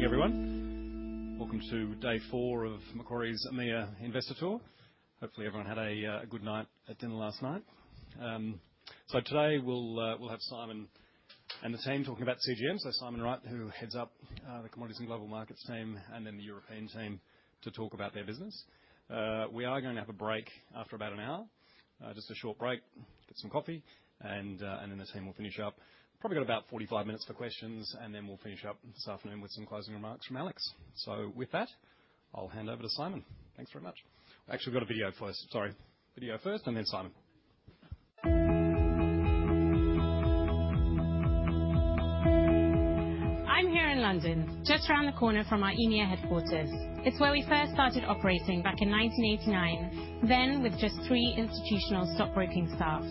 Good morning, everyone. Welcome to day four of Macquarie's EMEA Investor Tour. Hopefully, everyone had a good night at dinner last night. Today we'll have Simon and the team talking about CGM. Simon Wright, who heads up the Commodities and Global Markets team, and then the European team to talk about their business. We are going to have a break after about an hour, just a short break, get some coffee, and then the team will finish up. Probably got about 45 minutes for questions, and then we'll finish up this afternoon with some closing remarks from Alex. With that, I'll hand over to Simon. Thanks very much. Actually, we've got a video first. Sorry. Video first, and then Simon. I'm here in London, just around the corner from our EMEA headquarters. It's where we first started operating back in 1989, then with just three institutional stockbroking staff.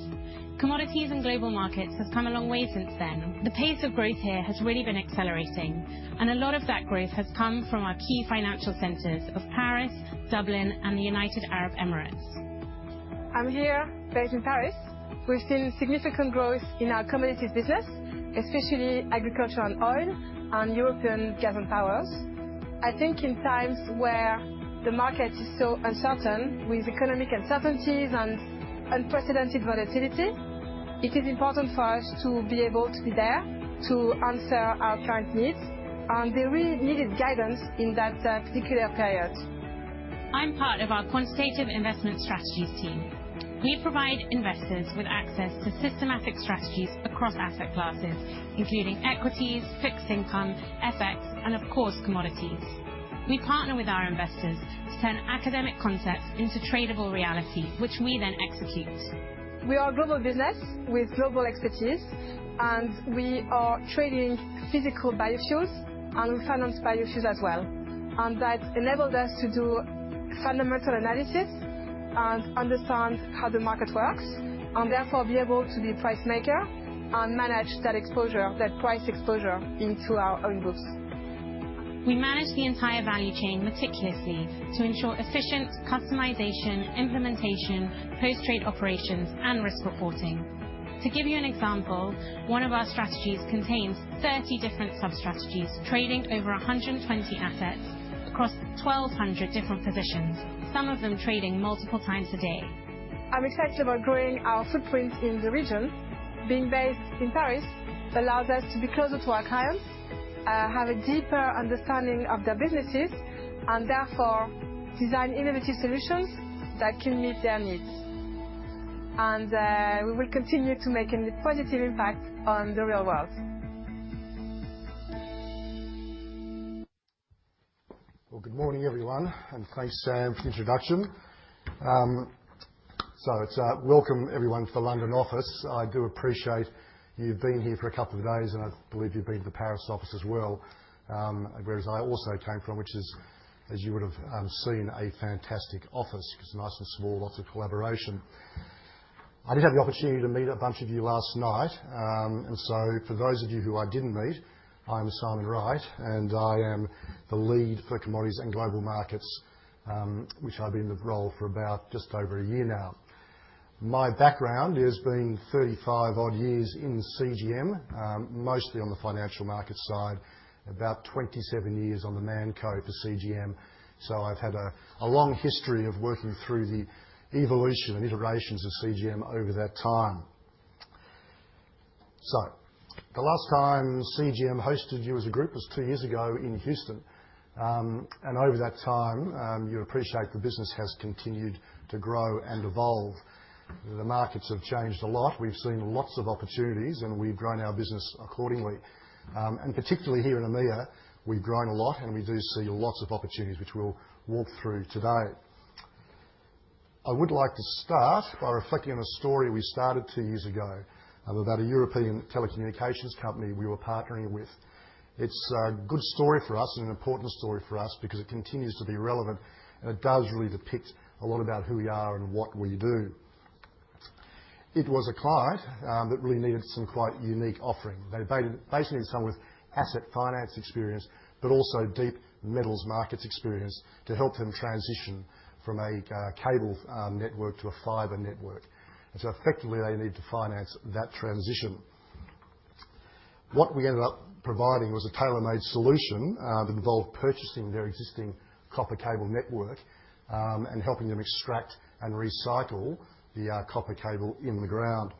Commodities and Global Markets have come a long way since then. The pace of growth here has really been accelerating, and a lot of that growth has come from our key financial centers of Paris, Dublin, and the United Arab Emirates. I'm here back in Paris. We've seen significant growth in our commodities business, especially agriculture and oil, and European Gas and Power. I think in times where the market is so uncertain, with economic uncertainties and unprecedented volatility, it is important for us to be able to be there to answer our current needs and the really needed guidance in that particular period. I'm part of our Quantitative Investment Strategies team. We provide investors with access to systematic strategies across asset classes, including equities, fixed income, FX, and of course, commodities. We partner with our investors to turn academic concepts into tradable reality, which we then execute. We are a global business with global expertise, and we are trading physical biofuels, and we finance biofuels as well. That enabled us to do fundamental analysis and understand how the market works, and therefore be able to be a price maker and manage that exposure, that price exposure, into our own books. We manage the entire value chain meticulously to ensure efficient customization, implementation, post-trade operations, and risk reporting. To give you an example, one of our strategies contains 30 different sub-strategies trading over 120 assets across 1,200 different positions, some of them trading multiple times a day. I'm excited about growing our footprint in the region. Being based in Paris allows us to be closer to our clients, have a deeper understanding of their businesses, and therefore design innovative solutions that can meet their needs. We will continue to make a positive impact on the real world. Good morning, everyone, and thanks, Sam, for the introduction. Welcome, everyone, to the London office. I do appreciate you've been here for a couple of days, and I believe you've been to the Paris office as well, where I also came from, which is, as you would have seen, a fantastic office because it's nice and small, lots of collaboration. I did have the opportunity to meet a bunch of you last night. For those of you who I didn't meet, I'm Simon Wright, and I am the lead for Commodities and Global Markets, which I've been in the role for just over a year now. My background has been 35-odd years in CGM, mostly on the financial market side, about 27 years on the ManCo for CGM. I've had a long history of working through the evolution and iterations of CGM over that time. The last time CGM hosted you as a group was two years ago in Houston. Over that time, you'd appreciate the business has continued to grow and evolve. The markets have changed a lot. We've seen lots of opportunities, and we've grown our business accordingly. Particularly here in EMEA, we've grown a lot, and we do see lots of opportunities, which we'll walk through today. I would like to start by reflecting on a story we started two years ago about a European telecommunications company we were partnering with. It's a good story for us and an important story for us because it continues to be relevant, and it does really depict a lot about who we are and what we do. It was a client that really needed some quite unique offering. They basically needed someone with asset finance experience, but also deep metals markets experience to help them transition from a cable network to a fiber network. Effectively, they needed to finance that transition. What we ended up providing was a tailor-made solution that involved purchasing their existing copper cable network and helping them extract and recycle the copper cable in the ground.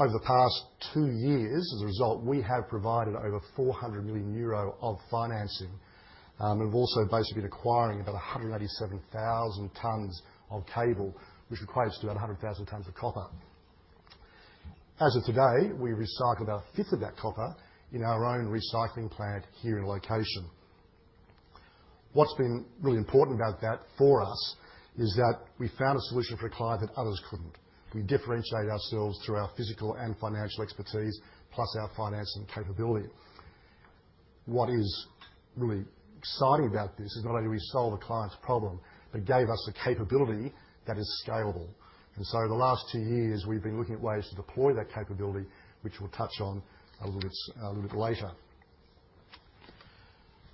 Over the past two years, as a result, we have provided over 400 million euro of financing and have also basically been acquiring about 187,000 tons of cable, which equates to about 100,000 tons of copper. As of today, we recycle about a fifth of that copper in our own recycling plant here in location. What's been really important about that for us is that we found a solution for a client that others couldn't. We differentiate ourselves through our physical and financial expertise, plus our financing capability. What is really exciting about this is not only did we solve a client's problem, but it gave us a capability that is scalable. The last two years, we've been looking at ways to deploy that capability, which we'll touch on a little bit later.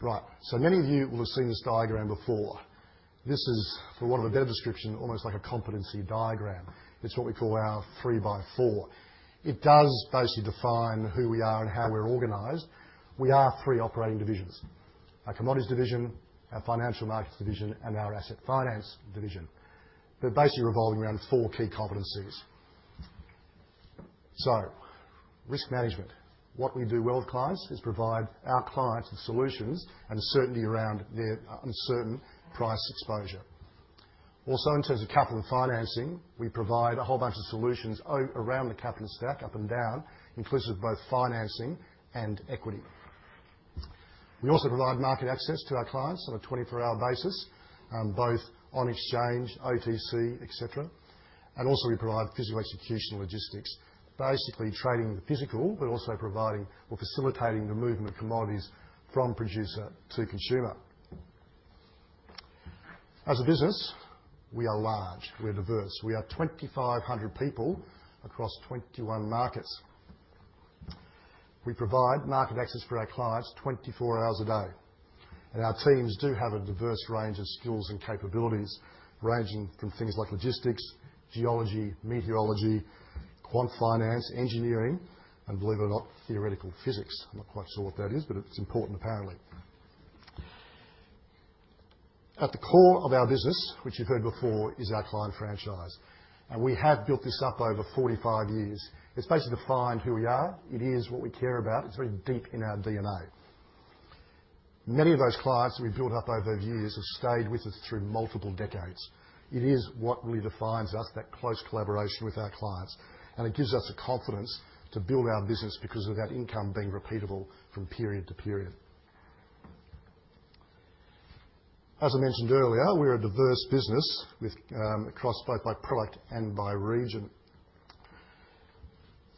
Right. Many of you will have seen this diagram before. This is, for want of a better description, almost like a competency diagram. It's what we call our three by four. It does basically define who we are and how we're organized. We are three operating divisions: our commodities division, our financial markets division, and our asset finance division. They're basically revolving around four key competencies. Risk management. What we do well with clients is provide our clients with solutions and certainty around their uncertain price exposure. Also, in terms of capital and financing, we provide a whole bunch of solutions around the capital stack, up and down, inclusive of both financing and equity. We also provide market access to our clients on a 24-hour basis, both on exchange, OTC, etc. We also provide physical execution logistics, basically trading the physical, but also providing or facilitating the movement of commodities from producer to consumer. As a business, we are large. We're diverse. We are 2,500 people across 21 markets. We provide market access for our clients 24 hours a day. Our teams do have a diverse range of skills and capabilities ranging from things like logistics, geology, meteorology, quant finance, engineering, and believe it or not, theoretical physics. I'm not quite sure what that is, but it's important, apparently. At the core of our business, which you've heard before, is our client franchise. We have built this up over 45 years. It is basically defined who we are. It is what we care about. It is very deep in our DNA. Many of those clients that we have built up over the years have stayed with us through multiple decades. It is what really defines us, that close collaboration with our clients. It gives us the confidence to build our business because of that income being repeatable from period to period. As I mentioned earlier, we are a diverse business across both by product and by region.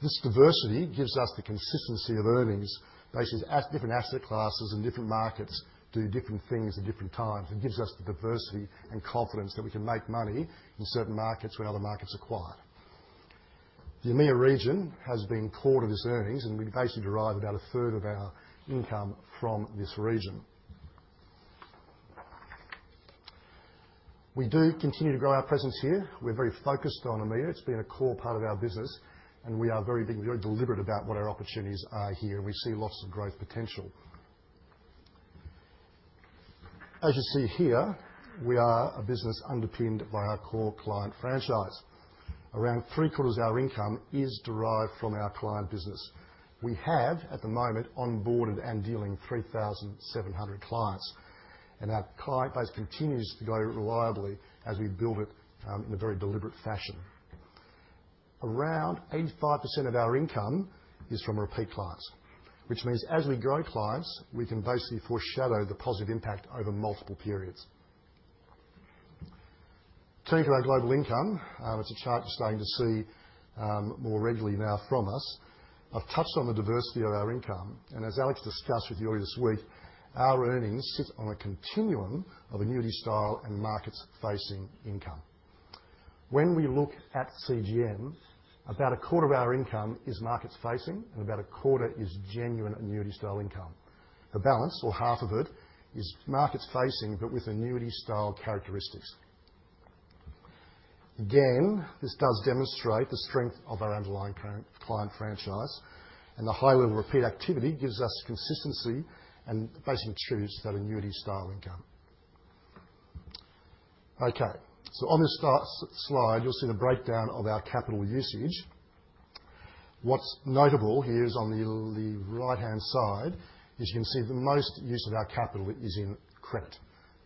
This diversity gives us the consistency of earnings, basically as different asset classes and different markets do different things at different times. It gives us the diversity and confidence that we can make money in certain markets when other markets are quiet. The EMEA region has been core to this earnings, and we basically derive about a third of our income from this region. We do continue to grow our presence here. We're very focused on EMEA. It's been a core part of our business, and we are very deliberate about what our opportunities are here, and we see lots of growth potential. As you see here, we are a business underpinned by our core client franchise. Around three-quarters of our income is derived from our client business. We have, at the moment, onboarded and dealing with 3,700 clients. Our client base continues to grow reliably as we build it in a very deliberate fashion. Around 85% of our income is from repeat clients, which means as we grow clients, we can basically foreshadow the positive impact over multiple periods. Turning to our global income, it's a chart you're starting to see more regularly now from us. I've touched on the diversity of our income. As Alex discussed with you earlier this week, our earnings sit on a continuum of annuity-style and market-facing income. When we look at CGM, about a quarter of our income is market-facing, and about a quarter is genuine annuity-style income. The balance, or half of it, is market-facing but with annuity-style characteristics. Again, this does demonstrate the strength of our underlying client franchise, and the high-level repeat activity gives us consistency and basically contributes to that annuity-style income. Okay. On this slide, you'll see the breakdown of our capital usage. What's notable here is on the right-hand side you can see the most use of our capital is in credit.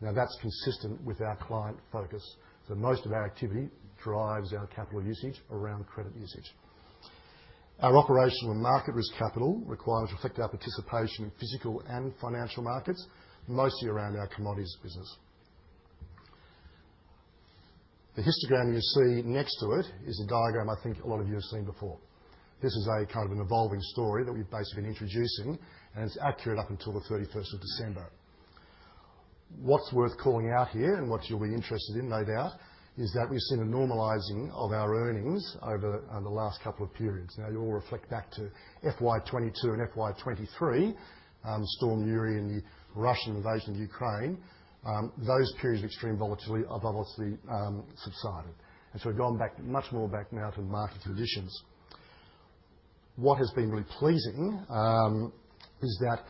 Now, that's consistent with our client focus. Most of our activity drives our capital usage around credit usage. Our operational and market risk capital requirements reflect our participation in physical and financial markets, mostly around our commodities business. The histogram you see next to it is a diagram I think a lot of you have seen before. This is a kind of an evolving story that we've basically been introducing, and it's accurate up until the 31st of December. What's worth calling out here and what you'll be interested in, no doubt, is that we've seen a normalizing of our earnings over the last couple of periods. Now, you all reflect back to FY 2022 and FY 2023, Storm Uri and the Russian invasion of Ukraine. Those periods of extreme volatility have obviously subsided. We've gone back much more back now to market conditions. What has been really pleasing is that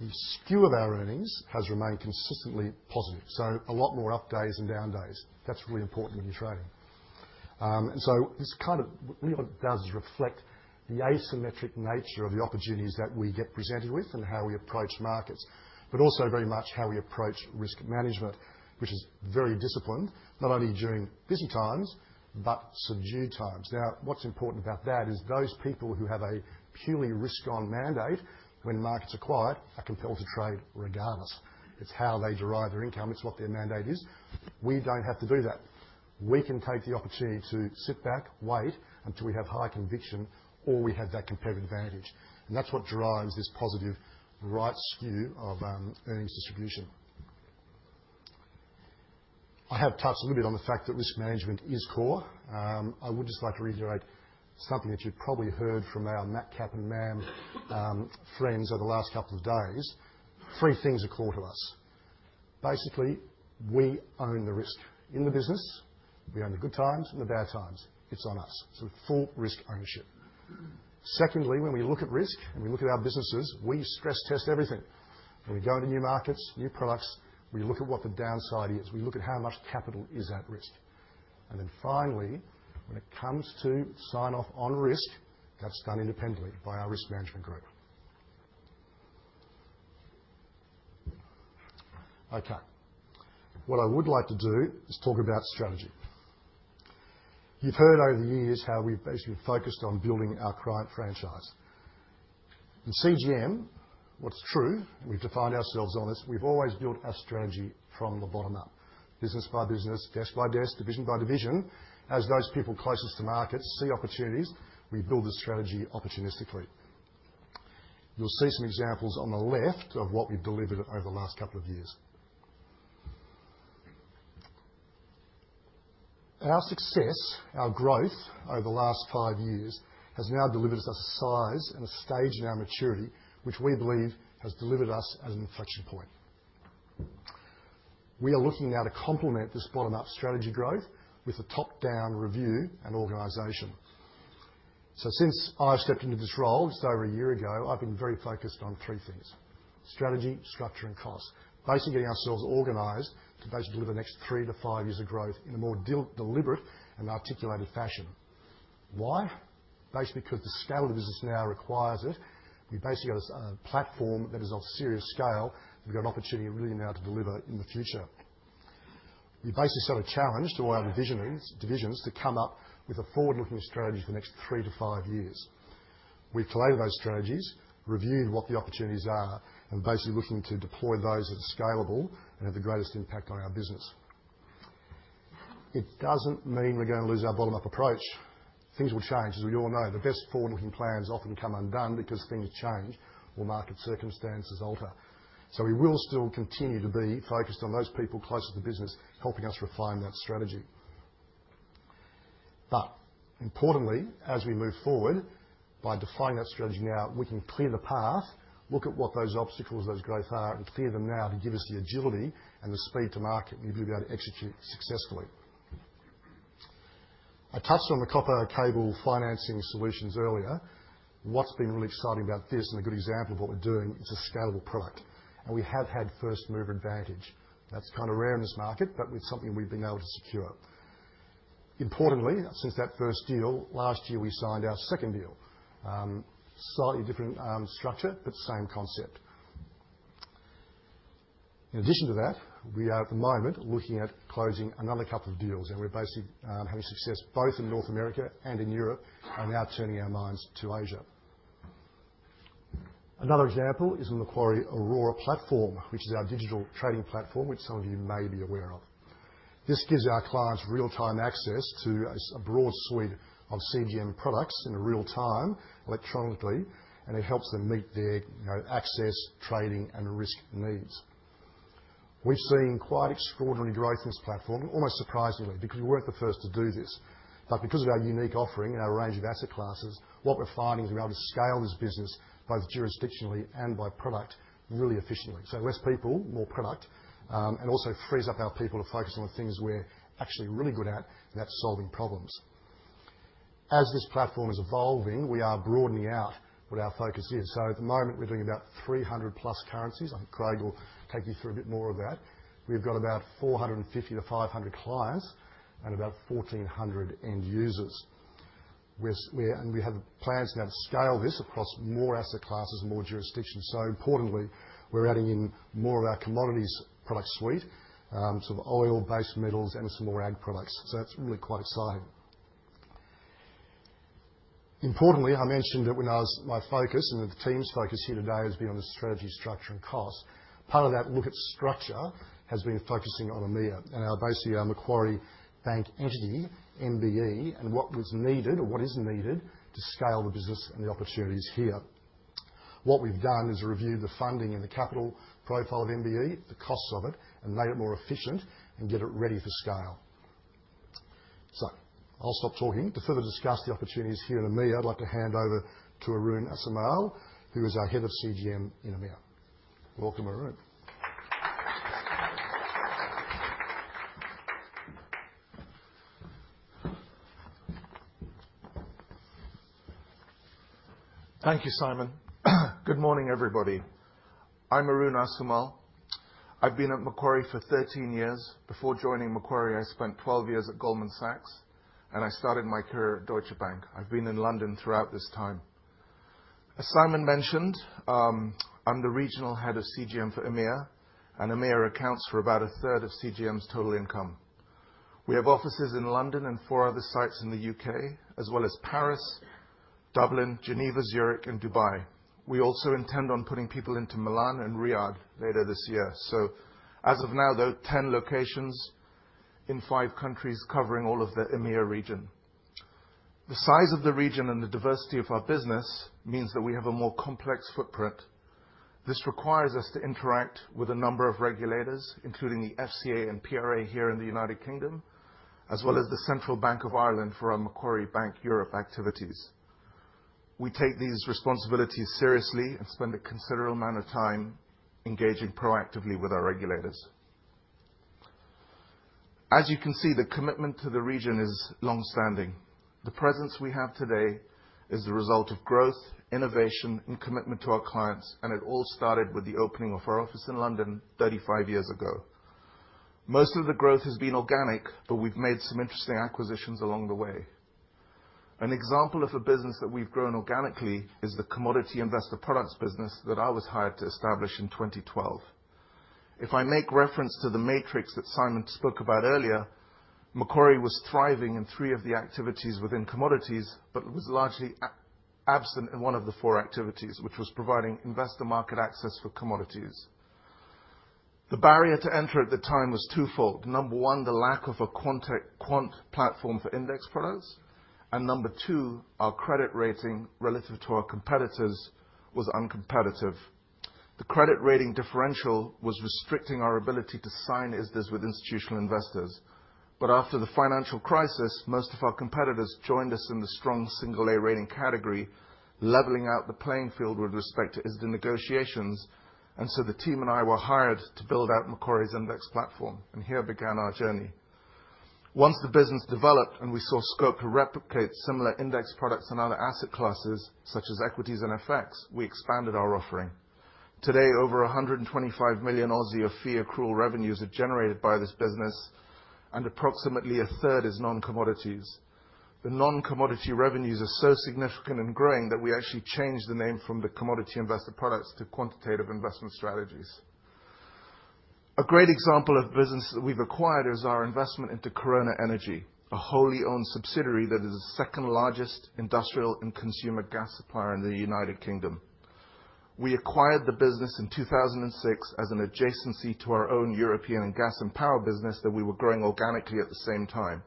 the skew of our earnings has remained consistently positive. A lot more up days and down days. That is really important when you are trading. This kind of really does reflect the asymmetric nature of the opportunities that we get presented with and how we approach markets, but also very much how we approach risk management, which is very disciplined, not only during busy times but subdued times. Now, what is important about that is those people who have a purely risk-on mandate, when markets are quiet, are compelled to trade regardless. It is how they derive their income. It is what their mandate is. We do not have to do that. We can take the opportunity to sit back, wait until we have high conviction, or we have that competitive advantage. That is what drives this positive right skew of earnings distribution. I have touched a little bit on the fact that risk management is core. I would just like to reiterate something that you've probably heard from our Macquarie AM teams over the last couple of days. Three things are core to us. Basically, we own the risk in the business. We own the good times and the bad times. It's on us. Full risk ownership. Secondly, when we look at risk and we look at our businesses, we stress test everything. When we go into new markets, new products, we look at what the downside is. We look at how much capital is at risk. Finally, when it comes to sign-off on risk, that's done independently by our risk management group. Okay. What I would like to do is talk about strategy. You've heard over the years how we've basically focused on building our client franchise. In CGM, what's true, we've defined ourselves on this, we've always built our strategy from the bottom up. Business by business, desk by desk, division by division. As those people closest to markets see opportunities, we build the strategy opportunistically. You'll see some examples on the left of what we've delivered over the last couple of years. Our success, our growth over the last five years has now delivered us a size and a stage in our maturity, which we believe has delivered us at an inflection point. We are looking now to complement this bottom-up strategy growth with a top-down review and organization. Since I've stepped into this role, just over a year ago, I've been very focused on three things: strategy, structure, and cost. Basically getting ourselves organized to basically deliver the next three to five years of growth in a more deliberate and articulated fashion. Why? Basically because the scale of the business now requires it. We basically got a platform that is of serious scale that we've got an opportunity really now to deliver in the future. We basically set a challenge to all our divisions to come up with a forward-looking strategy for the next three to five years. We've collated those strategies, reviewed what the opportunities are, and basically looking to deploy those that are scalable and have the greatest impact on our business. It doesn't mean we're going to lose our bottom-up approach. Things will change. As we all know, the best forward-looking plans often come undone because things change or market circumstances alter. We will still continue to be focused on those people closest to business helping us refine that strategy. Importantly, as we move forward, by defining that strategy now, we can clear the path, look at what those obstacles of those growth are, and clear them now to give us the agility and the speed to market we'll be able to execute successfully. I touched on the copper cable financing solutions earlier. What's been really exciting about this and a good example of what we're doing is a scalable product. We have had first-mover advantage. That's kind of rare in this market, but it's something we've been able to secure. Importantly, since that first deal, last year we signed our second deal. Slightly different structure, but same concept. In addition to that, we are at the moment looking at closing another couple of deals. We are basically having success both in North America and in Europe, and now turning our minds to Asia. Another example is on the Macquarie Aurora Platform, which is our digital trading platform, which some of you may be aware of. This gives our clients real-time access to a broad suite of CGM products in real time, electronically, and it helps them meet their access, trading, and risk needs. We have seen quite extraordinary growth in this platform, almost surprisingly, because we were not the first to do this. Because of our unique offering and our range of asset classes, what we are finding is we are able to scale this business both jurisdictionally and by product really efficiently. Less people, more product, and also frees up our people to focus on the things we are actually really good at, and that is solving problems. As this platform is evolving, we are broadening out what our focus is. At the moment, we're doing about 300+ currencies. I think Craig will take you through a bit more of that. We've got about 450-500 clients and about 1,400 end users. We have plans now to scale this across more asset classes, more jurisdictions. Importantly, we're adding in more of our commodities product suite, the oil-based metals and some more ag products. That's really quite exciting. Importantly, I mentioned that my focus and the team's focus here today has been on the strategy, structure, and cost. Part of that look at structure has been focusing on EMEA and our basically Macquarie Bank Entity, MBE, and what was needed or what is needed to scale the business and the opportunities here. What we've done is reviewed the funding and the capital profile of MBE, the cost of it, and made it more efficient and get it ready for scale. I'll stop talking. To further discuss the opportunities here in EMEA, I'd like to hand over to Arun Assumall, who is our Head of CGM in EMEA. Welcome, Arun. Thank you, Simon. Good morning, everybody. I'm Arun Assumall. I've been at Macquarie for 13 years. Before joining Macquarie, I spent 12 years at Goldman Sachs, and I started my career at Deutsche Bank. I've been in London throughout this time. As Simon mentioned, I'm the Regional Head of CGM for EMEA, and EMEA accounts for about 1/3 of CGM's total income. We have offices in London and four other sites in the U.K., as well as Paris, Dublin, Geneva, Zurich, and Dubai. We also intend on putting people into Milan and Riyadh later this year. As of now, though, 10 locations in five countries covering all of the EMEA region. The size of the region and the diversity of our business means that we have a more complex footprint. This requires us to interact with a number of regulators, including the FCA and PRA here in the United Kingdom, as well as the Central Bank of Ireland for our Macquarie Bank Europe activities. We take these responsibilities seriously and spend a considerable amount of time engaging proactively with our regulators. As you can see, the commitment to the region is longstanding. The presence we have today is the result of growth, innovation, and commitment to our clients, and it all started with the opening of our office in London 35 years ago. Most of the growth has been organic, but we've made some interesting acquisitions along the way. An example of a business that we've grown organically Commodity Investor Products business that I was hired to establish in 2012. If I make reference to the matrix that Simon spoke about earlier, Macquarie was thriving in three of the activities within commodities but was largely absent in one of the four activities, which was providing investor market access for commodities. The barrier to enter at the time was twofold. Number one, the lack of a quant platform for index products. And number two, our credit rating relative to our competitors was uncompetitive. The credit rating differential was restricting our ability to sign ISDAs with institutional investors. After the financial crisis, most of our competitors joined us in the strong single-A rating category, leveling out the playing field with respect to ISDA negotiations. The team and I were hired to build out Macquarie's index platform. Here began our journey. Once the business developed and we saw scope to replicate similar index products in other asset classes, such as equities and FX, we expanded our offering. Today, over 125 million of fee accrual revenues are generated by this business, and approximately a third is non-commodities. The non-commodity revenues are so significant and growing that we actually changed the name Commodity Investor Products to quantitative Investment Strategies. A great example of business that we have acquired is our investment into Corona Energy, a wholly-owned subsidiary that is the second-largest industrial and consumer gas supplier in the U.K. We acquired the business in 2006 as an adjacency to our own European gas and power business that we were growing organically at the same time.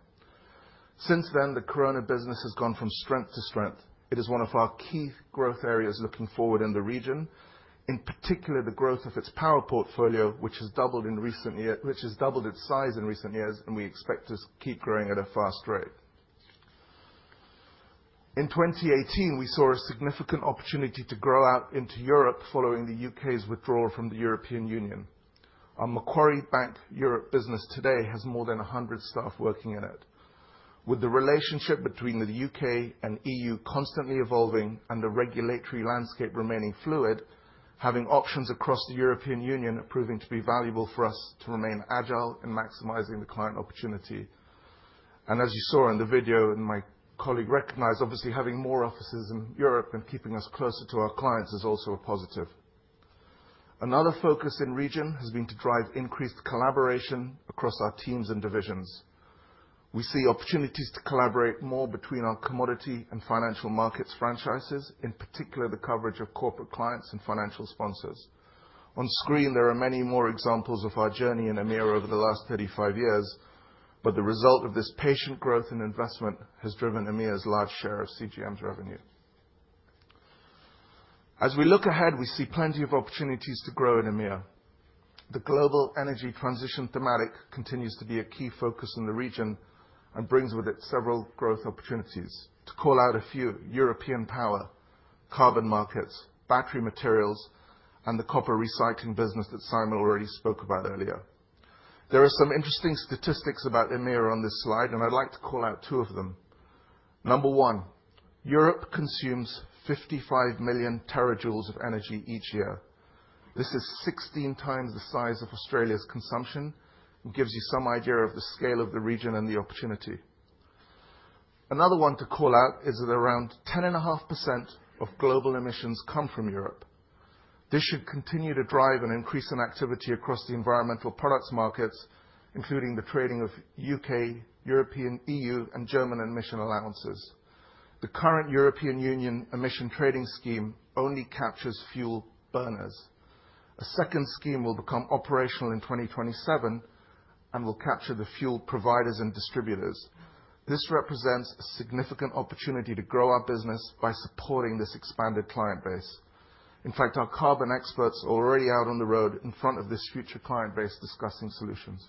Since then, the Corona business has gone from strength to strength. It is one of our key growth areas looking forward in the region, in particular the growth of its power portfolio, which has doubled in recent years and we expect to keep growing at a fast rate. In 2018, we saw a significant opportunity to grow out into Europe following the U.K.'s withdrawal from the European Union. Our Macquarie Bank Europe business today has more than 100 staff working in it. With the relationship between the U.K. and EU constantly evolving and the regulatory landscape remaining fluid, having options across the European Union proving to be valuable for us to remain agile in maximizing the client opportunity. As you saw in the video and my colleague recognized, obviously having more offices in Europe and keeping us closer to our clients is also a positive. Another focus in region has been to drive increased collaboration across our teams and divisions. We see opportunities to collaborate more between our commodity and financial markets franchises, in particular the coverage of corporate clients and financial sponsors. On screen, there are many more examples of our journey in EMEA over the last 35 years, but the result of this patient growth and investment has driven EMEA's large share of CGM's revenue. As we look ahead, we see plenty of opportunities to grow in EMEA. The global energy transition thematic continues to be a key focus in the region and brings with it several growth opportunities. To call out a few, European power, carbon markets, battery materials, and the copper recycling business that Simon already spoke about earlier. There are some interesting statistics about EMEA on this slide, and I'd like to call out two of them. Number one, Europe consumes 55 million terajoules of energy each year. This is 16x the size of Australia's consumption and gives you some idea of the scale of the region and the opportunity. Another one to call out is that around 10.5% of global emissions come from Europe. This should continue to drive an increase in activity across the environmental products markets, including the trading of U.K., European, EU, and German emission allowances. The current European Union Emissions Trading Scheme only captures fuel burners. A second scheme will become operational in 2027 and will capture the fuel providers and distributors. This represents a significant opportunity to grow our business by supporting this expanded client base. In fact, our carbon experts are already out on the road in front of this future client base discussing solutions.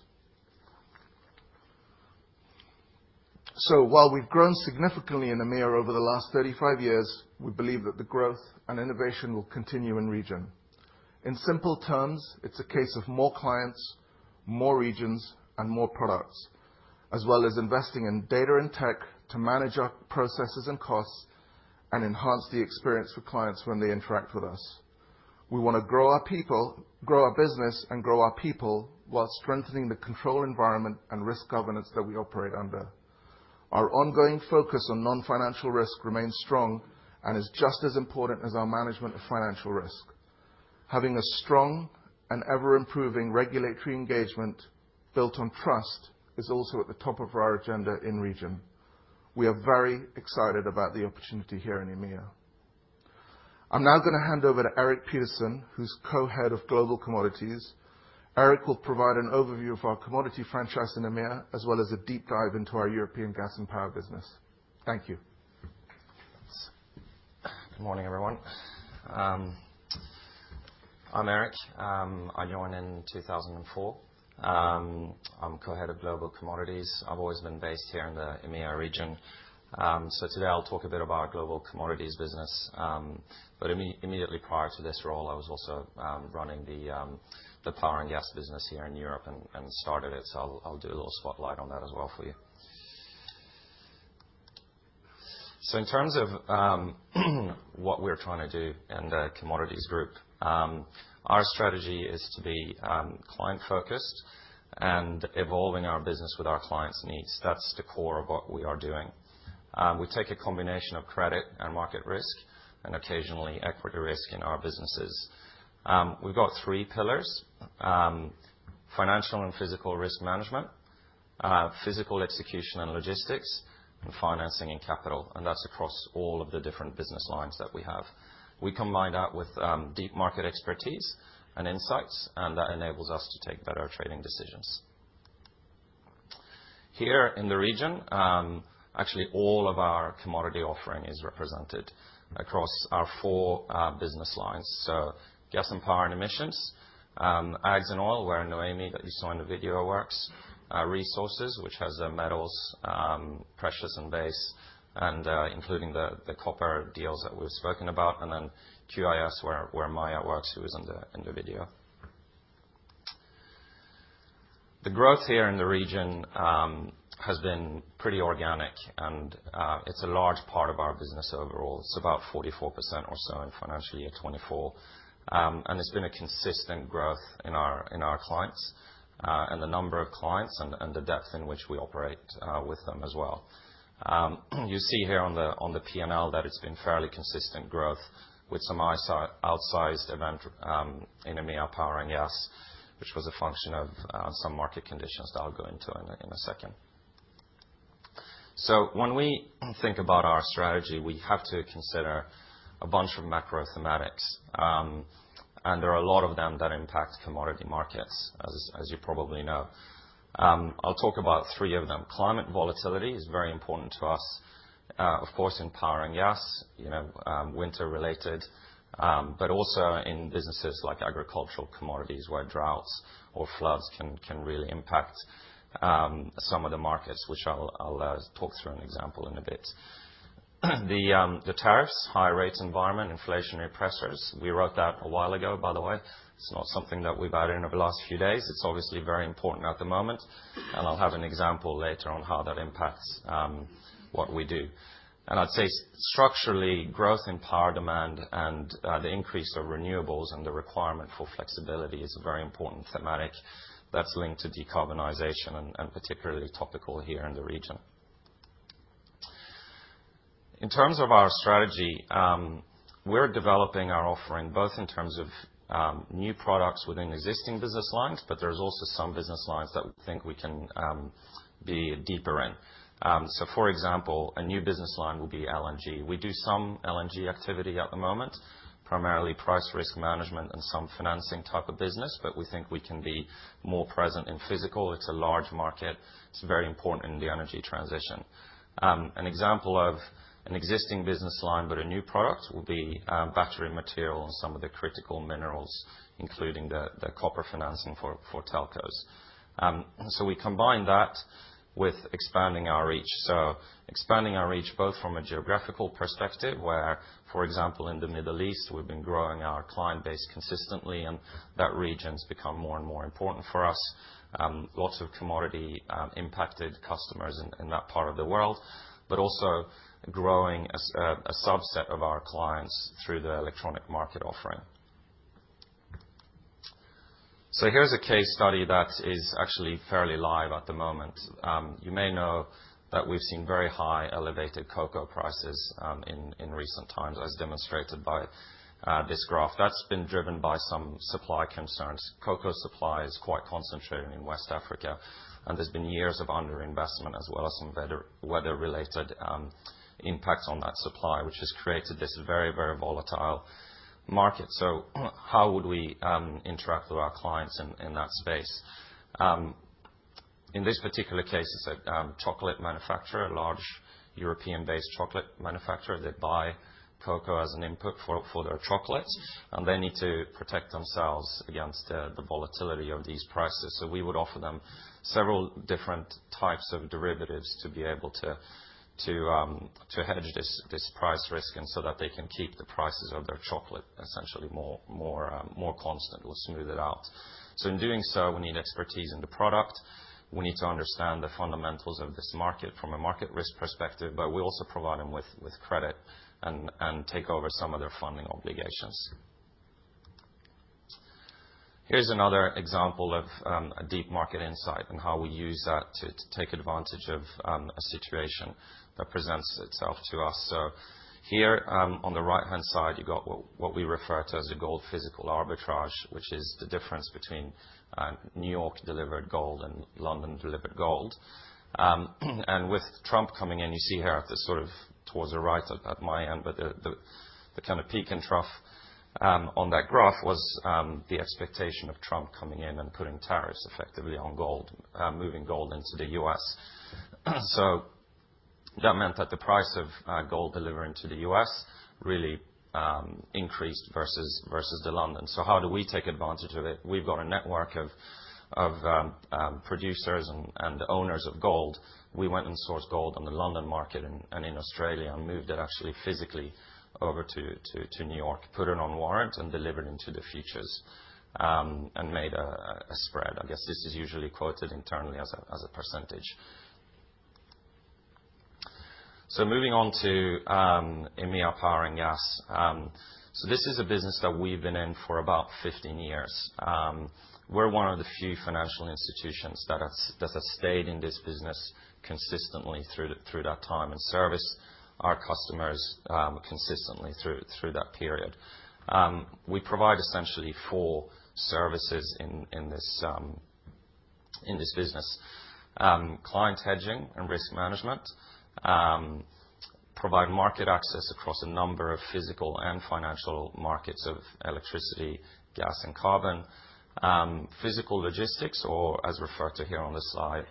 While we've grown significantly in EMEA over the last 35 years, we believe that the growth and innovation will continue in region. In simple terms, it's a case of more clients, more regions, and more products, as well as investing in data and tech to manage our processes and costs and enhance the experience for clients when they interact with us. We want to grow our people, grow our business, and grow our people while strengthening the control environment and risk governance that we operate under. Our ongoing focus on non-financial risk remains strong and is just as important as our management of financial risk. Having a strong and ever-improving regulatory engagement built on trust is also at the top of our agenda in region. We are very excited about the opportunity here in EMEA. I'm now going to hand over to Erik Petersson, who's co-head of global commodities. Erik will provide an overview of our commodity franchise in EMEA, as well as a deep dive into our European gas and power business. Thank you. Good morning, everyone. I'm Erik. I joined in 2004. I'm Co-Head of Global Commodities. I've always been based here in the EMEA region. Today, I'll talk a bit about our global commodities business. Immediately prior to this role, I was also running the power and gas business here in Europe and started it. I'll do a little spotlight on that as well for you. In terms of what we're trying to do in the commodities group, our strategy is to be client-focused and evolving our business with our clients' needs. That's the core of what we are doing. We take a combination of credit and market risk and occasionally equity risk in our businesses. We've got three pillars: financial and physical risk management, physical execution and logistics, and financing and capital. That's across all of the different business lines that we have. We combine that with deep market expertise and insights, and that enables us to take better trading decisions. Here in the region, actually, all of our commodity offering is represented across our four business lines. Gas and power and emissions, ags and oil, where Noemi, that you saw in the video, works, resources, which has metals, precious, and base, including the copper deals that we've spoken about, and then QIS, where Maya works, who is in the video. The growth here in the region has been pretty organic, and it's a large part of our business overall. It's about 44% or so in financial year 2024. It's been a consistent growth in our clients and the number of clients and the depth in which we operate with them as well. You see here on the P&L that it's been fairly consistent growth with some outsized event in EMEA, power and gas, which was a function of some market conditions that I'll go into in a second. When we think about our strategy, we have to consider a bunch of macro thematics, and there are a lot of them that impact commodity markets, as you probably know. I'll talk about three of them. Climate volatility is very important to us, of course, in power and gas, winter-related, but also in businesses like agricultural commodities where droughts or floods can really impact some of the markets, which I'll talk through an example in a bit. The tariffs, high-rate environment, inflationary pressures. We wrote that a while ago, by the way. It's not something that we've added in over the last few days. It's obviously very important at the moment, and I'll have an example later on how that impacts what we do. I'd say structurally, growth in power demand and the increase of renewables and the requirement for flexibility is a very important thematic that's linked to decarbonization and particularly topical here in the region. In terms of our strategy, we're developing our offering both in terms of new products within existing business lines, but there's also some business lines that we think we can be deeper in. For example, a new business line will be LNG. We do some LNG activity at the moment, primarily price risk management and some financing type of business, but we think we can be more present in physical. It's a large market. It's very important in the energy transition. An example of an existing business line but a new product will be battery material and some of the critical minerals, including the copper financing for telcos. We combine that with expanding our reach. Expanding our reach both from a geographical perspective, where, for example, in the Middle East, we've been growing our client base consistently, and that region's become more and more important for us. Lots of commodity-impacted customers in that part of the world, but also growing a subset of our clients through the electronic market offering. Here's a case study that is actually fairly live at the moment. You may know that we've seen very high elevated cocoa prices in recent times, as demonstrated by this graph. That's been driven by some supply concerns. Cocoa supply is quite concentrated in West Africa, and there's been years of underinvestment as well as some weather-related impacts on that supply, which has created this very, very volatile market. How would we interact with our clients in that space? In this particular case, it's a chocolate manufacturer, a large European-based chocolate manufacturer. They buy cocoa as an input for their chocolates, and they need to protect themselves against the volatility of these prices. We would offer them several different types of derivatives to be able to hedge this price risk and so that they can keep the prices of their chocolate essentially more constant or smooth it out. In doing so, we need expertise in the product. We need to understand the fundamentals of this market from a market risk perspective, but we also provide them with credit and take over some of their funding obligations. Here's another example of a deep market insight and how we use that to take advantage of a situation that presents itself to us. Here, on the right-hand side, you've got what we refer to as the gold physical arbitrage, which is the difference between New York-delivered gold and London-delivered gold. With Trump coming in, you see here at the sort of towards the right at my end, but the kind of peak and trough on that graph was the expectation of Trump coming in and putting tariffs effectively on gold, moving gold into the U.S. That meant that the price of gold delivering to the U.S. really increased versus the London. How do we take advantage of it? We've got a network of producers and owners of gold. We went and sourced gold on the London market and in Australia and moved it actually physically over to New York, put it on warrant and delivered into the futures and made a spread. I guess this is usually quoted internally as a percentage. Moving on to EMEA power and gas. This is a business that we've been in for about 15 years. We're one of the few financial institutions that have stayed in this business consistently through that time and service our customers consistently through that period. We provide essentially four services in this business: client hedging and risk management, provide market access across a number of physical and financial markets of electricity, gas, and carbon, physical logistics, or as referred to here on the slide,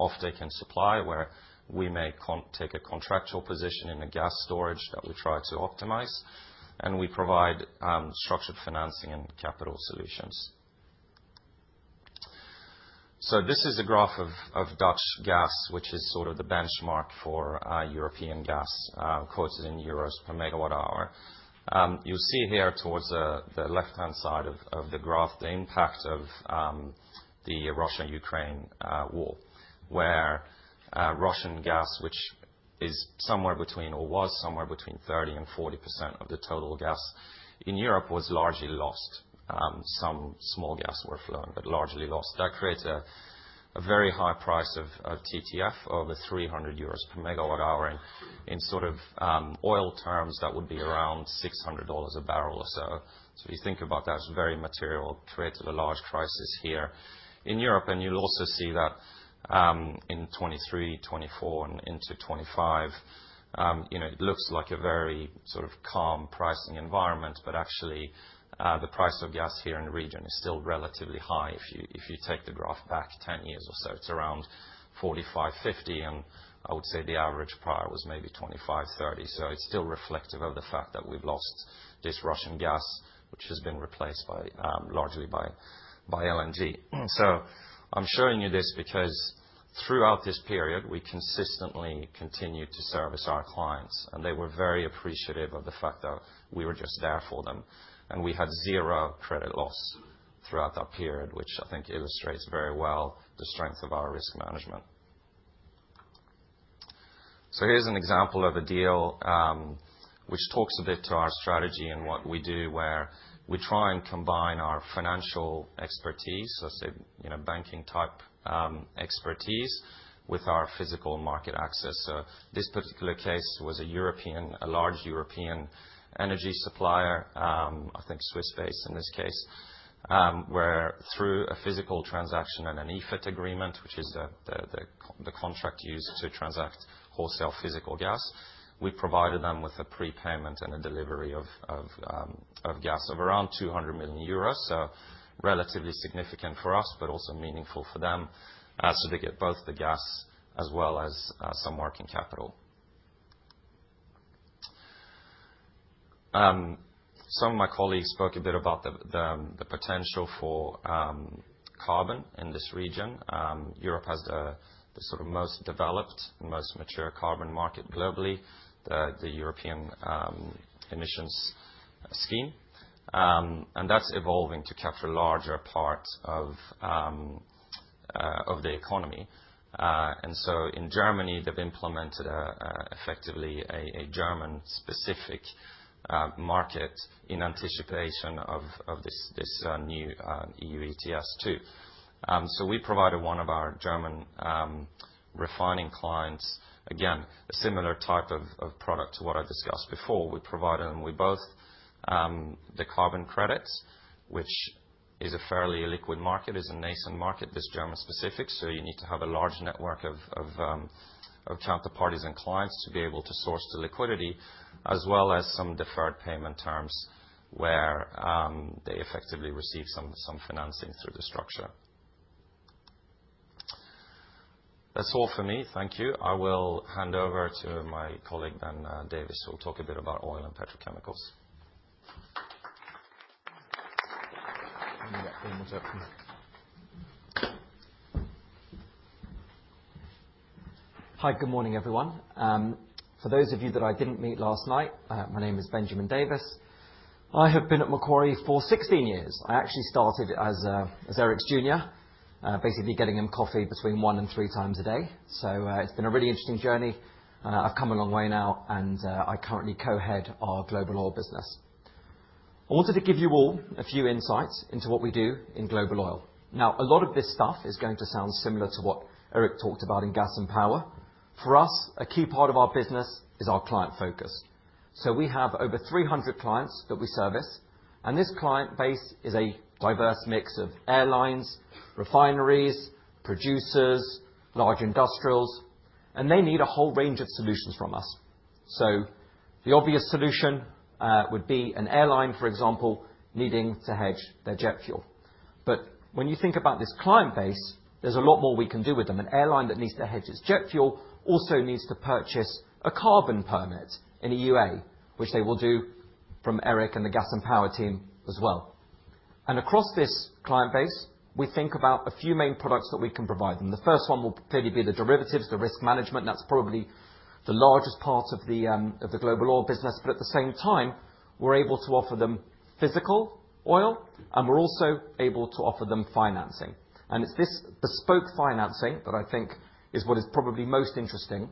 offtake supply, where we may take a contractual position in the gas storage that we try to optimize, and we provide structured financing and capital solutions. This is a graph of Dutch gas, which is sort of the benchmark for European gas, quoted in Euros per megawatt hour. You'll see here towards the left-hand side of the graph the impact of the Russia-Ukraine war, where Russian gas, which is somewhere between or was somewhere between 30% and 40% of the total gas in Europe, was largely lost. Some small gas were flown, but largely lost. That creates a very high price of TTF, over 300 euros per megawatt hour. In sort of oil terms, that would be around EUR 600 a barrel or so. If you think about that, it's very material, created a large crisis here in Europe. You'll also see that in 2023, 2024, and into 2025, it looks like a very sort of calm pricing environment, but actually, the price of gas here in the region is still relatively high. If you take the graph back 10 years or so, it's around 45-50, and I would say the average prior was maybe 25-30. It is still reflective of the fact that we've lost this Russian gas, which has been replaced largely by LNG. I'm showing you this because throughout this period, we consistently continued to service our clients, and they were very appreciative of the fact that we were just there for them. We had zero credit loss throughout that period, which I think illustrates very well the strength of our risk management. Here is an example of a deal which talks a bit to our strategy and what we do, where we try and combine our financial expertise, let's say banking-type expertise, with our physical market access. This particular case was a large European energy supplier, I think Swiss-based in this case, where through a physical transaction and an EFET agreement, which is the contract used to transact wholesale physical gas, we provided them with a prepayment and a delivery of gas of around 200 million euros. Relatively significant for us, but also meaningful for them. They get both the gas as well as some working capital. Some of my colleagues spoke a bit about the potential for carbon in this region. Europe has the sort of most developed and most mature carbon market globally, the European Emissions Scheme, and that is evolving to capture a larger part of the economy. In Germany, they have implemented effectively a German-specific market in anticipation of this new EU ETS2. We provided one of our German refining clients, again, a similar type of product to what I discussed before. We provided them with both the carbon credits, which is a fairly liquid market, is a nascent market, this German-specific. You need to have a large network of counterparties and clients to be able to source the liquidity, as well as some deferred payment terms where they effectively receive some financing through the structure. That's all for me. Thank you. I will hand over to my colleague Ben Davis, who will talk a bit about oil and petrochemicals. Hi, good morning, everyone. For those of you that I didn't meet last night, my name is Benjamin Davis. I have been at Macquarie for 16 years. I actually started as Erik's junior, basically getting him coffee between one and three times a day. It's been a really interesting journey. I've come a long way now, and I currently Co-Head our Global Oil Business. I wanted to give you all a few insights into what we do in global oil. Now, a lot of this stuff is going to sound similar to what Erik talked about in gas and power. For us, a key part of our business is our client focus. We have over 300 clients that we service, and this client base is a diverse mix of airlines, refineries, producers, large industrials, and they need a whole range of solutions from us. The obvious solution would be an airline, for example, needing to hedge their jet fuel. When you think about this client base, there's a lot more we can do with them. An airline that needs to hedge its jet fuel also needs to purchase a carbon permit in the EU, which they will do from Erik and the gas and power team as well. Across this client base, we think about a few main products that we can provide them. The first one will clearly be the derivatives, the risk management. That is probably the largest part of the global oil business. At the same time, we are able to offer them physical oil, and we are also able to offer them financing. It is this bespoke financing that I think is what is probably most interesting,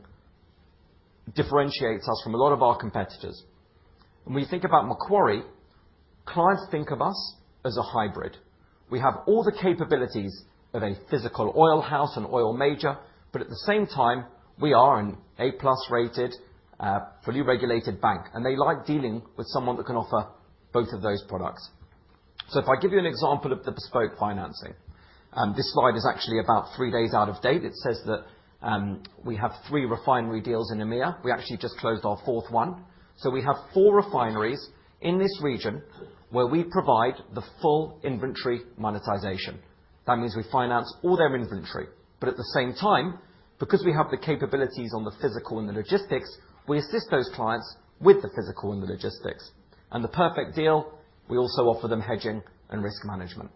differentiates us from a lot of our competitors. When you think about Macquarie, clients think of us as a hybrid. We have all the capabilities of a physical oil house and oil major, but at the same time, we are an A-plus rated, fully regulated bank, and they like dealing with someone that can offer both of those products. If I give you an example of the bespoke financing, this slide is actually about three days out of date. It says that we have three refinery deals in EMEA. We actually just closed our fourth one. We have four refineries in this region where we provide the full inventory monetization. That means we finance all their inventory. At the same time, because we have the capabilities on the physical and the logistics, we assist those clients with the physical and the logistics. In the perfect deal, we also offer them hedging and risk management.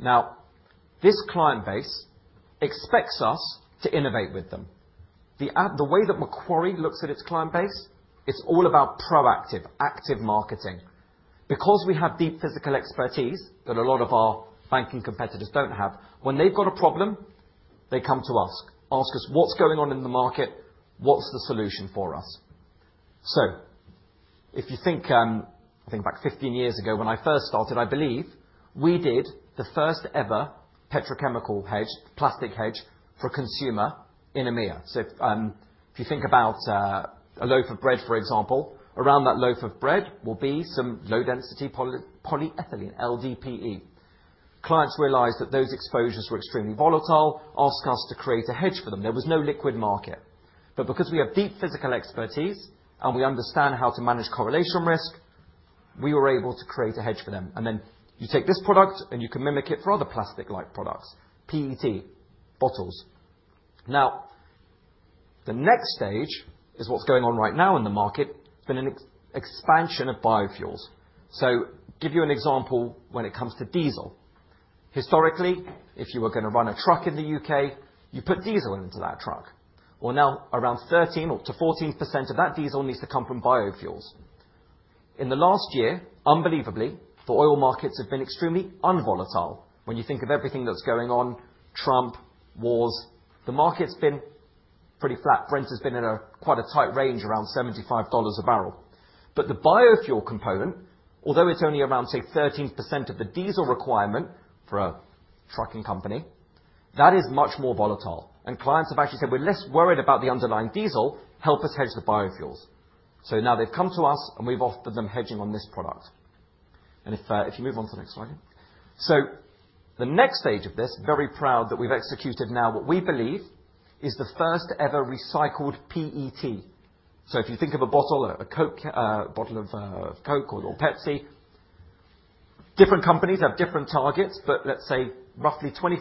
Now, this client base expects us to innovate with them. The way that Macquarie looks at its client base, it's all about proactive, active marketing. Because we have deep physical expertise that a lot of our banking competitors don't have, when they've got a problem, they come to us, ask us, "What's going on in the market? What's the solution for us?" If you think back 15 years ago when I first started, I believe we did the first ever petrochemical hedge, plastic hedge for a consumer in EMEA. If you think about a loaf of bread, for example, around that loaf of bread will be some low-density polyethylene, LDPE. Clients realized that those exposures were extremely volatile, asked us to create a hedge for them. There was no liquid market. Because we have deep physical expertise and we understand how to manage correlation risk, we were able to create a hedge for them. You take this product and you can mimic it for other plastic-like products, PET, bottles. The next stage is what's going on right now in the market. It's been an expansion of biofuels. To give you an example when it comes to diesel. Historically, if you were going to run a truck in the U.K., you put diesel into that truck. Now around 13%-14% of that diesel needs to come from biofuels. In the last year, unbelievably, the oil markets have been extremely unvolatile. When you think of everything that's going on, Trump, wars, the market's been pretty flat. Brent has been in quite a tight range, around $75 a barrel. The biofuel component, although it's only around, say, 13% of the diesel requirement for a trucking company, that is much more volatile. Clients have actually said, "We're less worried about the underlying diesel. Help us hedge the biofuels." Now they've come to us and we've offered them hedging on this product. If you move on to the next slide. The next stage of this, very proud that we've executed now what we believe is the first ever recycled PET. If you think of a bottle, a Coke bottle of Coke or Pepsi, different companies have different targets, but let's say roughly 25%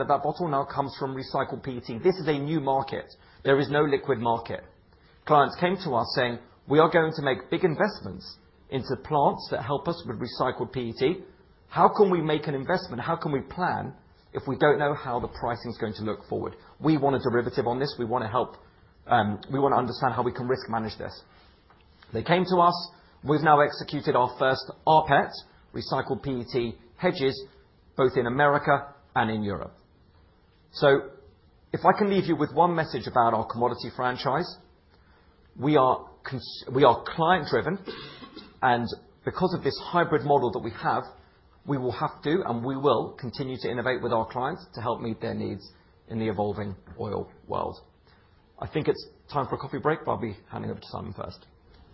of that bottle now comes from recycled PET. This is a new market. There is no liquid market. Clients came to us saying, "We are going to make big investments into plants that help us with recycled PET. How can we make an investment? How can we plan if we don't know how the pricing is going to look forward? We want a derivative on this. We want to help. We want to understand how we can risk manage this." They came to us. We've now executed our first RPET, recycled PET hedges, both in America and in Europe. If I can leave you with one message about our commodity franchise, we are client-driven, and because of this hybrid model that we have, we will have to, and we will continue to innovate with our clients to help meet their needs in the evolving oil world. I think it's time for a coffee break, but I'll be handing over to Simon first.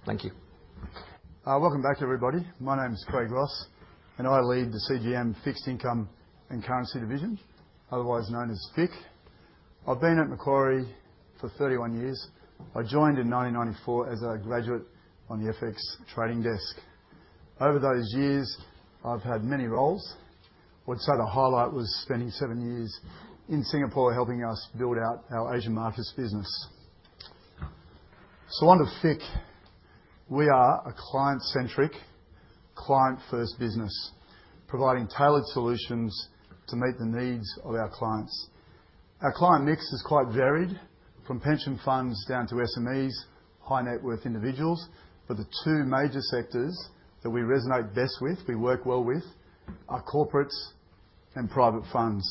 Thank you. Welcome back, everybody. My name is Craig Ross, and I lead the CGM Fixed Income and Currency Division, otherwise known as FIC. I've been at Macquarie for 31 years. I joined in 1994 as a graduate on the FX trading desk. Over those years, I've had many roles. I would say the highlight was spending seven years in Singapore helping us build out our Asian markets business. Under FIC, we are a client-centric, client-first business, providing tailored solutions to meet the needs of our clients. Our client mix is quite varied, from pension funds down to SMEs, high-net-worth individuals. The two major sectors that we resonate best with, we work well with, are corporates and private funds.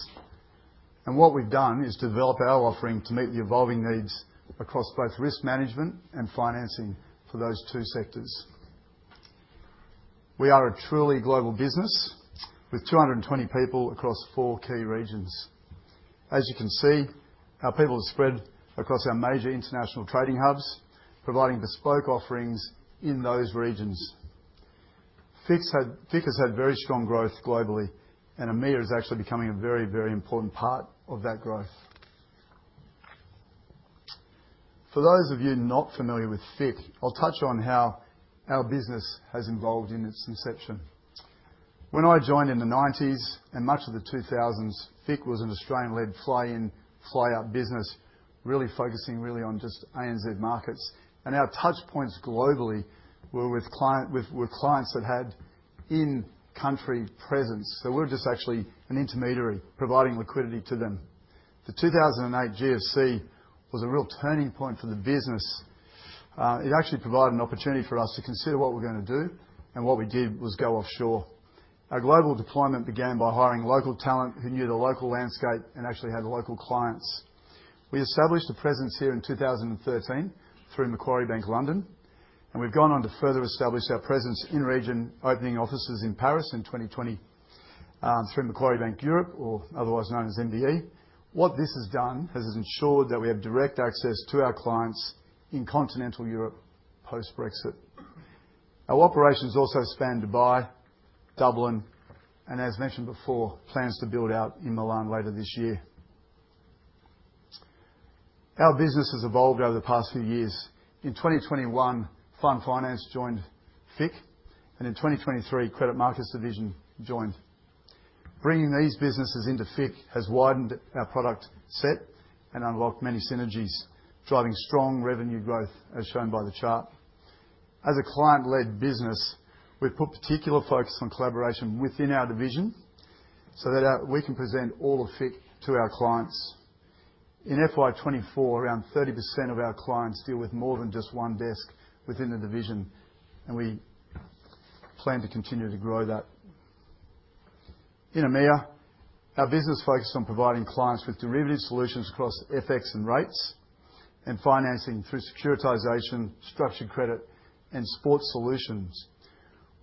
What we've done is develop our offering to meet the evolving needs across both risk management and financing for those two sectors. We are a truly global business with 220 people across four key regions. As you can see, our people are spread across our major international trading hubs, providing bespoke offerings in those regions. FIC has had very strong growth globally, and EMEA is actually becoming a very, very important part of that growth. For those of you not familiar with FIC, I'll touch on how our business has evolved in its inception. When I joined in the 1990s and much of the 2000s, FIC was an Australian-led fly-in, fly-out business, really focusing really on just ANZ markets. Our touchpoints globally were with clients that had in-country presence. We were just actually an intermediary, providing liquidity to them. The 2008 GFC was a real turning point for the business. It actually provided an opportunity for us to consider what we're going to do, and what we did was go offshore. Our global deployment began by hiring local talent who knew the local landscape and actually had local clients. We established a presence here in 2013 through Macquarie Bank London, and we've gone on to further establish our presence in region, opening offices in Paris in 2020 through Macquarie Bank Europe, or otherwise known as MBE. What this has done has ensured that we have direct access to our clients in Continental Europe post-Brexit. Our operations also span Dubai, Dublin, and as mentioned before, plans to build out in Milan later this year. Our business has evolved over the past few years. In 2021, Fund Finance joined FIC, and in 2023, Credit Markets Division joined. Bringing these businesses into FIC has widened our product set and unlocked many synergies, driving strong revenue growth, as shown by the chart. As a client-led business, we've put particular focus on collaboration within our division so that we can present all of FIC to our clients. In FY24, around 30% of our clients deal with more than just one desk within the division, and we plan to continue to grow that. In EMEA, our business focuses on providing clients with derivative solutions across FX and rates, and financing through securitization, structured credit, and sports solutions.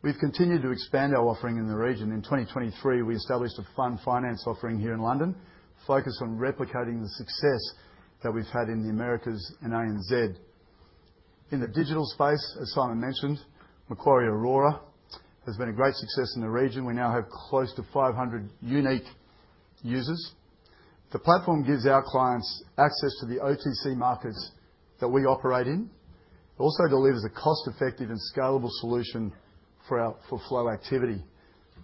We've continued to expand our offering in the region. In 2023, we established a Fund Finance offering here in London, focused on replicating the success that we've had in the Americas and ANZ. In the digital space, as Simon mentioned, Macquarie Aurora has been a great success in the region. We now have close to 500 unique users. The platform gives our clients access to the OTC markets that we operate in. It also delivers a cost-effective and scalable solution for flow activity.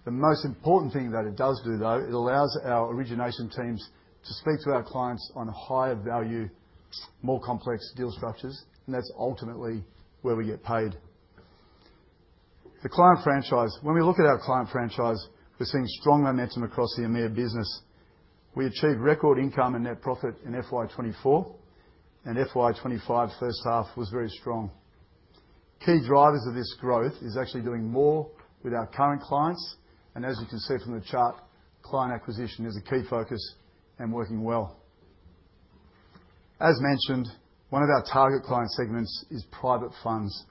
The most important thing that it does do, though, it allows our origination teams to speak to our clients on higher value, more complex deal structures, and that's ultimately where we get paid. The client franchise, when we look at our client franchise, we're seeing strong momentum across the EMEA business. We achieved record income and net profit in FY 2024, and FY 2025 first half was very strong. Key drivers of this growth are actually doing more with our current clients, and as you can see from the chart, client acquisition is a key focus and working well. As mentioned, one of our target client segments is private funds.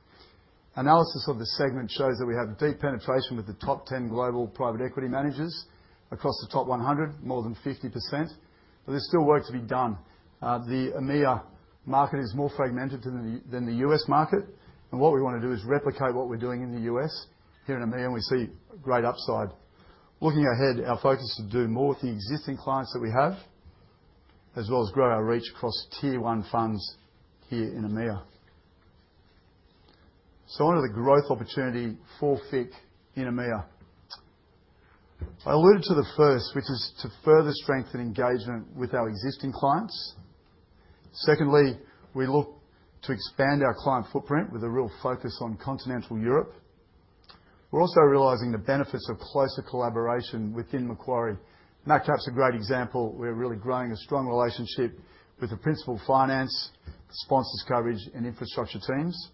Analysis of the segment shows that we have deep penetration with the top 10 global private equity managers across the top 100, more than 50%, but there's still work to be done. The EMEA market is more fragmented than the U.S. market, and what we want to do is replicate what we're doing in the U.S. Here in EMEA, we see great upside. Looking ahead, our focus is to do more with the existing clients that we have, as well as grow our reach across tier one funds here in EMEA. One of the growth opportunities for FIC in EMEA, I alluded to the first, which is to further strengthen engagement with our existing clients. Secondly, we look to expand our client footprint with a real focus on Continental Europe. We're also realizing the benefits of closer collaboration within Macquarie. MacCap's a great example. We're really growing a strong relationship with the Principal Finance, Sponsors Coverage, and Infrastructure teams.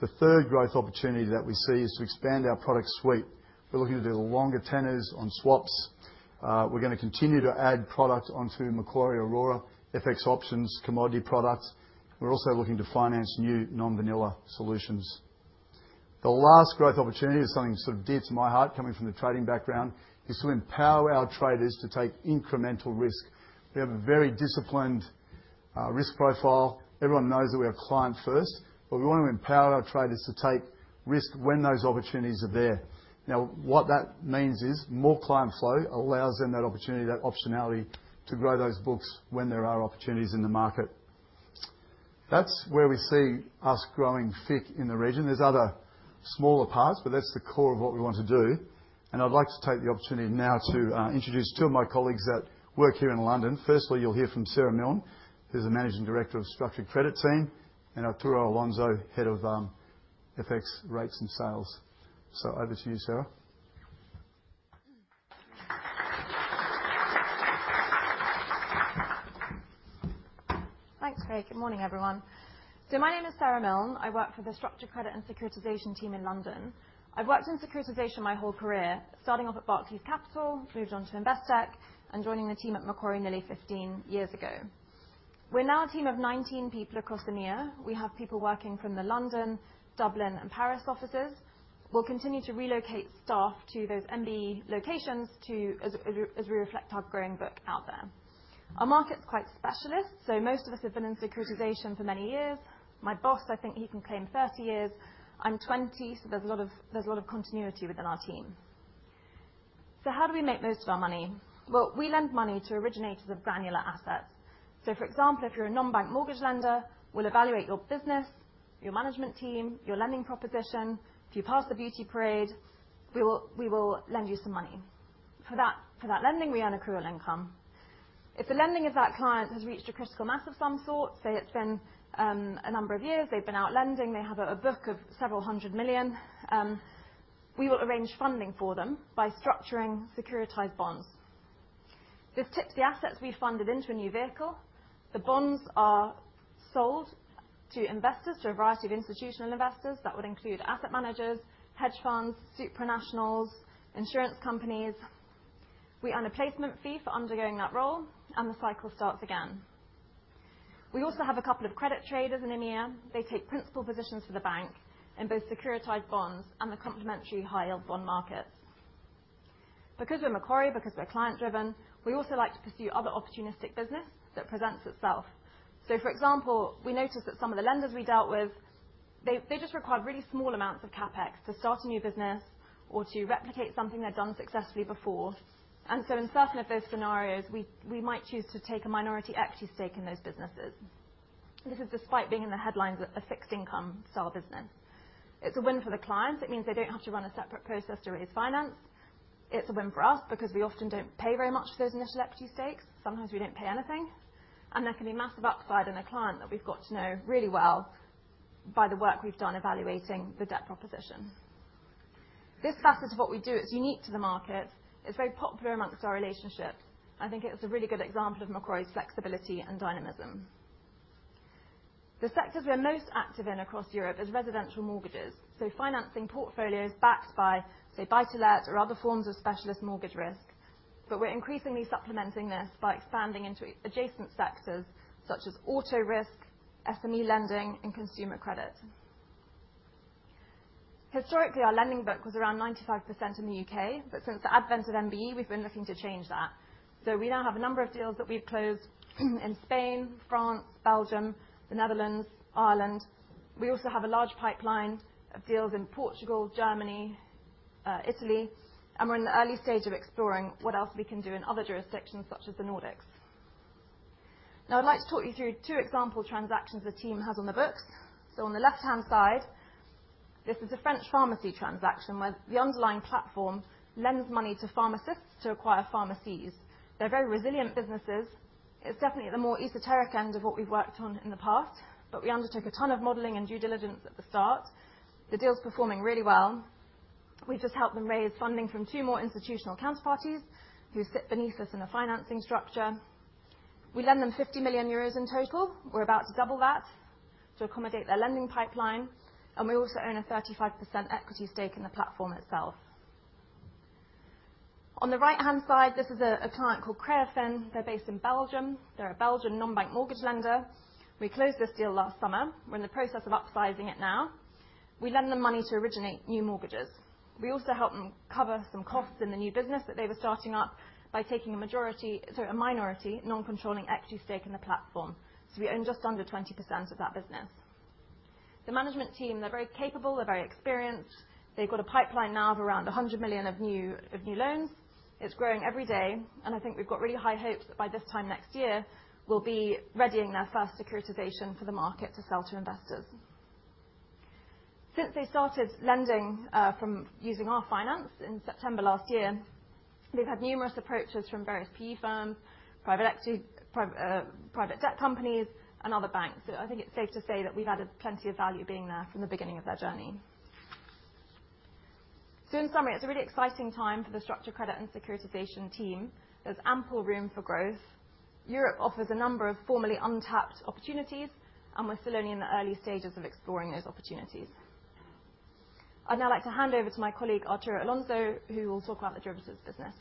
The third growth opportunity that we see is to expand our product suite. We're looking to do longer tenors on swaps. We're going to continue to add product onto Macquarie Aurora, FX options, commodity products. We're also looking to finance new non-vanilla solutions. The last growth opportunity is something sort of dear to my heart, coming from the trading background, is to empower our traders to take incremental risk. We have a very disciplined risk profile. Everyone knows that we are client-first, but we want to empower our traders to take risk when those opportunities are there. Now, what that means is more client flow allows them that opportunity, that optionality to grow those books when there are opportunities in the market. That is where we see us growing FIC in the region. There are other smaller parts, but that is the core of what we want to do. I'd like to take the opportunity now to introduce two of my colleagues that work here in London. Firstly, you'll hear from Sarah Milne, who's the Managing Director of the Structured Credit Team, and Arturo Alonso, Head of FX Rates and Sales. Over to you, Sarah. Thanks, Craig. Good morning, everyone. My name is Sarah Milne. I work for the structured credit and securitization team in London. I've worked in securitization my whole career, starting off at Barclays Capital, moved on to Investec, and joining the team at Macquarie nearly 15 years ago. We're now a team of 19 people across EMEA. We have people working from the London, Dublin, and Paris offices. We'll continue to relocate staff to those MBE locations as we reflect our growing book out there. Our market's quite specialist, so most of us have been in securitization for many years. My boss, I think he can claim 30 years. I'm 20, so there's a lot of continuity within our team. How do we make most of our money? We lend money to originators of granular assets. For example, if you're a non-bank mortgage lender, we'll evaluate your business, your management team, your lending proposition. If you pass the beauty parade, we will lend you some money. For that lending, we earn accrual income. If the lending of that client has reached a critical mass of some sort, say it's been a number of years, they've been out lending, they have a book of several hundred million, we will arrange funding for them by structuring securitized bonds. This tips the assets we funded into a new vehicle. The bonds are sold to investors, to a variety of institutional investors. That would include asset managers, hedge funds, supranationals, insurance companies. We earn a placement fee for undergoing that role, and the cycle starts again. We also have a couple of credit traders in EMEA. They take principal positions for the bank in both securitized bonds and the complementary high-yield bond markets. Because we're Macquarie, because we're client-driven, we also like to pursue other opportunistic business that presents itself. For example, we noticed that some of the lenders we dealt with, they just required really small amounts of CapEx to start a new business or to replicate something they've done successfully before. In certain of those scenarios, we might choose to take a minority equity stake in those businesses. This is despite being in the headlines of a fixed income style business. It's a win for the clients. It means they don't have to run a separate process to raise finance. It's a win for us because we often don't pay very much for those initial equity stakes. Sometimes we don't pay anything, and there can be massive upside in a client that we've got to know really well by the work we've done evaluating the debt proposition. This facet of what we do is unique to the markets. It's very popular amongst our relationships. I think it's a really good example of Macquarie's flexibility and dynamism. The sectors we're most active in across Europe are residential mortgages, so financing portfolios backed by, say, buy-to-let or other forms of specialist mortgage risk. We're increasingly supplementing this by expanding into adjacent sectors such as auto risk, SME lending, and consumer credit. Historically, our lending book was around 95% in the U.K., but since the advent of MBE, we've been looking to change that. We now have a number of deals that we've closed in Spain, France, Belgium, the Netherlands, Ireland. We also have a large pipeline of deals in Portugal, Germany, Italy, and we're in the early stage of exploring what else we can do in other jurisdictions such as the Nordics. Now, I'd like to talk you through two example transactions the team has on the books. On the left-hand side, this is a French pharmacy transaction where the underlying platform lends money to pharmacists to acquire pharmacies. They're very resilient businesses. It's definitely at the more esoteric end of what we've worked on in the past, but we undertook a ton of modeling and due diligence at the start. The deal's performing really well. We've just helped them raise funding from two more institutional counterparties who sit beneath us in a financing structure. We lend them 50 million euros in total. We're about to double that to accommodate their lending pipeline, and we also own a 35% equity stake in the platform itself. On the right-hand side, this is a client called Creafin. They're based in Belgium. They're a Belgian non-bank mortgage lender. We closed this deal last summer. We're in the process of upsizing it now. We lend them money to originate new mortgages. We also help them cover some costs in the new business that they were starting up by taking a majority, sorry, a minority non-controlling equity stake in the platform. We own just under 20% of that business. The management team, they're very capable, they're very experienced. They've got a pipeline now of around $100 million of new loans. It's growing every day, and I think we've got really high hopes that by this time next year, we'll be readying their first securitization for the market to sell to investors. Since they started lending from using our finance in September last year, they've had numerous approaches from various PE firms, private equity, private debt companies, and other banks. I think it's safe to say that we've added plenty of value being there from the beginning of their journey. In summary, it's a really exciting time for the structured credit and securitization team. There's ample room for growth. Europe offers a number of formerly untapped opportunities, and we're still only in the early stages of exploring those opportunities. I'd now like to hand over to my colleague, Arturo Alonso, who will talk about the derivatives business.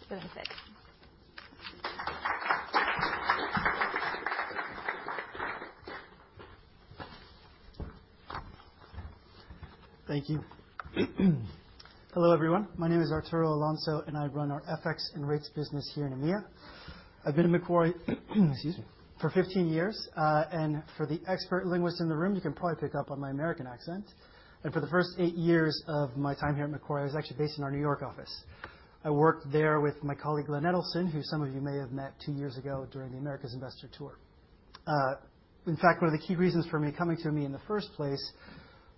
Thank you. Hello, everyone. My name is Arturo Alonso, and I run our FX and Rates business here in EMEA. I've been in Macquarie, excuse me, for 15 years, and for the expert linguists in the room, you can probably pick up on my American accent. For the first eight years of my time here at Macquarie, I was actually based in our New York office. I worked there with my colleague, Lynette Olson, who some of you may have met two years ago during the Americas Investor Tour. In fact, one of the key reasons for me coming to EMEA in the first place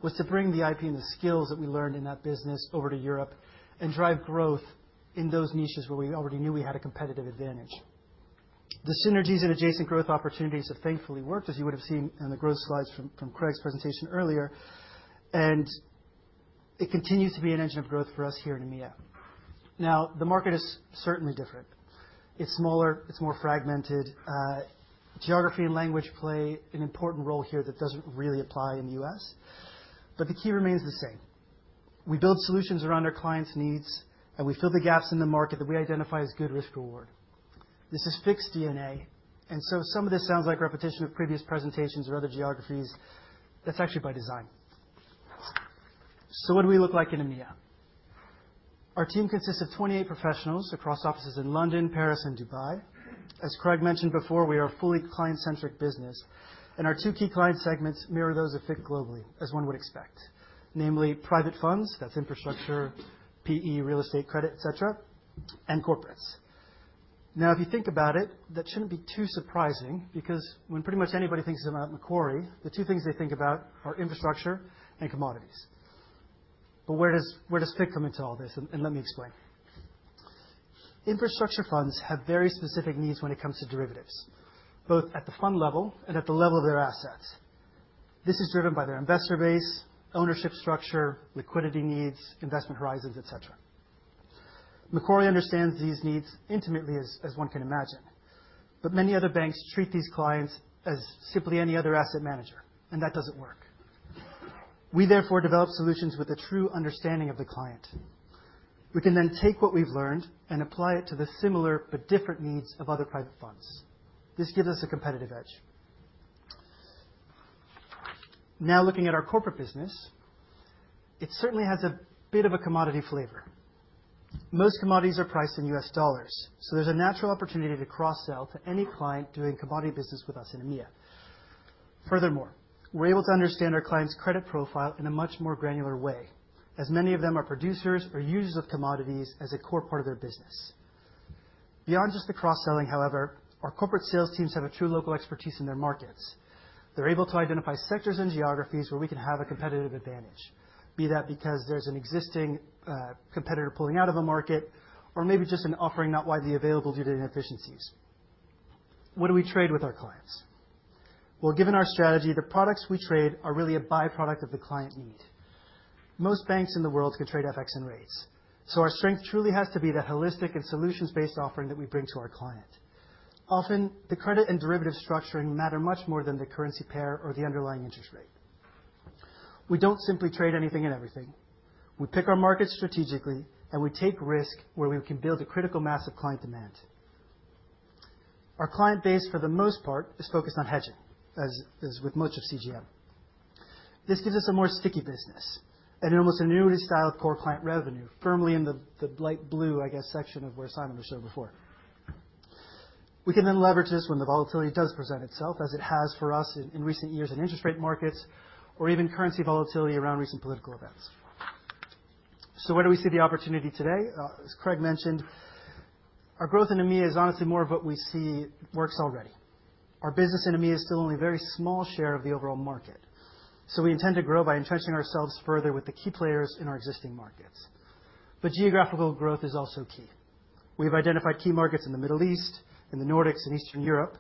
was to bring the IP and the skills that we learned in that business over to Europe and drive growth in those niches where we already knew we had a competitive advantage. The synergies and adjacent growth opportunities have thankfully worked, as you would have seen in the growth slides from Craig's presentation earlier, and it continues to be an engine of growth for us here in EMEA. Now, the market is certainly different. It is smaller, it is more fragmented. Geography and language play an important role here that does not really apply in the U.S., but the key remains the same. We build solutions around our clients' needs, and we fill the gaps in the market that we identify as good risk-reward. This is FIC DNA, and some of this sounds like repetition of previous presentations or other geographies. That is actually by design. What do we look like in EMEA? Our team consists of 28 professionals across offices in London, Paris, and Dubai. As Craig mentioned before, we are a fully client-centric business, and our two key client segments mirror those of FIC globally, as one would expect, namely private funds, that's infrastructure, PE, real estate credit, etc., and corporates. Now, if you think about it, that shouldn't be too surprising because when pretty much anybody thinks about Macquarie, the two things they think about are infrastructure and commodities. Where does FIC come into all this? Let me explain. Infrastructure funds have very specific needs when it comes to derivatives, both at the fund level and at the level of their assets. This is driven by their investor base, ownership structure, liquidity needs, investment horizons, etc. Macquarie understands these needs intimately, as one can imagine, but many other banks treat these clients as simply any other asset manager, and that doesn't work. We, therefore, develop solutions with a true understanding of the client. We can then take what we've learned and apply it to the similar but different needs of other private funds. This gives us a competitive edge. Now, looking at our corporate business, it certainly has a bit of a commodity flavor. Most commodities are priced in US dollars, so there's a natural opportunity to cross-sell to any client doing commodity business with us in EMEA. Furthermore, we're able to understand our clients' credit profile in a much more granular way, as many of them are producers or users of commodities as a core part of their business. Beyond just the cross-selling, however, our corporate sales teams have a true local expertise in their markets. They're able to identify sectors and geographies where we can have a competitive advantage, be that because there's an existing competitor pulling out of a market or maybe just an offering not widely available due to inefficiencies. What do we trade with our clients? Given our strategy, the products we trade are really a byproduct of the client need. Most banks in the world can trade FX and rates, so our strength truly has to be that holistic and solutions-based offering that we bring to our client. Often, the credit and derivatives structuring matter much more than the currency pair or the underlying interest rate. We don't simply trade anything and everything. We pick our markets strategically, and we take risk where we can build a critical mass of client demand. Our client base, for the most part, is focused on hedging, as is with much of CGM. This gives us a more sticky business and almost an annuity style of core client revenue, firmly in the light blue, I guess, section of where Simon was showing before. We can then leverage this when the volatility does present itself, as it has for us in recent years in interest rate markets or even currency volatility around recent political events. Where do we see the opportunity today? As Craig mentioned, our growth in EMEA is honestly more of what we see works already. Our business in EMEA is still only a very small share of the overall market, so we intend to grow by entrenching ourselves further with the key players in our existing markets. Geographical growth is also key. We've identified key markets in the Middle East, in the Nordics, and Eastern Europe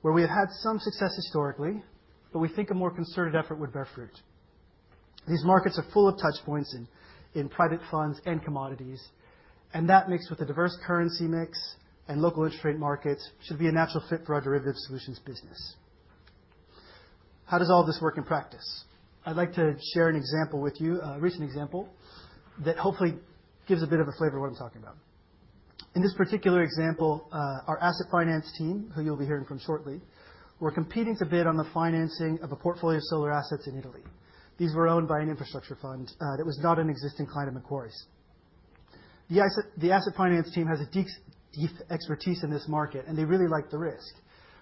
where we have had some success historically, but we think a more concerted effort would bear fruit. These markets are full of touchpoints in private funds and commodities, and that mix with the diverse currency mix and local interest rate markets should be a natural fit for our derivative solutions business. How does all of this work in practice? I'd like to share an example with you, a recent example that hopefully gives a bit of a flavor of what I'm talking about. In this particular example, our asset finance team, who you'll be hearing from shortly, were competing to bid on the financing of a portfolio of solar assets in Italy. These were owned by an infrastructure fund that was not an existing client of Macquarie's. The asset finance team has a deep expertise in this market, and they really liked the risk,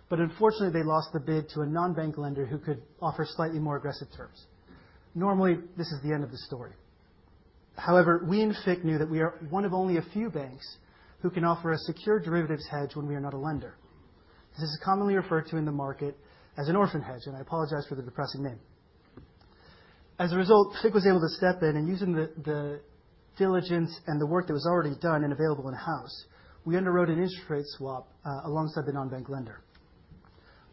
but unfortunately, they lost the bid to a non-bank lender who could offer slightly more aggressive terms. Normally, this is the end of the story. However, we in FIC knew that we are one of only a few banks who can offer a secure derivatives hedge when we are not a lender. This is commonly referred to in the market as an orphan hedge, and I apologize for the depressing name. As a result, FIC was able to step in, and using the diligence and the work that was already done and available in-house, we underwrote an interest rate swap alongside the non-bank lender.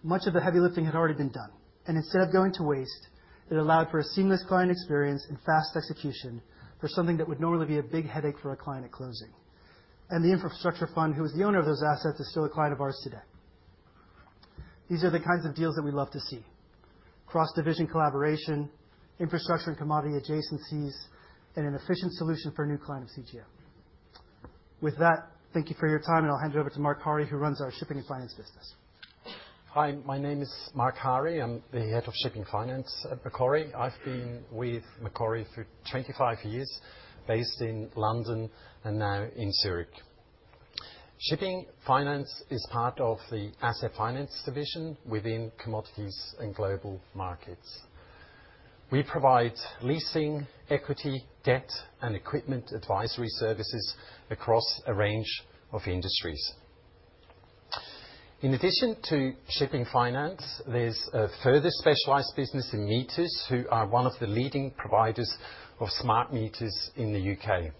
Much of the heavy lifting had already been done, and instead of going to waste, it allowed for a seamless client experience and fast execution for something that would normally be a big headache for a client at closing. The infrastructure fund, who was the owner of those assets, is still a client of ours today. These are the kinds of deals that we love to see: cross-division collaboration, infrastructure and commodity adjacencies, and an efficient solution for a new client of CGM. With that, thank you for your time, and I'll hand you over to Marc Hari, who runs our shipping and finance business. Hi, my name is Marc Hari. I'm the Head of Shipping Finance at Macquarie. I've been with Macquarie for 25 years, based in London and now in Zurich. Shipping finance is part of the asset finance division within Commodities and Global Markets. We provide leasing, equity, debt, and equipment advisory services across a range of industries. In addition to shipping finance, there's a further specialized business in meters, who are one of the leading providers of smart meters in the U.K.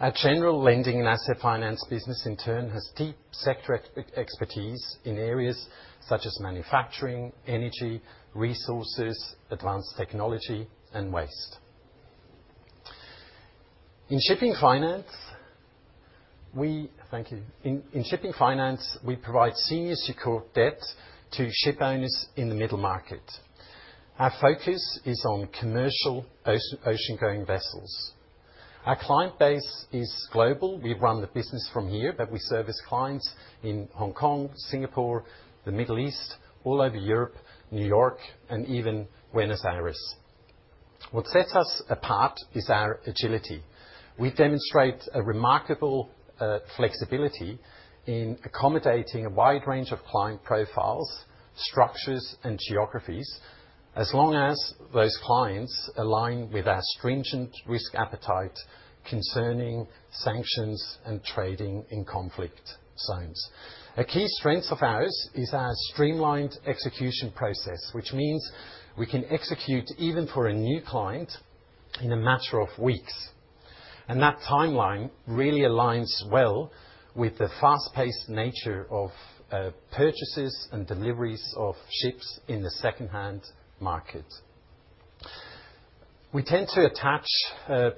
Our general lending and asset finance business, in turn, has deep sector expertise in areas such as manufacturing, energy, resources, advanced technology, and waste. In shipping finance, we provide senior secured debt to shipowners in the middle market. Our focus is on commercial ocean-going vessels. Our client base is global. We run the business from here, but we service clients in Hong Kong, Singapore, the Middle East, all over Europe, New York, and even Buenos Aires. What sets us apart is our agility. We demonstrate a remarkable flexibility in accommodating a wide range of client profiles, structures, and geographies, as long as those clients align with our stringent risk appetite concerning sanctions and trading in conflict zones. A key strength of ours is our streamlined execution process, which means we can execute even for a new client in a matter of weeks, and that timeline really aligns well with the fast-paced nature of purchases and deliveries of ships in the second-hand market. We tend to attach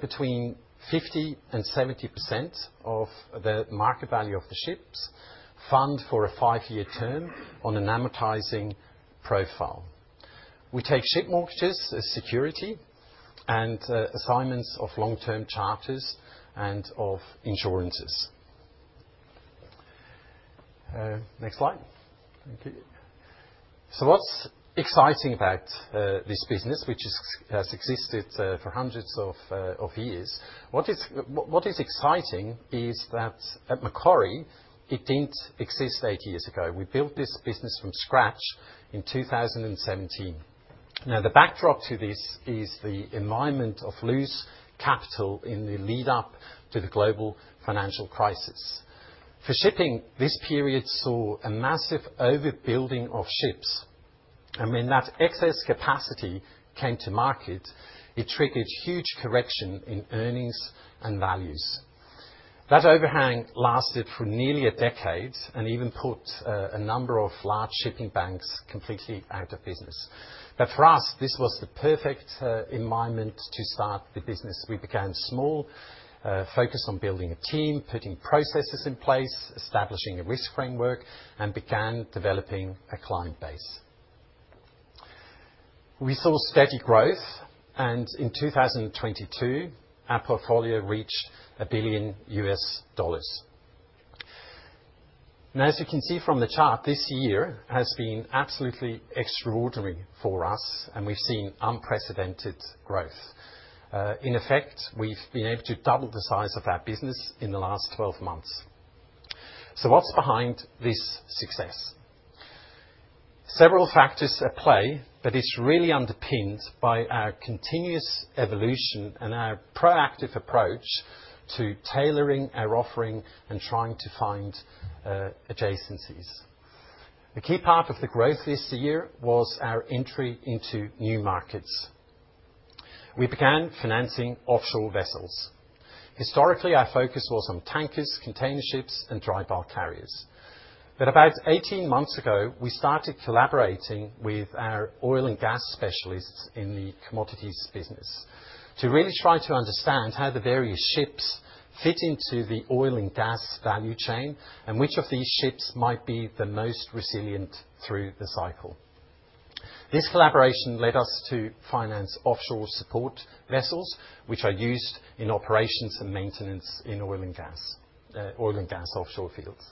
between 50% and 70% of the market value of the ships fund for a five-year term on an amortizing profile. We take ship mortgages as security and assignments of long-term charges and of insurances. Next slide. Thank you. What is exciting about this business, which has existed for hundreds of years? What is exciting is that at Macquarie, it did not exist eight years ago. We built this business from scratch in 2017. Now, the backdrop to this is the environment of loose capital in the lead-up to the global financial crisis. For shipping, this period saw a massive overbuilding of ships, and when that excess capacity came to market, it triggered huge correction in earnings and values. That overhang lasted for nearly a decade and even put a number of large shipping banks completely out of business. For us, this was the perfect environment to start the business. We began small, focused on building a team, putting processes in place, establishing a risk framework, and began developing a client base. We saw steady growth, and in 2022, our portfolio reached $1 billion. Now, as you can see from the chart, this year has been absolutely extraordinary for us, and we've seen unprecedented growth. In effect, we've been able to double the size of our business in the last 12 months. What's behind this success? Several factors at play, but it's really underpinned by our continuous evolution and our proactive approach to tailoring our offering and trying to find adjacencies. A key part of the growth this year was our entry into new markets. We began financing offshore vessels. Historically, our focus was on tankers, container ships, and dry bulk carriers. About 18 months ago, we started collaborating with our oil and gas specialists in the commodities business to really try to understand how the various ships fit into the oil and gas value chain and which of these ships might be the most resilient through the cycle. This collaboration led us to finance offshore support vessels, which are used in operations and maintenance in oil and gas offshore fields.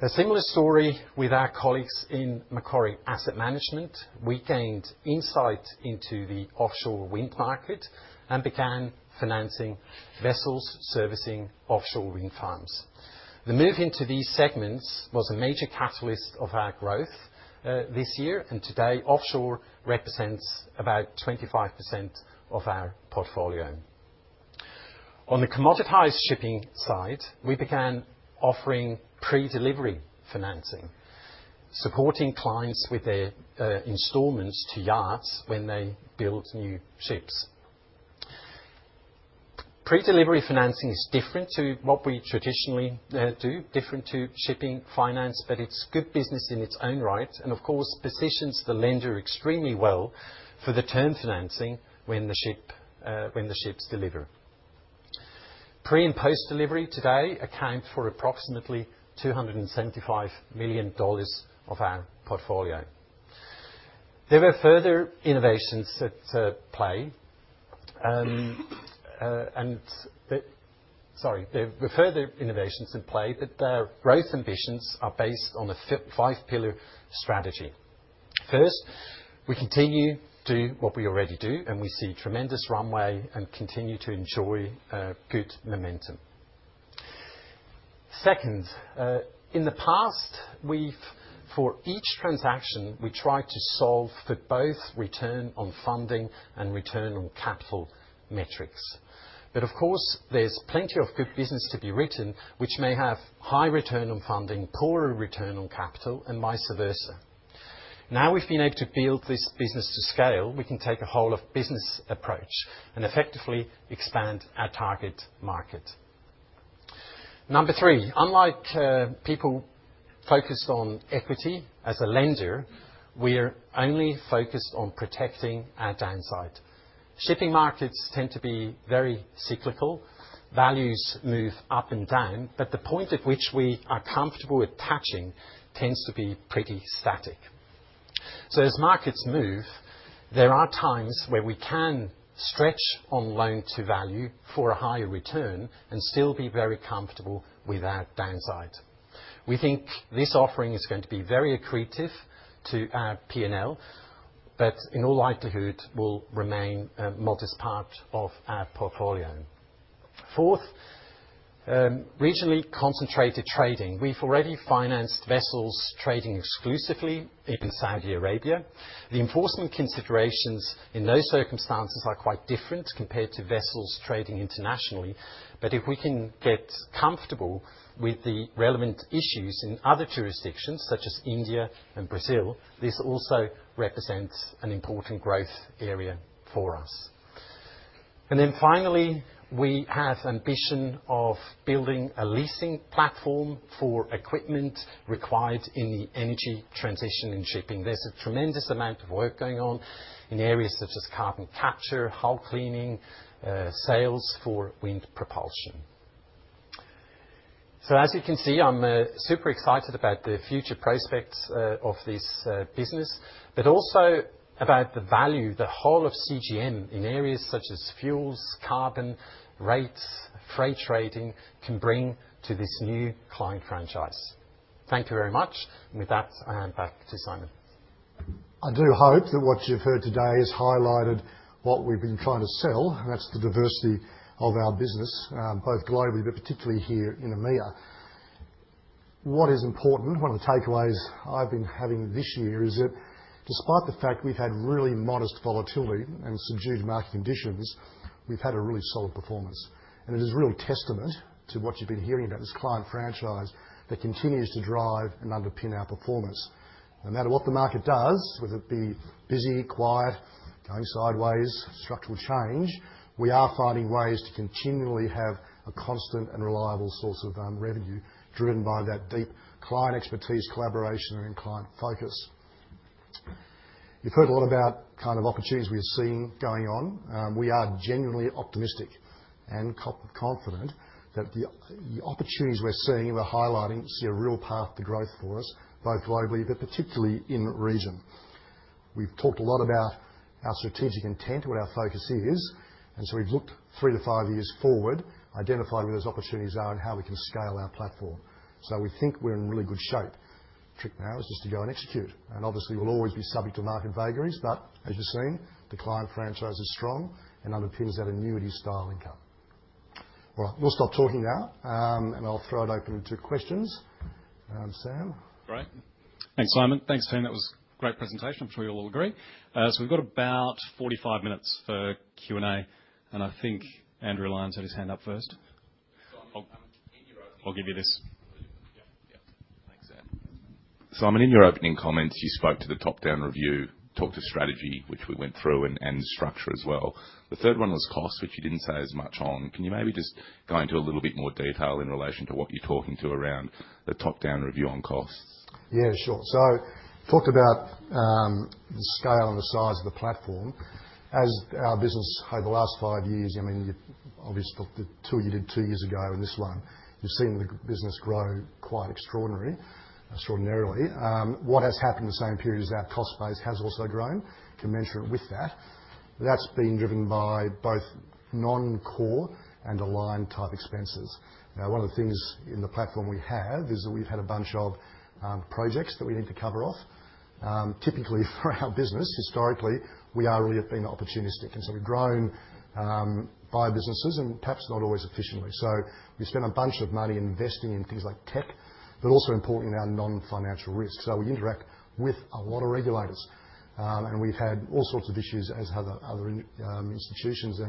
A similar story with our colleagues in Macquarie Asset Management. We gained insight into the offshore wind market and began financing vessels servicing offshore wind farms. The move into these segments was a major catalyst of our growth this year, and today, offshore represents about 25% of our portfolio. On the commoditized shipping side, we began offering pre-delivery financing, supporting clients with their installments to yards when they build new ships. Pre-delivery financing is different to what we traditionally do, different to shipping finance, but it's good business in its own right and, of course, positions the lender extremely well for the term financing when the ships deliver. Pre and post-delivery today account for approximately $275 million of our portfolio. There were further innovations in play, but our growth ambitions are based on a five-pillar strategy. First, we continue to do what we already do, and we see tremendous runway and continue to enjoy good momentum. Second, in the past, for each transaction, we tried to solve for both return on funding and return on capital metrics. Of course, there is plenty of good business to be written, which may have high return on funding, poorer return on capital, and vice versa. Now we have been able to build this business to scale, we can take a whole-of-business approach and effectively expand our target market. Number three, unlike people focused on equity as a lender, we are only focused on protecting our downside. Shipping markets tend to be very cyclical. Values move up and down, but the point at which we are comfortable with touching tends to be pretty static. As markets move, there are times where we can stretch on loan-to-value for a higher return and still be very comfortable with our downside. We think this offering is going to be very accretive to our P&L, but in all likelihood, will remain a modest part of our portfolio. Fourth, regionally concentrated trading. We've already financed vessels trading exclusively in Saudi Arabia. The enforcement considerations in those circumstances are quite different compared to vessels trading internationally, but if we can get comfortable with the relevant issues in other jurisdictions, such as India and Brazil, this also represents an important growth area for us. Finally, we have ambition of building a leasing platform for equipment required in the energy transition in shipping. There's a tremendous amount of work going on in areas such as carbon capture, hull cleaning, sales for wind propulsion. As you can see, I'm super excited about the future prospects of this business, but also about the value the whole of CGM in areas such as fuels, carbon, rates, freight trading can bring to this new client franchise. Thank you very much, and with that, I hand back to Simon. I do hope that what you've heard today has highlighted what we've been trying to sell, and that's the diversity of our business, both globally, but particularly here in EMEA. What is important, one of the takeaways I've been having this year, is that despite the fact we've had really modest volatility and subdued market conditions, we've had a really solid performance, and it is a real testament to what you've been hearing about this client franchise that continues to drive and underpin our performance. No matter what the market does, whether it be busy, quiet, going sideways, structural change, we are finding ways to continually have a constant and reliable source of revenue driven by that deep client expertise, collaboration, and client focus. You've heard a lot about kind of opportunities we are seeing going on. We are genuinely optimistic and confident that the opportunities we're seeing and we're highlighting see a real path to growth for us, both globally, but particularly in region. We've talked a lot about our strategic intent, what our focus is, and we've looked three to five years forward, identified where those opportunities are and how we can scale our platform. We think we're in really good shape. The trick now is just to go and execute, and obviously, we'll always be subject to market vagaries, but as you've seen, the client franchise is strong and underpins that annuity-style income. All right. We'll stop talking now, and I'll throw it open to questions. Sam? Great. Thanks, Simon. Thanks, team. That was a great presentation. I'm sure you'll all agree. We have about 45 minutes for Q&A, and I think Andrew Lyons had his hand up first. I'll give you this. Simon, in your opening comments, you spoke to the top-down review, talked to strategy, which we went through, and structure as well. The third one was cost, which you did not say as much on. Can you maybe just go into a little bit more detail in relation to what you are talking to around the top-down review on costs? Yeah, sure. Talked about the scale and the size of the platform. As our business over the last five years, I mean, obviously, the two you did two years ago and this one, you've seen the business grow quite extraordinarily. What has happened in the same period is our cost base has also grown commensurate with that. That's been driven by both non-core and aligned-type expenses. Now, one of the things in the platform we have is that we've had a bunch of projects that we need to cover off. Typically, for our business, historically, we are really being opportunistic, and so we've grown by businesses and perhaps not always efficiently. So we spent a bunch of money investing in things like tech, but also importantly, in our non-financial risk. We interact with a lot of regulators, and we've had all sorts of issues as have other institutions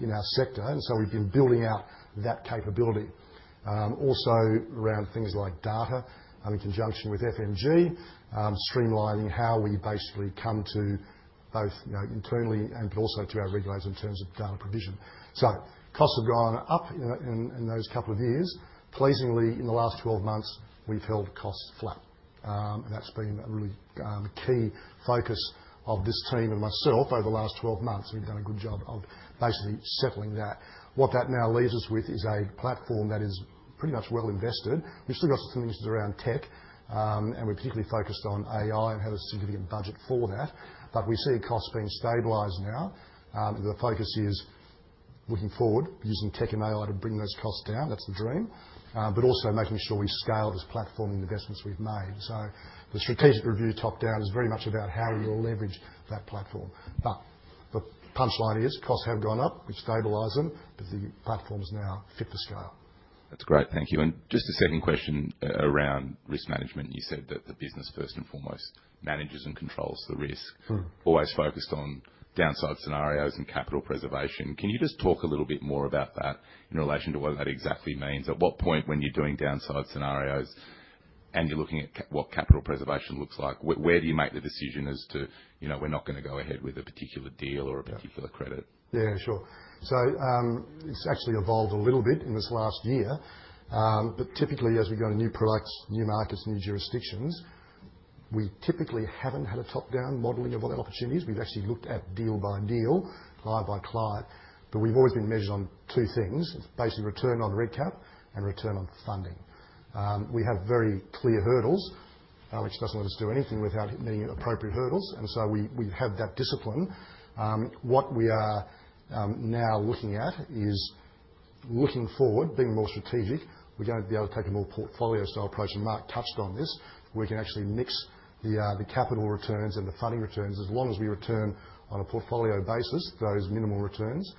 in our sector, and we've been building out that capability. Also, around things like data in conjunction with FMG, streamlining how we basically come to both internally and also to our regulators in terms of data provision. Costs have gone up in those couple of years. Pleasingly, in the last 12 months, we've held costs flat, and that's been a really key focus of this team and myself over the last 12 months. We've done a good job of basically settling that. What that now leaves us with is a platform that is pretty much well invested. We've still got some things around tech, and we're particularly focused on AI and have a significant budget for that, but we see costs being stabilized now. The focus is looking forward, using tech and AI to bring those costs down. That's the dream, but also making sure we scale this platform in the investments we've made. The strategic review top-down is very much about how we will leverage that platform. The punchline is costs have gone up. We've stabilized them, but the platform is now fit for scale. That's great. Thank you. Just a second question around risk management. You said that the business, first and foremost, manages and controls the risk, always focused on downside scenarios and capital preservation. Can you just talk a little bit more about that in relation to what that exactly means? At what point when you're doing downside scenarios and you're looking at what capital preservation looks like, where do you make the decision as to, "We're not going to go ahead with a particular deal or a particular credit"? Yeah, sure. It has actually evolved a little bit in this last year, but typically, as we go to new products, new markets, new jurisdictions, we typically have not had a top-down modeling of all the opportunities. We have actually looked at deal by deal, client by client, but we have always been measured on two things. It is basically return on reg cap and return on funding. We have very clear hurdles, which does not let us do anything without meeting appropriate hurdles, and we have that discipline. What we are now looking at is looking forward, being more strategic. We are going to be able to take a more portfolio-style approach, and Marc touched on this. We can actually mix the capital returns and the funding returns. As long as we return on a portfolio basis, those minimal returns,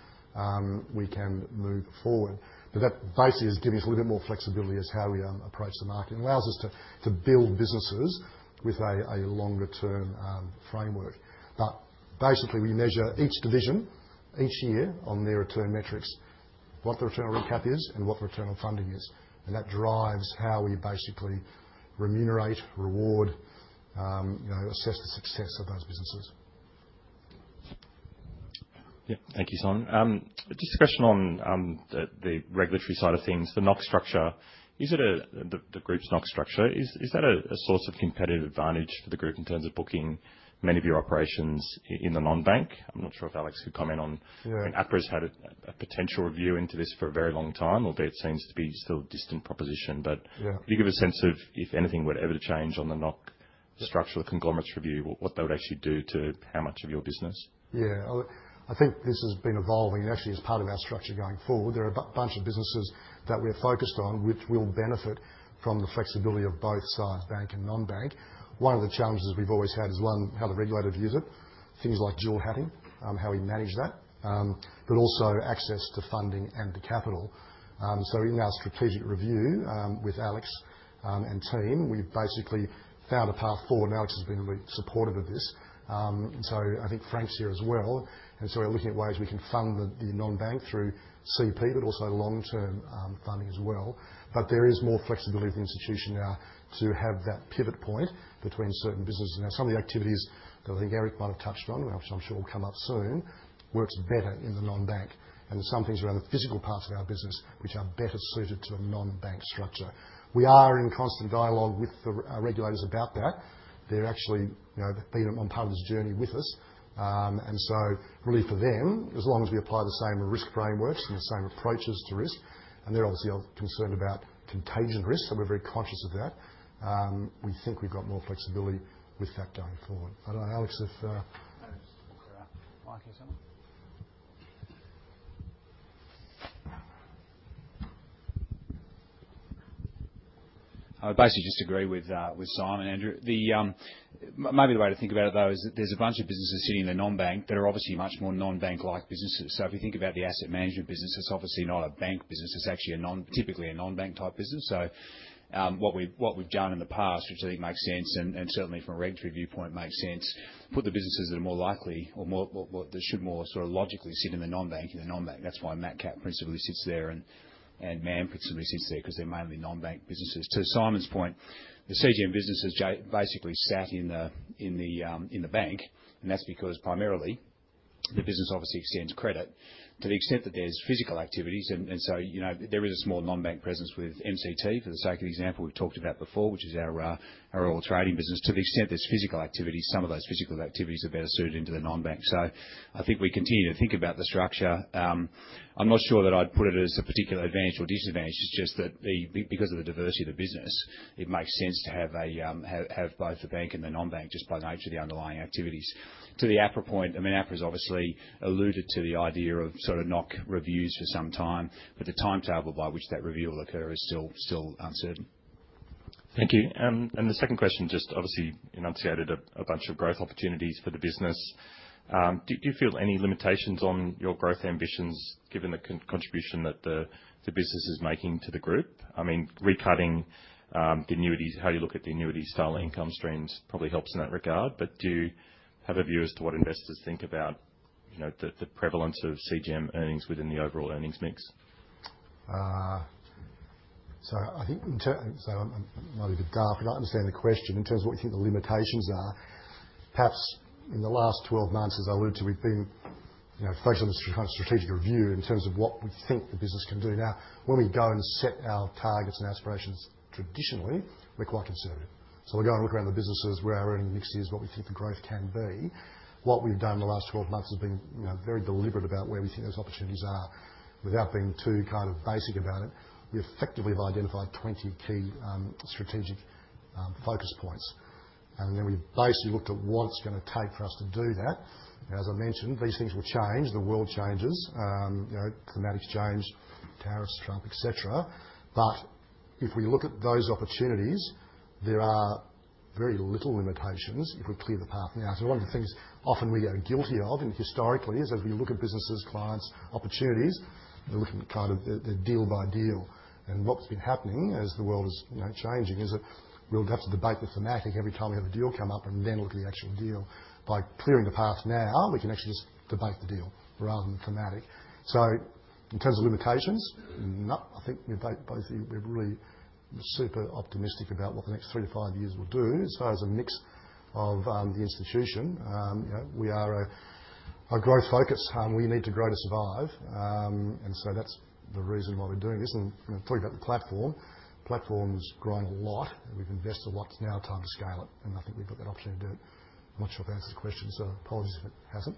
we can move forward. That basically is giving us a little bit more flexibility as how we approach the market. It allows us to build businesses with a longer-term framework. Basically, we measure each division each year on their return metrics, what the return on reg cap is, and what the return on funding is, and that drives how we basically remunerate, reward, assess the success of those businesses. Yeah. Thank you, Simon. Just a question on the regulatory side of things. The NOHC structure, the group's NOHC structure, is that a source of competitive advantage for the group in terms of booking many of your operations in the non-bank? I'm not sure if Alex could comment on. I mean, APRA's had a potential review into this for a very long time, although it seems to be still a distant proposition, but can you give a sense of if anything were ever to change on the NOHC structure, the conglomerates review, what they would actually do to how much of your business? Yeah. I think this has been evolving. It actually is part of our structure going forward. There are a bunch of businesses that we're focused on which will benefit from the flexibility of both sides, bank and non-bank. One of the challenges we've always had is, one, how the regulator views it, things like dual hatting, how we manage that, but also access to funding and the capital. In our strategic review with Alex and team, we've basically found a path forward, and Alex has been really supportive of this. I think Frank's here as well, and we are looking at ways we can fund the non-bank through CP, but also long-term funding as well. There is more flexibility with the institution now to have that pivot point between certain businesses. Now, some of the activities that I think Erik might have touched on, which I'm sure will come up soon, works better in the non-bank, and some things around the physical parts of our business, which are better suited to a non-bank structure. We are in constant dialogue with the regulators about that. They've actually been on part of this journey with us, and so really for them, as long as we apply the same risk frameworks and the same approaches to risk, and they're obviously concerned about contagion risk, so we're very conscious of that, we think we've got more flexibility with that going forward. I don't know, Alex, if. I would basically just agree with Simon, Andrew. Maybe the way to think about it, though, is that there's a bunch of businesses sitting in the non-bank that are obviously much more non-bank-like businesses. If you think about the asset management business, it's obviously not a bank business. It's actually typically a non-bank-type business. What we've done in the past, which I think makes sense, and certainly from a regulatory viewpoint makes sense, is put the businesses that are more likely or that should more sort of logically sit in the non-bank in the non-bank. That's why Macquarie Capital principally sits there and Macquarie Asset Management principally sits there because they're mainly non-bank businesses. To Simon's point, the CGM business has basically sat in the bank, and that's because primarily the business obviously extends credit to the extent that there's physical activities, and so there is a small non-bank presence with MCT, for the sake of the example we've talked about before, which is our oil trading business. To the extent there's physical activities, some of those physical activities are better suited into the non-bank. I think we continue to think about the structure. I'm not sure that I'd put it as a particular advantage or disadvantage. It's just that because of the diversity of the business, it makes sense to have both the bank and the non-bank just by nature of the underlying activities. To the APRA point, I mean, APRA has obviously alluded to the idea of sort of NOHC reviews for some time, but the timetable by which that review will occur is still uncertain. Thank you. The second question, just obviously enunciated a bunch of growth opportunities for the business. Do you feel any limitations on your growth ambitions given the contribution that the business is making to the group? I mean, recutting the annuities, how you look at the annuity-style income streams probably helps in that regard, but do you have a view as to what investors think about the prevalence of CGM earnings within the overall earnings mix? I think in terms of what you think the limitations are, perhaps in the last 12 months, as I alluded to, we've been focused on this kind of strategic review in terms of what we think the business can do. Now, when we go and set our targets and aspirations, traditionally, we're quite conservative. We're going to look around the businesses where our earning mix is, what we think the growth can be. What we've done in the last 12 months has been very deliberate about where we think those opportunities are without being too kind of basic about it. We effectively have identified 20 key strategic focus points, and then we've basically looked at what it's going to take for us to do that. As I mentioned, these things will change. The world changes. Climatic change, tariffs, Trump, etc. If we look at those opportunities, there are very little limitations if we clear the path now. One of the things often we are guilty of, and historically, is as we look at businesses, clients, opportunities, we're looking kind of deal by deal. What's been happening as the world is changing is that we'll have to debate the thematic every time we have a deal come up and then look at the actual deal. By clearing the path now, we can actually just debate the deal rather than the thematic. In terms of limitations, no. I think we're both really super optimistic about what the next three to five years will do. As a mix of the institution, we are a growth focus. We need to grow to survive, and that's the reason why we're doing this. Talking about the platform, the platform's grown a lot. We've invested a lot. It's now time to scale it, and I think we've got that opportunity to do it. I'm not sure if that answers the question, so apologies if it hasn't.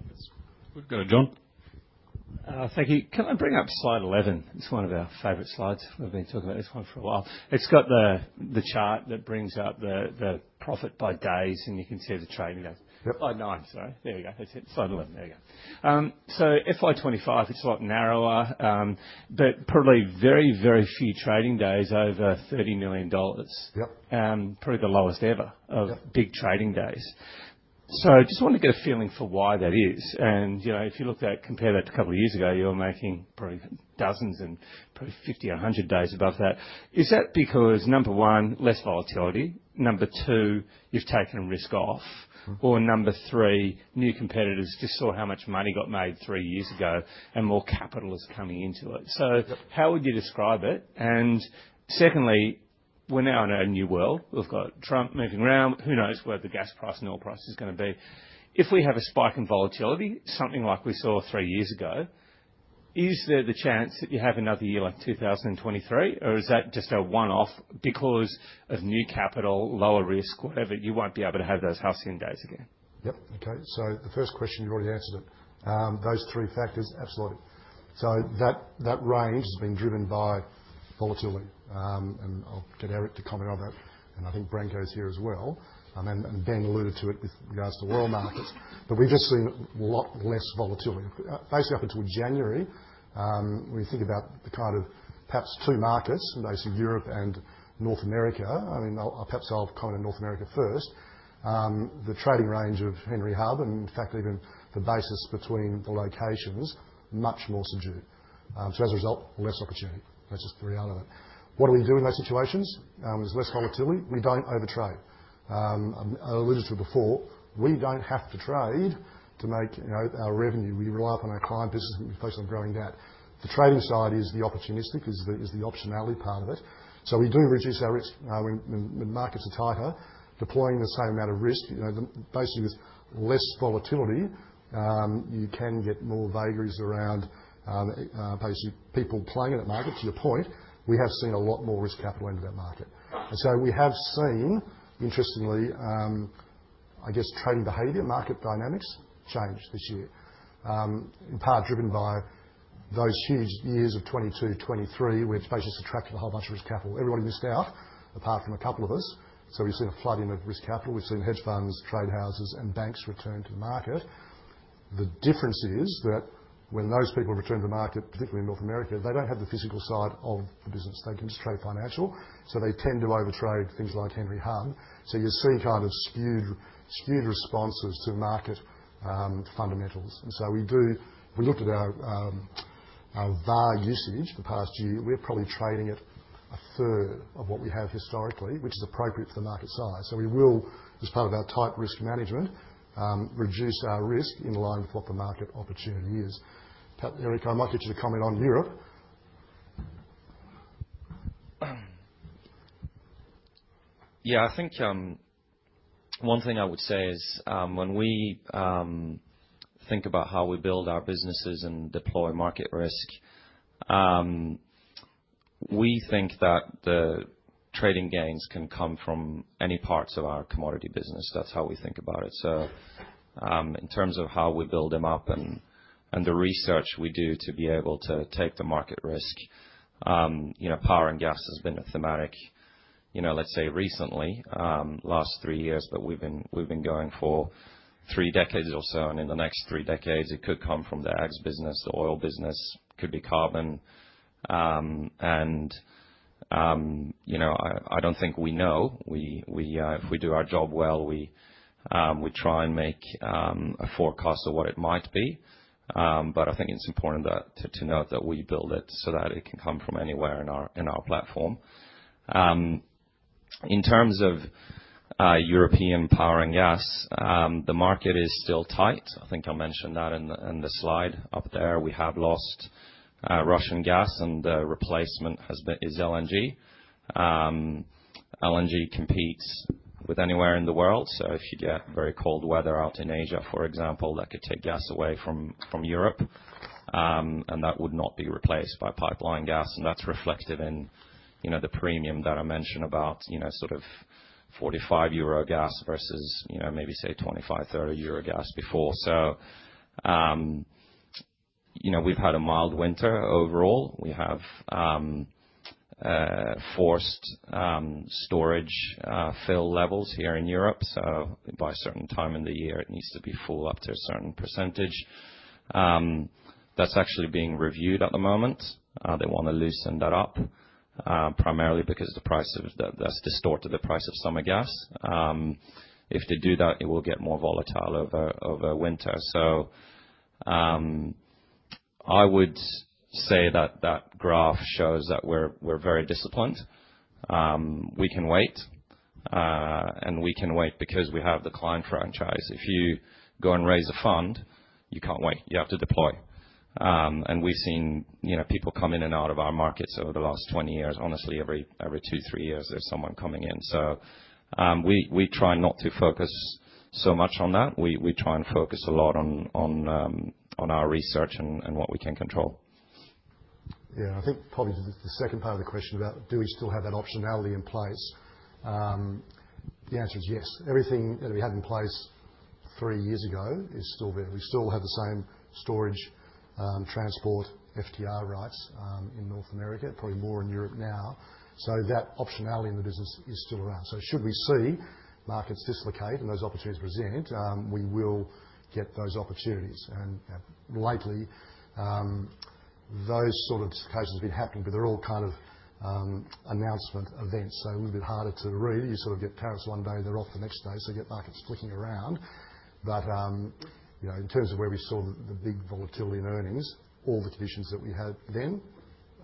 Thanks. We've got John. Thank you. Can I bring up slide 11? It's one of our favourite slides. We've been talking about this one for a while. It's got the chart that brings out the profit by days, and you can see the trading days. Yep. By nine, sorry. There you go. That's it. Slide 11. There you go. FY 2025, it's a lot narrower, but probably very, very few trading days over $30 million. Yep. Probably the lowest ever of big trading days. I just wanted to get a feeling for why that is. If you look at that, compare that to a couple of years ago, you were making probably dozens and probably 50, 100 days above that. Is that because, number one, less volatility? Number two, you've taken risk off? Number three, new competitors just saw how much money got made three years ago, and more capital is coming into it? How would you describe it? Secondly, we're now in a new world. We've got Trump moving around. Who knows where the gas price and oil price is going to be? If we have a spike in volatility, something like we saw three years ago, is there the chance that you have another year like 2023, or is that just a one-off because of new capital, lower risk, whatever? You won't be able to have those halcyon days again. Yep. Okay. The first question, you've already answered it. Those three factors, absolutely. That range has been driven by volatility, and I'll get Erik to comment on that, and I think Branko is here as well. Ben alluded to it with regards to oil markets, but we've just seen a lot less volatility. Basically, up until January, when you think about the kind of perhaps two markets, basically Europe and North America, I mean, perhaps I'll comment on North America first, the trading range of Henry Hub and, in fact, even the basis between the locations, much more subdued. As a result, less opportunity. That's just the reality of it. What do we do in those situations? There's less volatility. We don't overtrade. I alluded to it before. We don't have to trade to make our revenue. We rely upon our client business, and we focus on growing that. The trading side is the opportunistic, is the optionality part of it. We do reduce our risk. When markets are tighter, deploying the same amount of risk, basically with less volatility, you can get more vagaries around basically people playing in that market, to your point. We have seen a lot more risk capital into that market. We have seen, interestingly, I guess, trading behavior, market dynamics change this year, in part driven by those huge years of 2022, 2023, which basically subtracted a whole bunch of risk capital. Everybody missed out, apart from a couple of us. We have seen a flood in of risk capital. We have seen hedge funds, trade houses, and banks return to the market. The difference is that when those people return to the market, particularly in North America, they do not have the physical side of the business. They can just trade financial, so they tend to overtrade things like Henry Hub. You are seeing kind of skewed responses to market fundamentals. We looked at our VaR usage the past year. We are probably trading at a third of what we have historically, which is appropriate for the market size. We will, as part of our tight risk management, reduce our risk in line with what the market opportunity is. Erik, I might get you to comment on Europe. Yeah. I think one thing I would say is when we think about how we build our businesses and deploy market risk, we think that the trading gains can come from any parts of our commodity business. That's how we think about it. In terms of how we build them up and the research we do to be able to take the market risk, power and gas has been a thematic, let's say, recently, last three years, but we've been going for three decades or so, and in the next three decades, it could come from the ags business, the oil business, could be carbon. I don't think we know. If we do our job well, we try and make a forecast of what it might be, but I think it's important to note that we build it so that it can come from anywhere in our platform. In terms of European power and gas, the market is still tight. I think I mentioned that in the slide up there. We have lost Russian gas, and the replacement is LNG. LNG competes with anywhere in the world, so if you get very cold weather out in Asia, for example, that could take gas away from Europe, and that would not be replaced by pipeline gas. That is reflected in the premium that I mentioned about sort of 45 euro gas versus maybe, say, 25-30 euro gas before. We have had a mild winter overall. We have forced storage fill levels here in Europe, so by a certain time in the year, it needs to be full up to a certain percentage. That is actually being reviewed at the moment. They want to loosen that up primarily because the price of that has distorted the price of summer gas. If they do that, it will get more volatile over winter. I would say that that graph shows that we're very disciplined. We can wait, and we can wait because we have the client franchise. If you go and raise a fund, you can't wait. You have to deploy. We've seen people come in and out of our markets over the last 20 years. Honestly, every two, three years, there's someone coming in. We try not to focus so much on that. We try and focus a lot on our research and what we can control. Yeah. I think probably the second part of the question about do we still have that optionality in place, the answer is yes. Everything that we had in place three years ago is still there. We still have the same storage, transport, FTR rights in North America, probably more in Europe now. That optionality in the business is still around. Should we see markets dislocate and those opportunities present, we will get those opportunities. Lately, those sort of dislocations have been happening, but they're all kind of announcement events, so a little bit harder to read. You sort of get tariffs one day, they're off the next day, so you get markets flicking around. In terms of where we saw the big volatility in earnings, all the conditions that we had then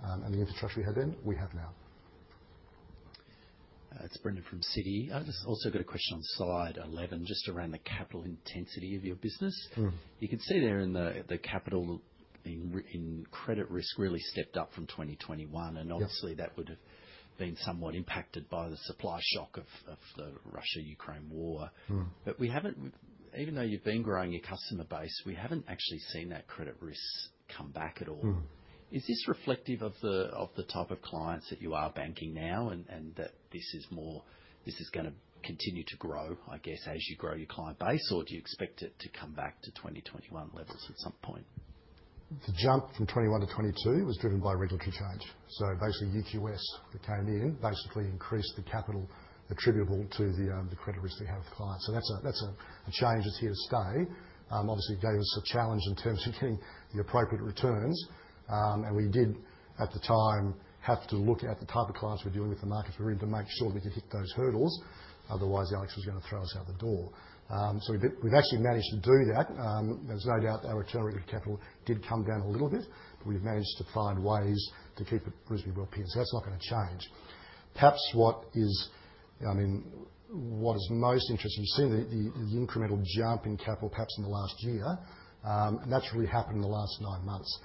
and the infrastructure we had then, we have now. This is Brendan from Citi. I just also got a question on slide 11, just around the capital intensity of your business. You can see there in the capital in credit risk really stepped up from 2021, and obviously, that would have been somewhat impacted by the supply shock of the Russia-Ukraine war. Even though you've been growing your customer base, we haven't actually seen that credit risk come back at all. Is this reflective of the type of clients that you are banking now and that this is going to continue to grow, I guess, as you grow your client base, or do you expect it to come back to 2021 levels at some point? The jump from 2021 to 2022 was driven by regulatory change. Basically, RWAs that came in basically increased the capital attributable to the credit risk they have with clients. That is a change that is here to stay. Obviously, it gave us a challenge in terms of getting the appropriate returns, and we did, at the time, have to look at the type of clients we are dealing with, the markets we are in, to make sure that we could hit those hurdles. Otherwise, Alex was going to throw us out the door. We have actually managed to do that. There is no doubt our return rate to capital did come down a little bit, but we have managed to find ways to keep it reasonably well pinned, so that is not going to change. Perhaps what is, I mean, what is most interesting, you've seen the incremental jump in capital perhaps in the last year, and that's really happened in the last nine months.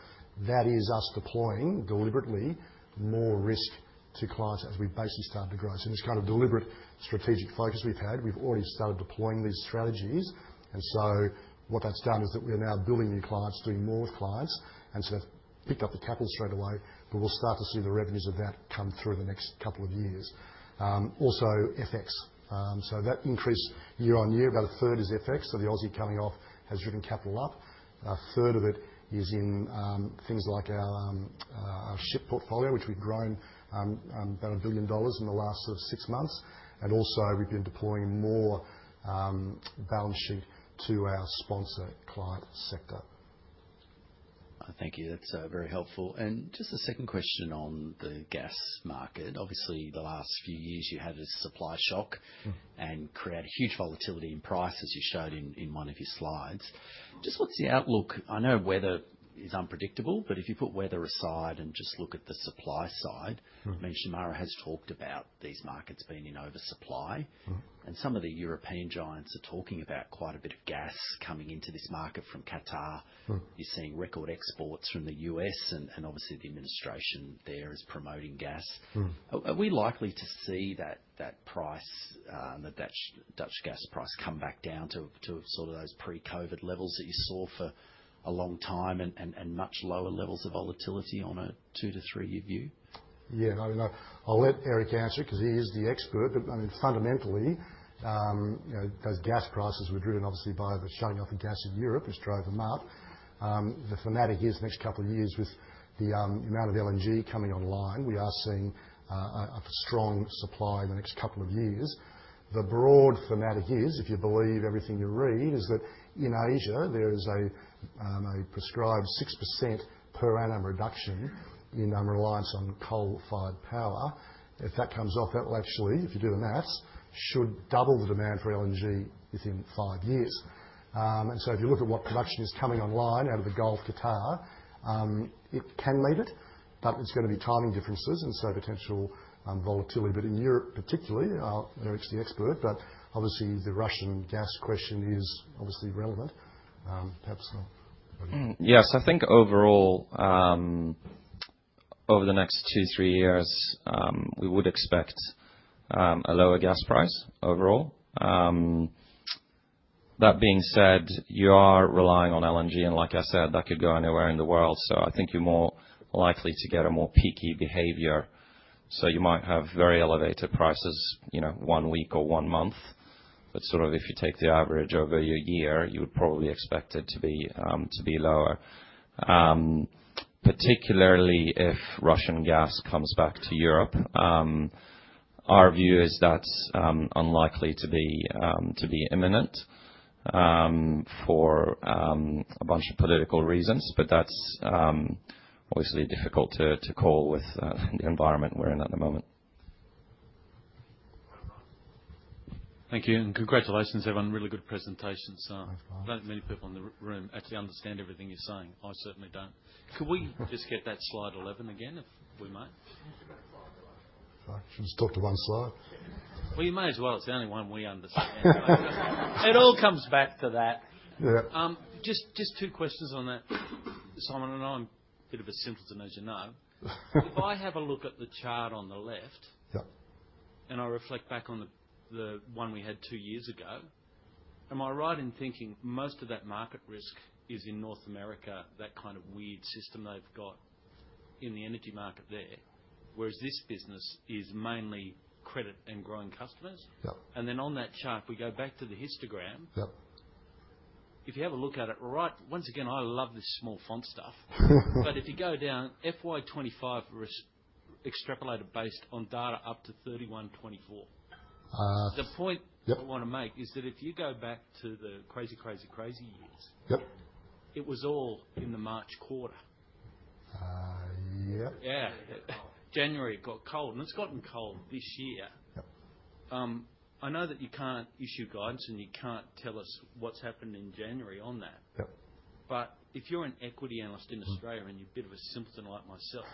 That is us deploying deliberately more risk to clients as we basically started to grow. In this kind of deliberate strategic focus we've had, we've already started deploying these strategies, and what that's done is that we're now building new clients, doing more with clients, and they've picked up the capital straight away, but we'll start to see the revenues of that come through in the next couple of years. Also, FX. That increase year on year, about a third is FX, so the Aussie coming off has driven capital up. A third of it is in things like our ship portfolio, which we've grown about $1 billion in the last sort of six months. We have been deploying more balance sheet to our sponsor client sector. Thank you. That's very helpful. Just a second question on the gas market. Obviously, the last few years, you had a supply shock and created huge volatility in price, as you showed in one of your slides. Just what's the outlook? I know weather is unpredictable, but if you put weather aside and just look at the supply side, I mentioned Marc has talked about these markets being in oversupply, and some of the European giants are talking about quite a bit of gas coming into this market from Qatar. You're seeing record exports from the US, and obviously, the administration there is promoting gas. Are we likely to see that price, that Dutch gas price, come back down to sort of those pre-COVID levels that you saw for a long time and much lower levels of volatility on a two to three-year view? Yeah. I mean, I'll let Erik answer because he is the expert, but I mean, fundamentally, those gas prices were driven, obviously, by the shutting off of gas in Europe, which drove them up. The thematic is the next couple of years with the amount of LNG coming online, we are seeing a strong supply in the next couple of years. The broad thematic is, if you believe everything you read, is that in Asia, there is a prescribed 6% per annum reduction in reliance on coal-fired power. If that comes off, that will actually, if you do the maths, should double the demand for LNG within five years. If you look at what production is coming online out of the Gulf, Qatar, it can meet it, but it's going to be timing differences and so potential volatility. In Europe, particularly, Erik's the expert, but obviously, the Russian gas question is obviously relevant. Perhaps not. Yeah. I think overall, over the next two to three years, we would expect a lower gas price overall. That being said, you are relying on LNG, and like I said, that could go anywhere in the world, so I think you're more likely to get a more peaky behavior. You might have very elevated prices one week or one month, but if you take the average over your year, you would probably expect it to be lower, particularly if Russian gas comes back to Europe. Our view is that's unlikely to be imminent for a bunch of political reasons, but that's obviously difficult to call with the environment we're in at the moment. Thank you. Congratulations, everyone. Really good presentations. I don't think many people in the room actually understand everything you're saying. I certainly don't. Could we just get that slide 11 again, if we may? Can we just talk to one slide? You may as well. It's the only one we understand. It all comes back to that. Yeah. Just two questions on that. Simon and I are a bit of a simpleton, as you know. If I have a look at the chart on the left and I reflect back on the one we had two years ago, am I right in thinking most of that market risk is in North America, that kind of weird system they've got in the energy market there, whereas this business is mainly credit and growing customers? Yeah. If we go back to the histogram, if you have a look at it, right, once again, I love this small font stuff, but if you go down FY 2025 extrapolated based on data up to 31 December. The point I want to make is that if you go back to the crazy, crazy, crazy years, it was all in the March quarter. Yeah. Yeah. January got cold, and it's gotten cold this year. Yeah. I know that you can't issue guidance, and you can't tell us what's happened in January on that, but if you're an equity analyst in Australia and you're a bit of a simpleton like myself,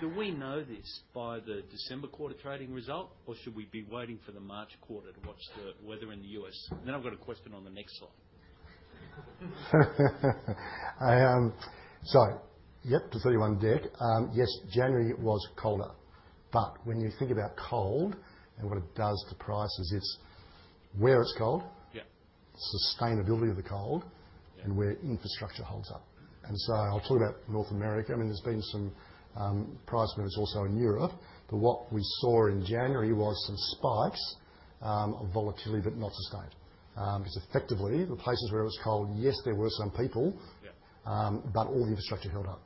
do we know this by the December quarter trading result, or should we be waiting for the March quarter to watch the weather in the U.S.? I have a question on the next slide. To 31 December, yes, January was colder, but when you think about cold and what it does to prices, it's where it's cold, sustainability of the cold, and where infrastructure holds up. I'll talk about North America. I mean, there's been some price movements also in Europe, but what we saw in January was some spikes of volatility but not sustained. Because effectively, the places where it was cold, yes, there were some people, but all the infrastructure held up.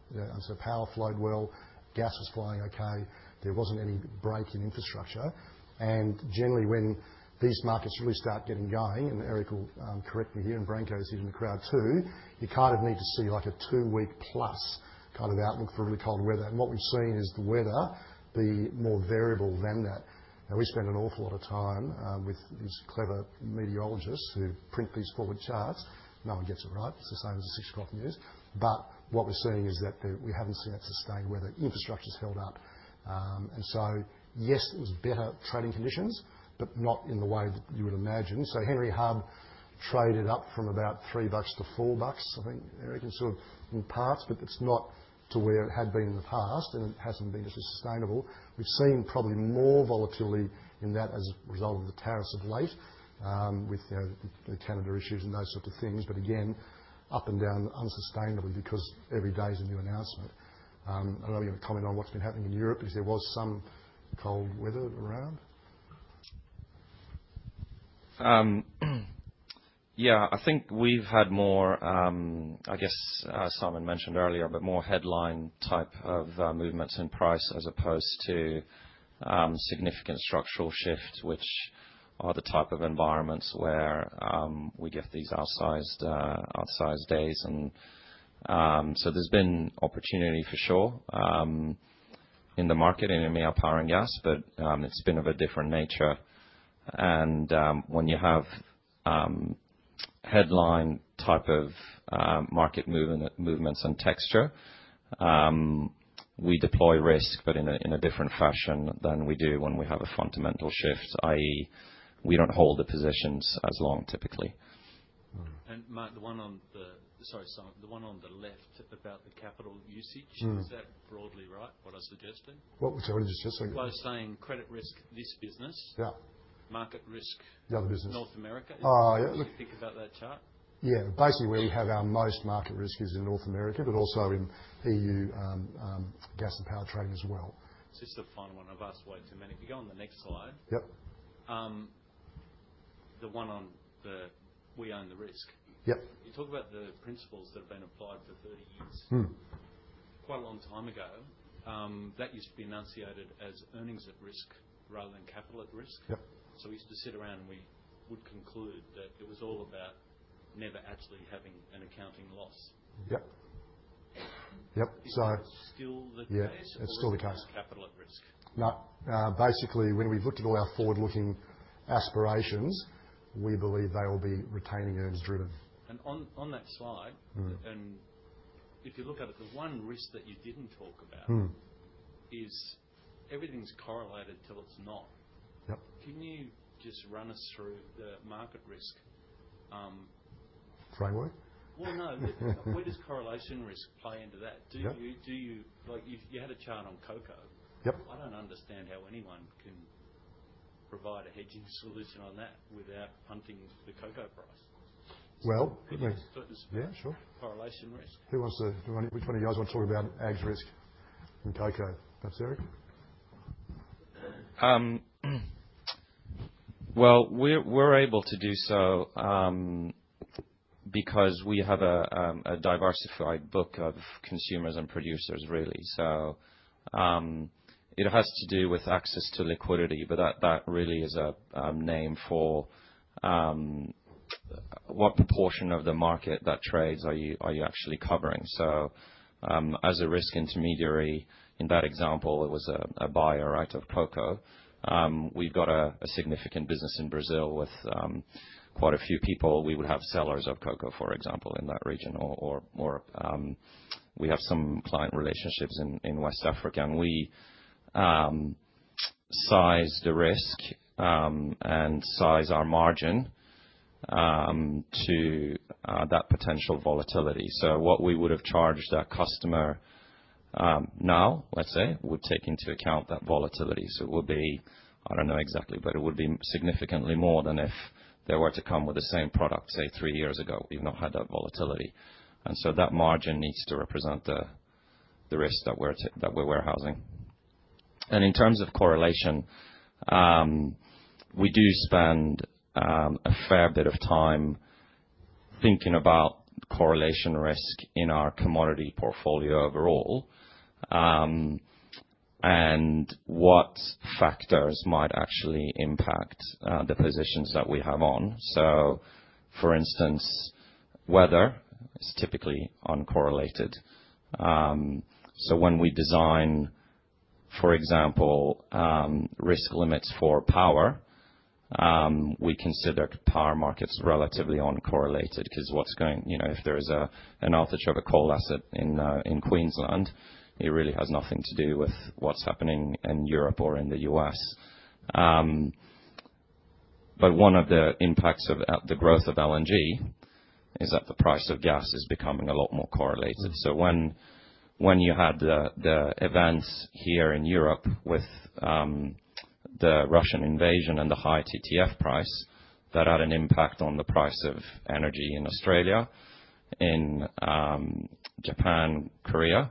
Power flowed well. Gas was flowing okay. There wasn't any break in infrastructure. Generally, when these markets really start getting going, and Erik will correct me here, and Branko is here in the crowd too, you kind of need to see a two-week-plus kind of outlook for really cold weather. What we've seen is the weather be more variable than that. Now, we spend an awful lot of time with these clever meteorologists who print these forward charts. No one gets it right. It's the same as the 6 o'clock news. What we're seeing is that we haven't seen that sustained weather. Infrastructure's held up. Yes, there were better trading conditions, but not in the way that you would imagine. Henry Hub traded up from about $3 to $4, I think, Erik, and sort of in parts, but it's not to where it had been in the past, and it hasn't been just as sustainable. We've seen probably more volatility in that as a result of the tariffs of late with the Canada issues and those sorts of things, again, up and down unsustainably because every day is a new announcement. I don't know if you have a comment on what's been happening in Europe, but if there was some cold weather around. Yeah. I think we've had more, I guess Simon mentioned earlier, but more headline type of movements in price as opposed to significant structural shifts, which are the type of environments where we get these outsized days. There has been opportunity for sure in the market in EMEA Power and gas, but it's been of a different nature. When you have headline type of market movements and texture, we deploy risk, but in a different fashion than we do when we have a fundamental shift, i.e., we do not hold the positions as long typically. Mike, the one on the—sorry, Simon, the one on the left about the capital usage, is that broadly right, what I suggested? What was I just suggesting? By saying credit risk, this business, market risk. Yeah, the business. North America. Oh, yeah. If you think about that chart. Yeah. Basically, where we have our most market risk is in North America, but also in EU gas and power trading as well. Just a final one. I've asked way too many. If you go on the next slide, the one on the "We own the risk," you talk about the principles that have been applied for 30 years. Quite a long time ago, that used to be enunciated as earnings at risk rather than capital at risk. You know, we used to sit around, and we would conclude that it was all about never actually having an accounting loss. Yep. Yep. Is that still the case? Yeah. It's still the case. Or is it capital at risk? Basically, when we've looked at all our forward-looking aspirations, we believe they will be retaining earnings-driven. On that slide, and if you look at it, the one risk that you did not talk about is everything's correlated till it's not. Can you just run us through the market risk? Framework? No. Where does correlation risk play into that? You had a chart on cocoa. I do not understand how anyone can provide a hedging solution on that without punting the cocoa price. Let me. It's a certain space of correlation risk. Who wants to—which one of you guys want to talk about ag's risk in cocoa? Perhaps Erik? We're able to do so because we have a diversified book of consumers and producers, really. It has to do with access to liquidity, but that really is a name for what proportion of the market that trades are you actually covering. As a risk intermediary, in that example, it was a buyer, right, of cocoa. We've got a significant business in Brazil with quite a few people. We would have sellers of cocoa, for example, in that region, or we have some client relationships in West Africa. We size the risk and size our margin to that potential volatility. What we would have charged our customer now, let's say, would take into account that volatility. It would be—I don't know exactly, but it would be significantly more than if they were to come with the same product, say, three years ago. We've not had that volatility. That margin needs to represent the risk that we're warehousing. In terms of correlation, we do spend a fair bit of time thinking about correlation risk in our commodity portfolio overall and what factors might actually impact the positions that we have on. For instance, weather is typically uncorrelated. When we design, for example, risk limits for power, we consider power markets relatively uncorrelated because if there is an outage of a coal asset in Queensland, it really has nothing to do with what's happening in Europe or in the U.S. One of the impacts of the growth of LNG is that the price of gas is becoming a lot more correlated. When you had the events here in Europe with the Russian invasion and the high TTF price, that had an impact on the price of energy in Australia, in Japan, Korea,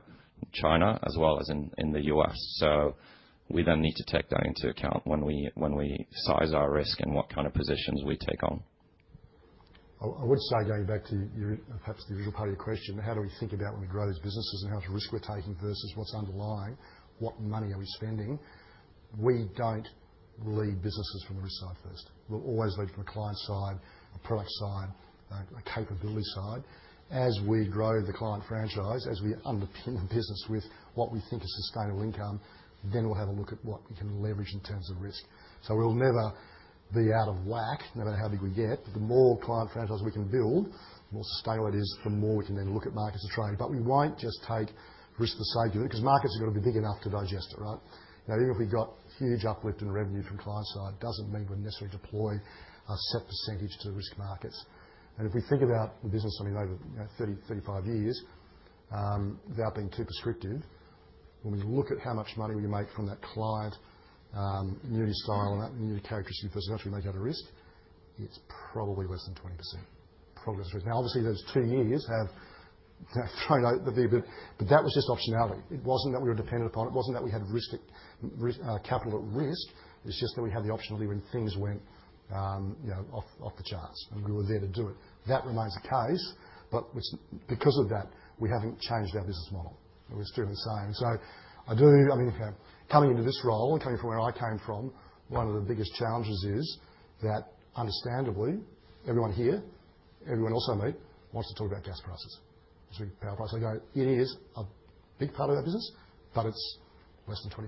China, as well as in the U.S. We then need to take that into account when we size our risk and what kind of positions we take on. I would say going back to perhaps the original part of your question, how do we think about when we grow these businesses and how much risk we're taking versus what's underlying, what money are we spending? We don't lead businesses from the risk side first. We always lead from a client side, a product side, a capability side. As we grow the client franchise, as we underpin the business with what we think is sustainable income, then we have a look at what we can leverage in terms of risk. We will never be out of whack, no matter how big we get, but the more client franchise we can build, the more sustainable it is, the more we can then look at markets to trade. We won't just take risk for the sake of it because markets are going to be big enough to digest it, right? Now, even if we've got huge uplift in revenue from client side, it doesn't mean we necessarily deploy a set percentage to risk markets. And if we think about the business, I mean, over 30, 35 years, without being too prescriptive, when we look at how much money we make from that client, new style, and that new characteristic of person, that's what we make out of risk, it's probably less than 20%. Probably less than 20%. Now, obviously, those two years have thrown out the—but that was just optionality. It wasn't that we were dependent upon it. It wasn't that we had risk capital at risk. It's just that we had the optionality when things went off the charts, and we were there to do it. That remains the case, but because of that, we haven't changed our business model. We're still the same. I do, I mean, coming into this role and coming from where I came from, one of the biggest challenges is that, understandably, everyone here, everyone else I meet, wants to talk about gas prices, power prices. It is a big part of our business, but it's less than 20%.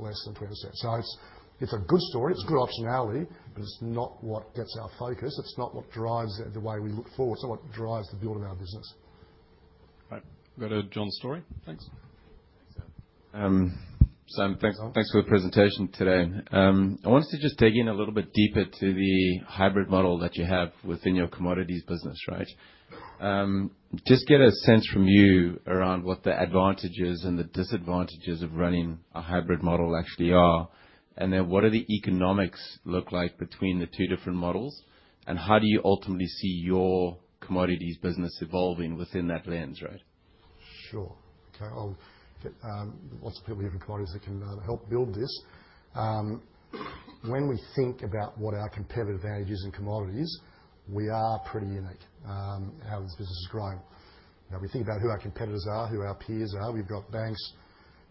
Less than 20%. It's a good story. It's good optionality, but it's not what gets our focus. It's not what drives the way we look forward. It's not what drives the build of our business. Right. We've got a John Storey. Thanks. Thanks, Sam. Thanks for the presentation today. I wanted to just dig in a little bit deeper to the hybrid model that you have within your commodities business, right? Just get a sense from you around what the advantages and the disadvantages of running a hybrid model actually are, and then what do the economics look like between the two different models, and how do you ultimately see your commodities business evolving within that lens, right? Sure. Okay. Lots of people here from commodities that can help build this. When we think about what our competitive advantage is in commodities, we are pretty unique in how this business is growing. We think about who our competitors are, who our peers are. We've got banks,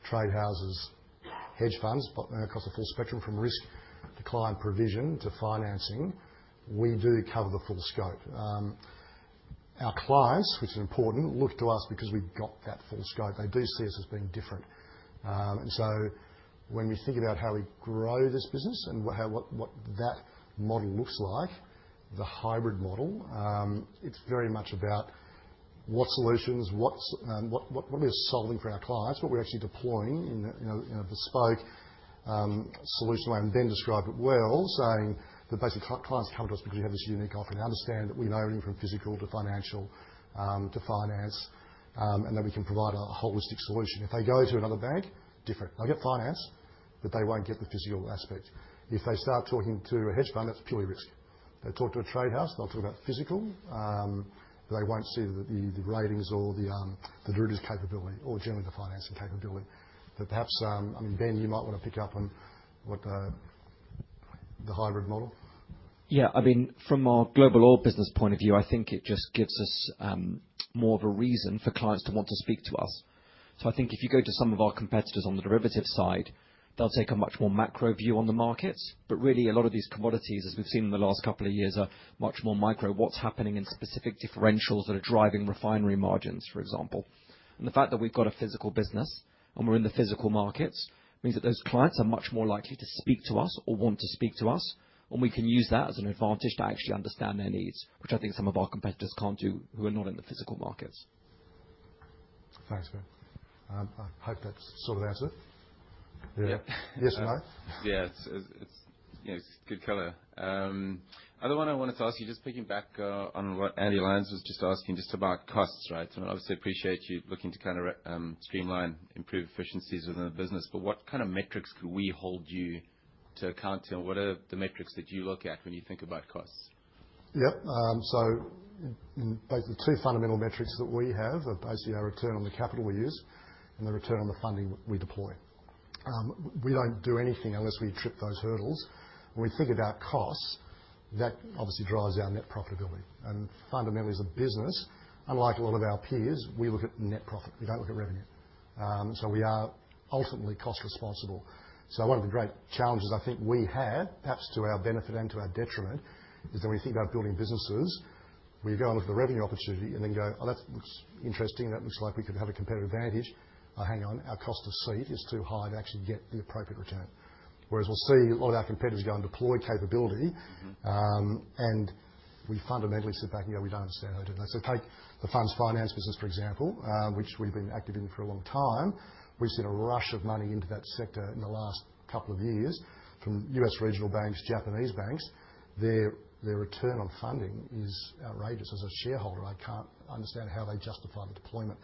trade houses, hedge funds across the full spectrum from risk to client provision to financing. We do cover the full scope. Our clients, which is important, look to us because we've got that full scope. They do see us as being different. When we think about how we grow this business and what that model looks like, the hybrid model, it's very much about what solutions, what are we solving for our clients, what we're actually deploying in a bespoke solution where I then describe it well, saying that basically clients come to us because we have this unique offering. They understand that we know everything from physical to financial to finance, and that we can provide a holistic solution. If they go to another bank, different. They'll get finance, but they won't get the physical aspect. If they start talking to a hedge fund, that's purely risk. They talk to a trade house, they'll talk about physical, but they won't see the ratings or the derivatives capability or generally the financing capability. Perhaps, I mean, Ben, you might want to pick up on the hybrid model. Yeah. I mean, from our global or business point of view, I think it just gives us more of a reason for clients to want to speak to us. I think if you go to some of our competitors on the derivatives side, they'll take a much more macro view on the markets. Really, a lot of these commodities, as we've seen in the last couple of years, are much more micro, what's happening in specific differentials that are driving refinery margins, for example. The fact that we've got a physical business and we're in the physical markets means that those clients are much more likely to speak to us or want to speak to us, and we can use that as an advantage to actually understand their needs, which I think some of our competitors can't do who are not in the physical markets. Thanks, Ben. I hope that sorted out, is it? Yeah. Yes or no? Yeah. It's good color. Another one I wanted to ask you, just picking back on what Andy Lyons was just asking, just about costs, right? I mean, obviously, I appreciate you looking to kind of streamline, improve efficiencies within the business, but what kind of metrics could we hold you to account? What are the metrics that you look at when you think about costs? Yep. The two fundamental metrics that we have are basically our return on the capital we use and the return on the funding we deploy. We do not do anything unless we trip those hurdles. When we think about costs, that obviously drives our net profitability. Fundamentally, as a business, unlike a lot of our peers, we look at net profit. We do not look at revenue. We are ultimately cost responsible. One of the great challenges I think we have, perhaps to our benefit and to our detriment, is that when you think about building businesses, we go and look at the revenue opportunity and then go, "Oh, that looks interesting. That looks like we could have a competitive advantage." Hang on. Our cost of seat is too high to actually get the appropriate return. Whereas we'll see a lot of our competitors go and deploy capability, and we fundamentally sit back and go, "We don't understand how to do that." Take the funds finance business, for example, which we've been active in for a long time. We've seen a rush of money into that sector in the last couple of years from US regional banks, Japanese banks. Their return on funding is outrageous. As a shareholder, I can't understand how they justify the deployment.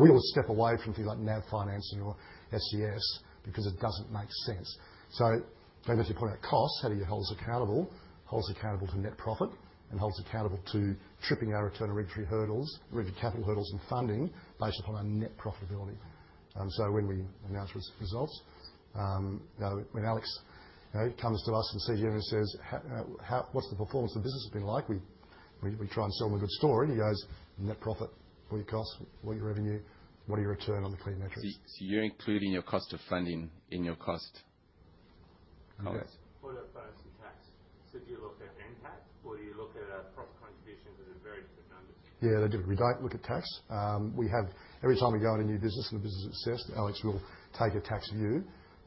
We will step away from things like NAV financing or SES because it doesn't make sense. I think if you're talking about costs, how do you hold us accountable? Hold us accountable to net profit and hold us accountable to tripping our return on regulatory hurdles, regulatory capital hurdles, and funding based upon our net profitability. When we announce results, when Alex comes to us and sees you and says, "What's the performance of the business been like?" we try and sell them a good story. He goes, "Net profit, what are your costs? What are your revenue? What are your return on the clean metrics? You're including your cost of funding in your cost? Hold up. Hold up. First, the tax. Do you look at impact or do you look at our profit contributions? Those are very different numbers. Yeah, they're different. We don't look at tax. Every time we go into new business and the business is assessed, Alex will take a tax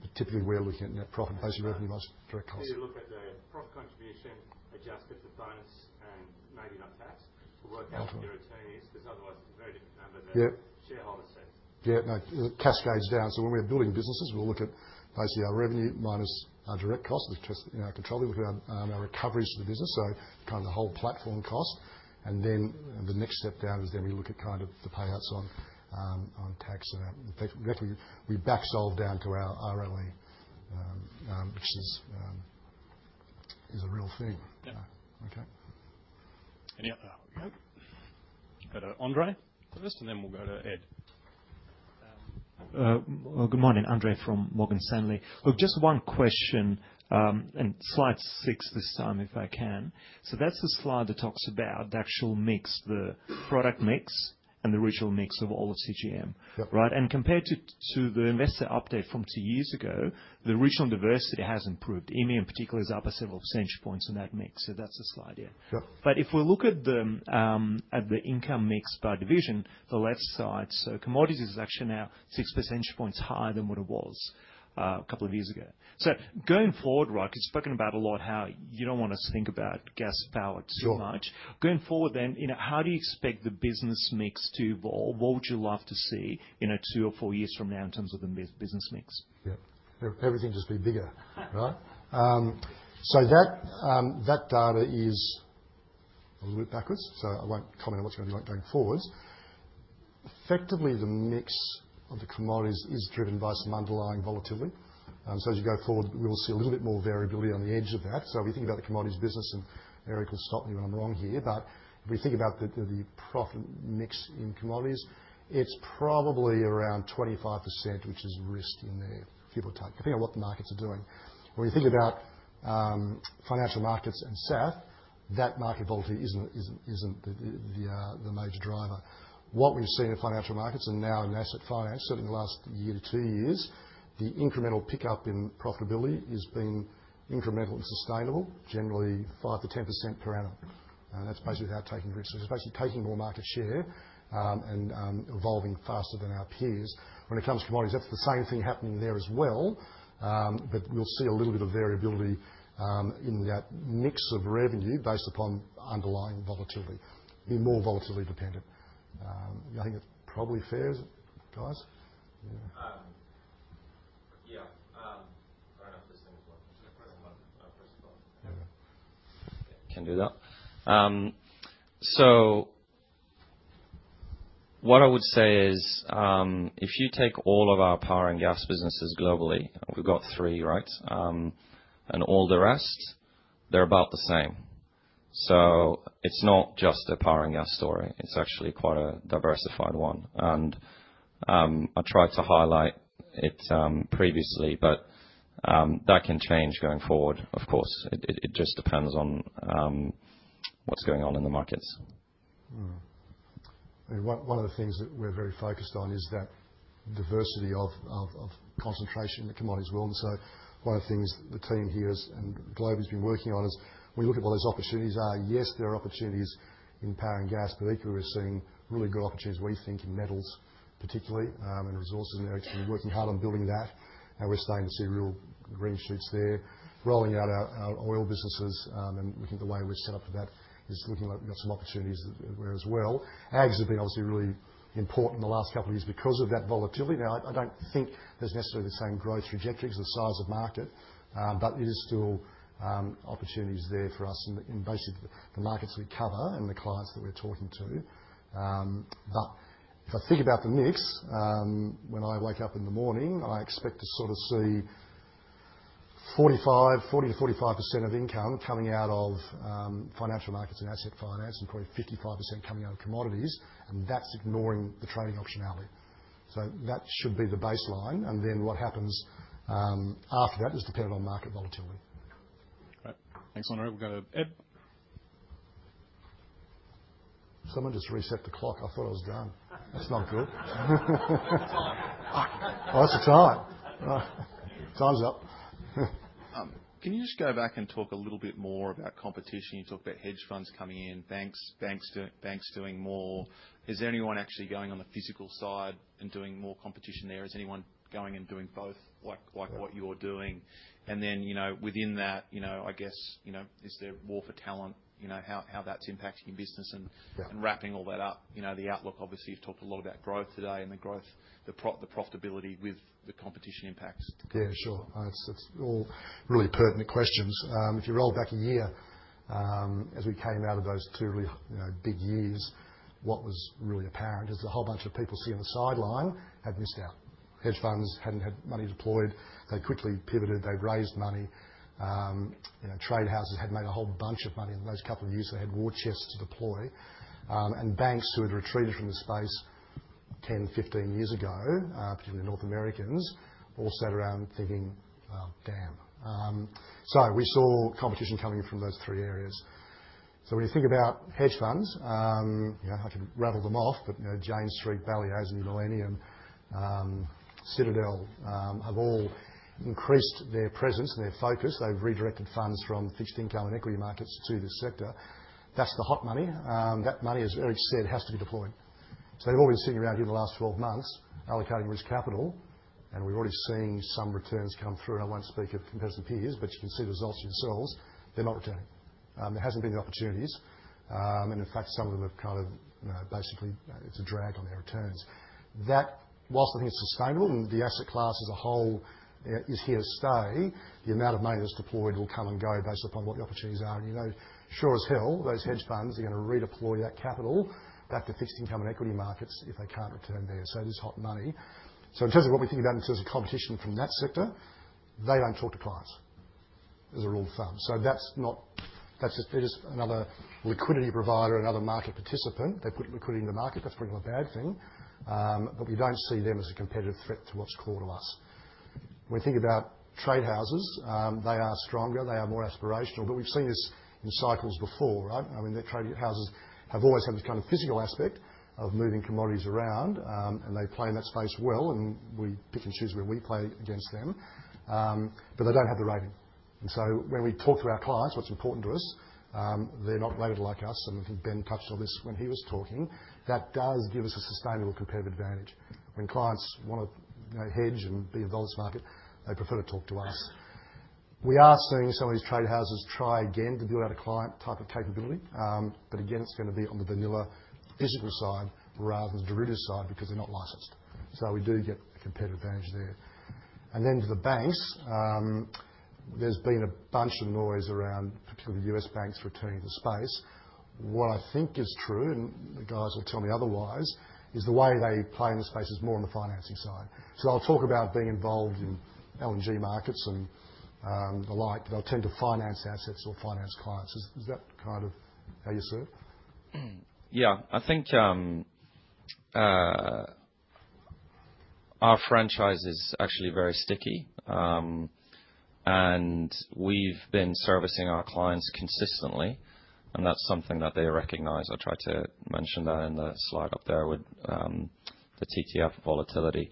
view. Typically, we're looking at net profit, basically revenue minus direct costs. You look at the profit contribution adjusted to bonus and maybe not tax to work out your attorneys. Because otherwise, it's a very different number than shareholder says. Yeah. No, cascades down. When we're building businesses, we'll look at basically our revenue minus our direct cost. We'll look at our recoveries for the business, so kind of the whole platform cost. The next step down is then we look at kind of the payouts on tax and that. In fact, we back solve down to our RoE, which is a real thing. Yep. Okay. Any other? Here we go. We'll go to Andrew first, and then we'll go to Ed. Good morning. Andrew from Morgan Stanley. Just one question and slide six this time, if I can. That is the slide that talks about the actual mix, the product mix and the regional mix of all of CGM, right? Compared to the investor update from two years ago, the regional diversity has improved. EME, in particular, is up by several percentage points in that mix. That is the slide here. If we look at the income mix by division, the left side, commodities is actually now six percentage points higher than what it was a couple of years ago. Going forward, because you have spoken about a lot how you do not want us to think about gas power too much. Going forward, how do you expect the business mix to evolve? What would you love to see in two or four years from now in terms of the business mix? Yep. Everything just be bigger, right? That data is a little bit backwards. I won't comment on what's going to be going forwards. Effectively, the mix of the commodities is driven by some underlying volatility. As you go forward, we will see a little bit more variability on the edge of that. If you think about the commodities business, and Erik will stop me when I'm wrong here, but if we think about the profit mix in commodities, it's probably around 25%, which is risk in there, give or take, depending on what the markets are doing. When you think about financial markets and SAF, that market volatility isn't the major driver. What we've seen in financial markets and now in asset finance, certainly in the last year to two years, the incremental pickup in profitability has been incremental and sustainable, generally 5-10% per annum. That's basically without taking risk. So it's basically taking more market share and evolving faster than our peers. When it comes to commodities, that's the same thing happening there as well. We'll see a little bit of variability in that mix of revenue based upon underlying volatility. Be more volatility dependent. I think that's probably fair, guys. Can do that. What I would say is if you take all of our power and gas businesses globally, we've got three, right? All the rest, they're about the same. It's not just a power and gas story. It's actually quite a diversified one. I tried to highlight it previously, but that can change going forward, of course. It just depends on what's going on in the markets. One of the things that we're very focused on is that diversity of concentration in the commodities world. One of the things the team here and Global has been working on is we look at what those opportunities are. Yes, there are opportunities in power and gas, but equally, we're seeing really good opportunities, we think, in metals particularly and resources. They're actually working hard on building that. We're starting to see real green shoots there. Rolling out our oil businesses and looking at the way we're set up for that is looking like we've got some opportunities there as well. Ags have been obviously really important in the last couple of years because of that volatility. Now, I do not think there is necessarily the same growth trajectory because of the size of market, but there are still opportunities there for us in basically the markets we cover and the clients that we are talking to. If I think about the mix, when I wake up in the morning, I expect to sort of see 40%-45% of income coming out of financial markets and asset finance and probably 55% coming out of commodities, and that is ignoring the trading optionality. That should be the baseline. What happens after that is dependent on market volatility. All right. Thanks, Andrew. We'll go to Ed. Someone just reset the clock. I thought I was done. That's not good. Oh, that's the time. Time's up. Can you just go back and talk a little bit more about competition? You talked about hedge funds coming in, banks doing more. Is there anyone actually going on the physical side and doing more competition there? Is anyone going and doing both like what you're doing? Within that, I guess, is there war for talent, how that's impacting your business and wrapping all that up? The outlook, obviously, you've talked a lot about growth today and the profitability with the competition impacts. Yeah, sure. That's all really pertinent questions. If you roll back a year as we came out of those two really big years, what was really apparent is a whole bunch of people sitting on the sideline had missed out. Hedge funds hadn't had money deployed. They quickly pivoted. They raised money. Trade houses had made a whole bunch of money in those couple of years. They had war chests to deploy. Banks who had retreated from the space 10, 15 years ago, particularly North Americans, all sat around thinking, "Damn." We saw competition coming from those three areas. When you think about hedge funds, I can rattle them off, but Jane Street, Balyasny, and Millennium, Citadel have all increased their presence and their focus. They've redirected funds from fixed income and equity markets to this sector. That's the hot money. That money, as Erik said, has to be deployed. They've all been sitting around here the last 12 months allocating risk capital. We've already seen some returns come through. I won't speak of competitive peers, but you can see the results yourselves. They're not returning. There hasn't been the opportunities. In fact, some of them have kind of basically it's a drag on their returns. Whilst I think it's sustainable and the asset class as a whole is here to stay, the amount of money that's deployed will come and go based upon what the opportunities are. Sure as hell, those hedge funds are going to redeploy that capital back to fixed income and equity markets if they can't return there. There's hot money. In terms of what we think about in terms of competition from that sector, they don't talk to clients. Those are all funds. That is just another liquidity provider, another market participant. They put liquidity in the market. That is probably not a bad thing. We do not see them as a competitive threat to what is called to us. When you think about trade houses, they are stronger. They are more aspirational. We have seen this in cycles before, right? I mean, the trade houses have always had this kind of physical aspect of moving commodities around, and they play in that space well. We pick and choose where we play against them. They do not have the rating. When we talk to our clients, what is important to us, they are not rated like us. I think Ben touched on this when he was talking. That does give us a sustainable competitive advantage. When clients want to hedge and be involved in this market, they prefer to talk to us. We are seeing some of these trade houses try again to build out a client type of capability. Again, it is going to be on the vanilla physical side rather than the derivative side because they are not licensed. We do get a competitive advantage there. To the banks, there has been a bunch of noise around particularly the U.S. banks returning to the space. What I think is true, and the guys will tell me otherwise, is the way they play in the space is more on the financing side. They will talk about being involved in LNG markets and the like, but they will tend to finance assets or finance clients. Is that kind of how you see it? Yeah. I think our franchise is actually very sticky. And we've been servicing our clients consistently. And that's something that they recognize. I tried to mention that in the slide up there with the TTF volatility.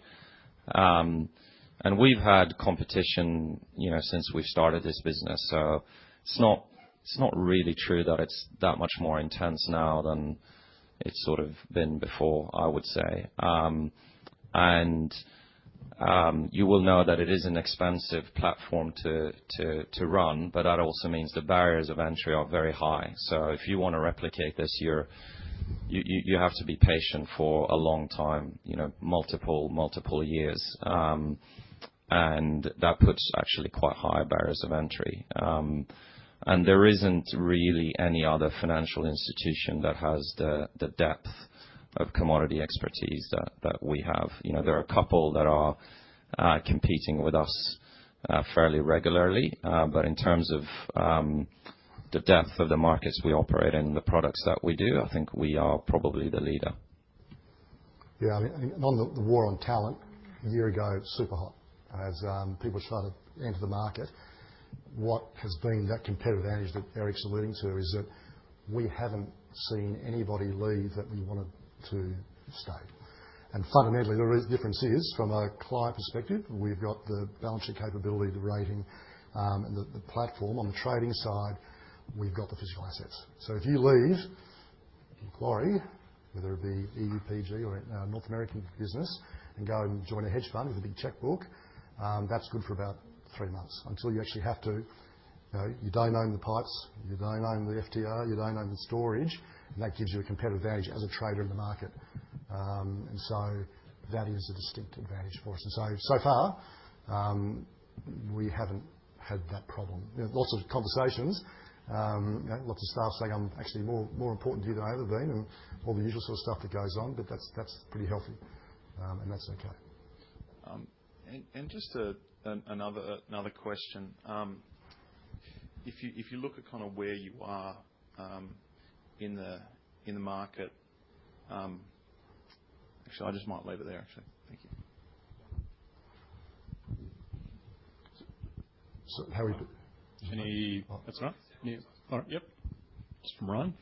And we've had competition since we've started this business. It's not really true that it's that much more intense now than it's sort of been before, I would say. You will know that it is an expensive platform to run, but that also means the barriers of entry are very high. If you want to replicate this, you have to be patient for a long time, multiple, multiple years. That puts actually quite high barriers of entry. There isn't really any other financial institution that has the depth of commodity expertise that we have. There are a couple that are competing with us fairly regularly. In terms of the depth of the markets we operate in and the products that we do, I think we are probably the leader. Yeah. On the war on talent, a year ago, super hot as people were trying to enter the market. What has been that competitive advantage that Erik's alluding to is that we haven't seen anybody leave that we wanted to stay. Fundamentally, the difference is from a client perspective, we've got the balance sheet capability, the rating, and the platform. On the trading side, we've got the physical assets. If you leave, Macquarie, whether it be EUPG or a North American business, and go and join a hedge fund with a big checkbook, that's good for about three months until you actually have to. You don't own the pipes. You don't own the FTR. You don't own the storage. That gives you a competitive advantage as a trader in the market. That is a distinct advantage for us. So far, we haven't had that problem. Lots of conversations. Lots of staff saying, "I'm actually more important to you than I ever been," and all the usual sort of stuff that goes on. That's pretty healthy. That's okay. Just another question. If you look at kind of where you are in the market actually, I just might leave it there, actually. Thank you. Sorry. How are you? That's right. All right. Yep. Just from Ryan.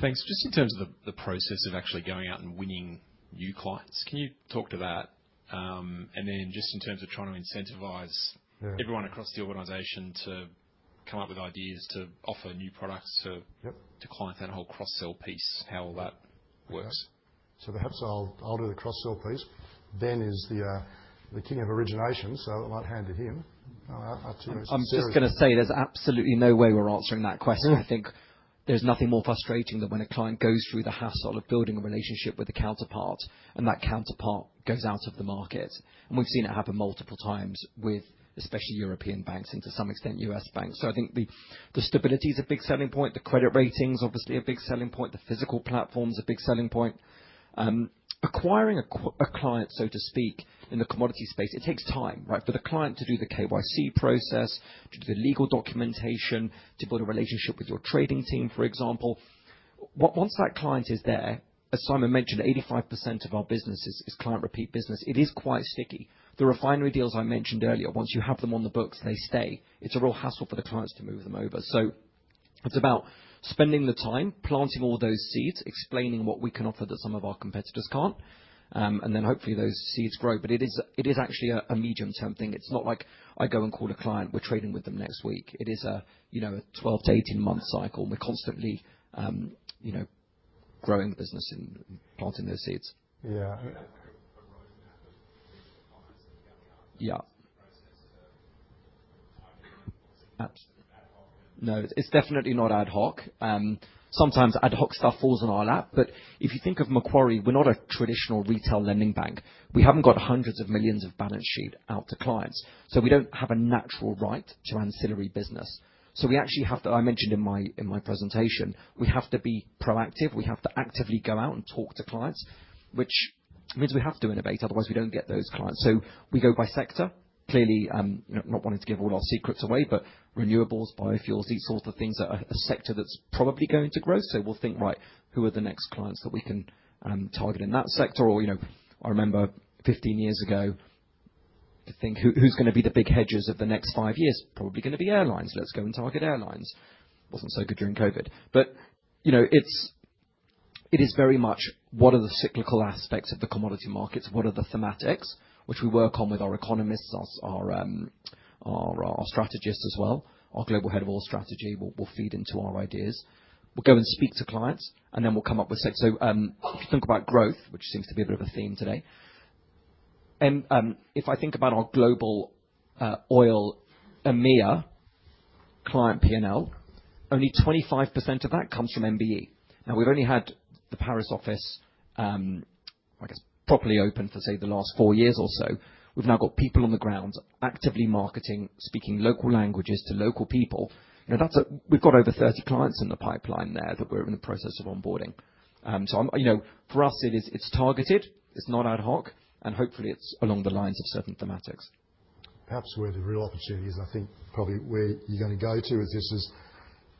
Thanks. Just in terms of the process of actually going out and winning new clients, can you talk to that? Just in terms of trying to incentivize everyone across the organization to come up with ideas to offer new products to clients, that whole cross-sell piece, how all that works. Perhaps I'll do the cross-sell piece. Ben is the king of origination, so I might hand it to him. I'm just going to say there's absolutely no way we're answering that question. I think there's nothing more frustrating than when a client goes through the hassle of building a relationship with a counterpart and that counterpart goes out of the market. We've seen it happen multiple times with especially European banks and to some extent U.S. banks. I think the stability is a big selling point. The credit ratings obviously are a big selling point. The physical platforms are a big selling point. Acquiring a client, so to speak, in the commodity space, it takes time, right? For the client to do the KYC process, to do the legal documentation, to build a relationship with your trading team, for example. Once that client is there, as Simon mentioned, 85% of our business is client-repeat business. It is quite sticky. The refinery deals I mentioned earlier, once you have them on the books, they stay. It is a real hassle for the clients to move them over. It is about spending the time, planting all those seeds, explaining what we can offer that some of our competitors cannot. Hopefully those seeds grow. It is actually a medium-term thing. It is not like I go and call a client, "We are trading with them next week." It is a 12- to 18-month cycle. We are constantly growing the business and planting those seeds. Yeah. Yeah. Ad hoc. No, it's definitely not ad hoc. Sometimes ad hoc stuff falls on our lap. If you think of Macquarie, we're not a traditional retail lending bank. We haven't got hundreds of millions of balance sheet out to clients. We don't have a natural right to ancillary business. We actually have to, I mentioned in my presentation, we have to be proactive. We have to actively go out and talk to clients, which means we have to innovate. Otherwise, we don't get those clients. We go by sector. Clearly, not wanting to give all our secrets away, but renewables, biofuels, these sorts of things are a sector that's probably going to grow. We'll think, "Right, who are the next clients that we can target in that sector?" I remember 15 years ago, to think, "Who's going to be the big hedges of the next five years?" Probably going to be airlines. Let's go and target airlines. Wasn't so good during COVID. It is very much what are the cyclical aspects of the commodity markets, what are the thematics, which we work on with our economists, our strategists as well. Our global head of oil strategy will feed into our ideas. We'll go and speak to clients, and then we'll come up with sectors. If you think about growth, which seems to be a bit of a theme today. If I think about our global oil EMEA client P&L, only 25% of that comes from MBE. Now, we've only had the Paris office, I guess, properly open for, say, the last four years or so. We've now got people on the ground actively marketing, speaking local languages to local people. We've got over 30 clients in the pipeline there that we're in the process of onboarding. For us, it's targeted. It's not ad hoc. Hopefully, it's along the lines of certain thematics. Perhaps where the real opportunity is, I think probably where you're going to go to is this is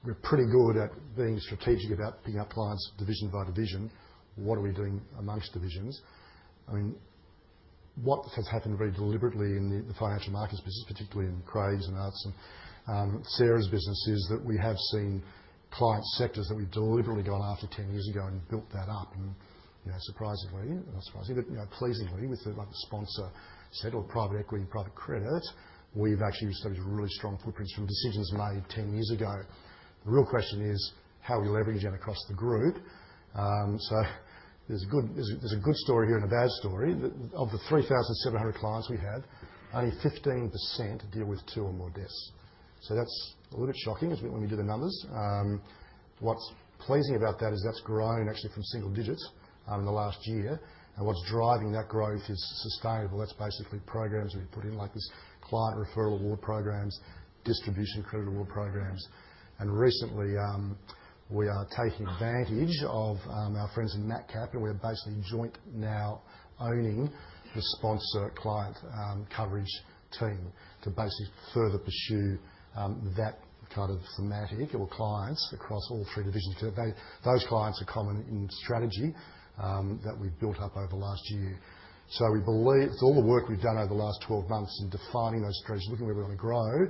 we're pretty good at being strategic about picking up clients division by division. What are we doing amongst divisions? I mean, what has happened very deliberately in the financial markets business, particularly in Craig's and Sarah's business, is that we have seen client sectors that we've deliberately gone after 10 years ago and built that up. And surprisingly, not surprisingly, but pleasingly, with the sponsor set or private equity and private credit, we've actually established really strong footprints from decisions made 10 years ago. The real question is how we leverage them across the group. There is a good story here and a bad story. Of the 3,700 clients we had, only 15% deal with two or more desks. That is a little bit shocking when we do the numbers. What's pleasing about that is that's grown actually from single digits in the last year. What's driving that growth is sustainable. That's basically programs we've put in like these client referral award programs, distribution credit award programs. Recently, we are taking advantage of our friends in Macquarie Capital, and we're basically joint now owning the sponsor client coverage team to basically further pursue that kind of thematic or clients across all three divisions. Those clients are common in strategy that we've built up over the last year. We believe it's all the work we've done over the last 12 months in defining those strategies, looking where we want to grow,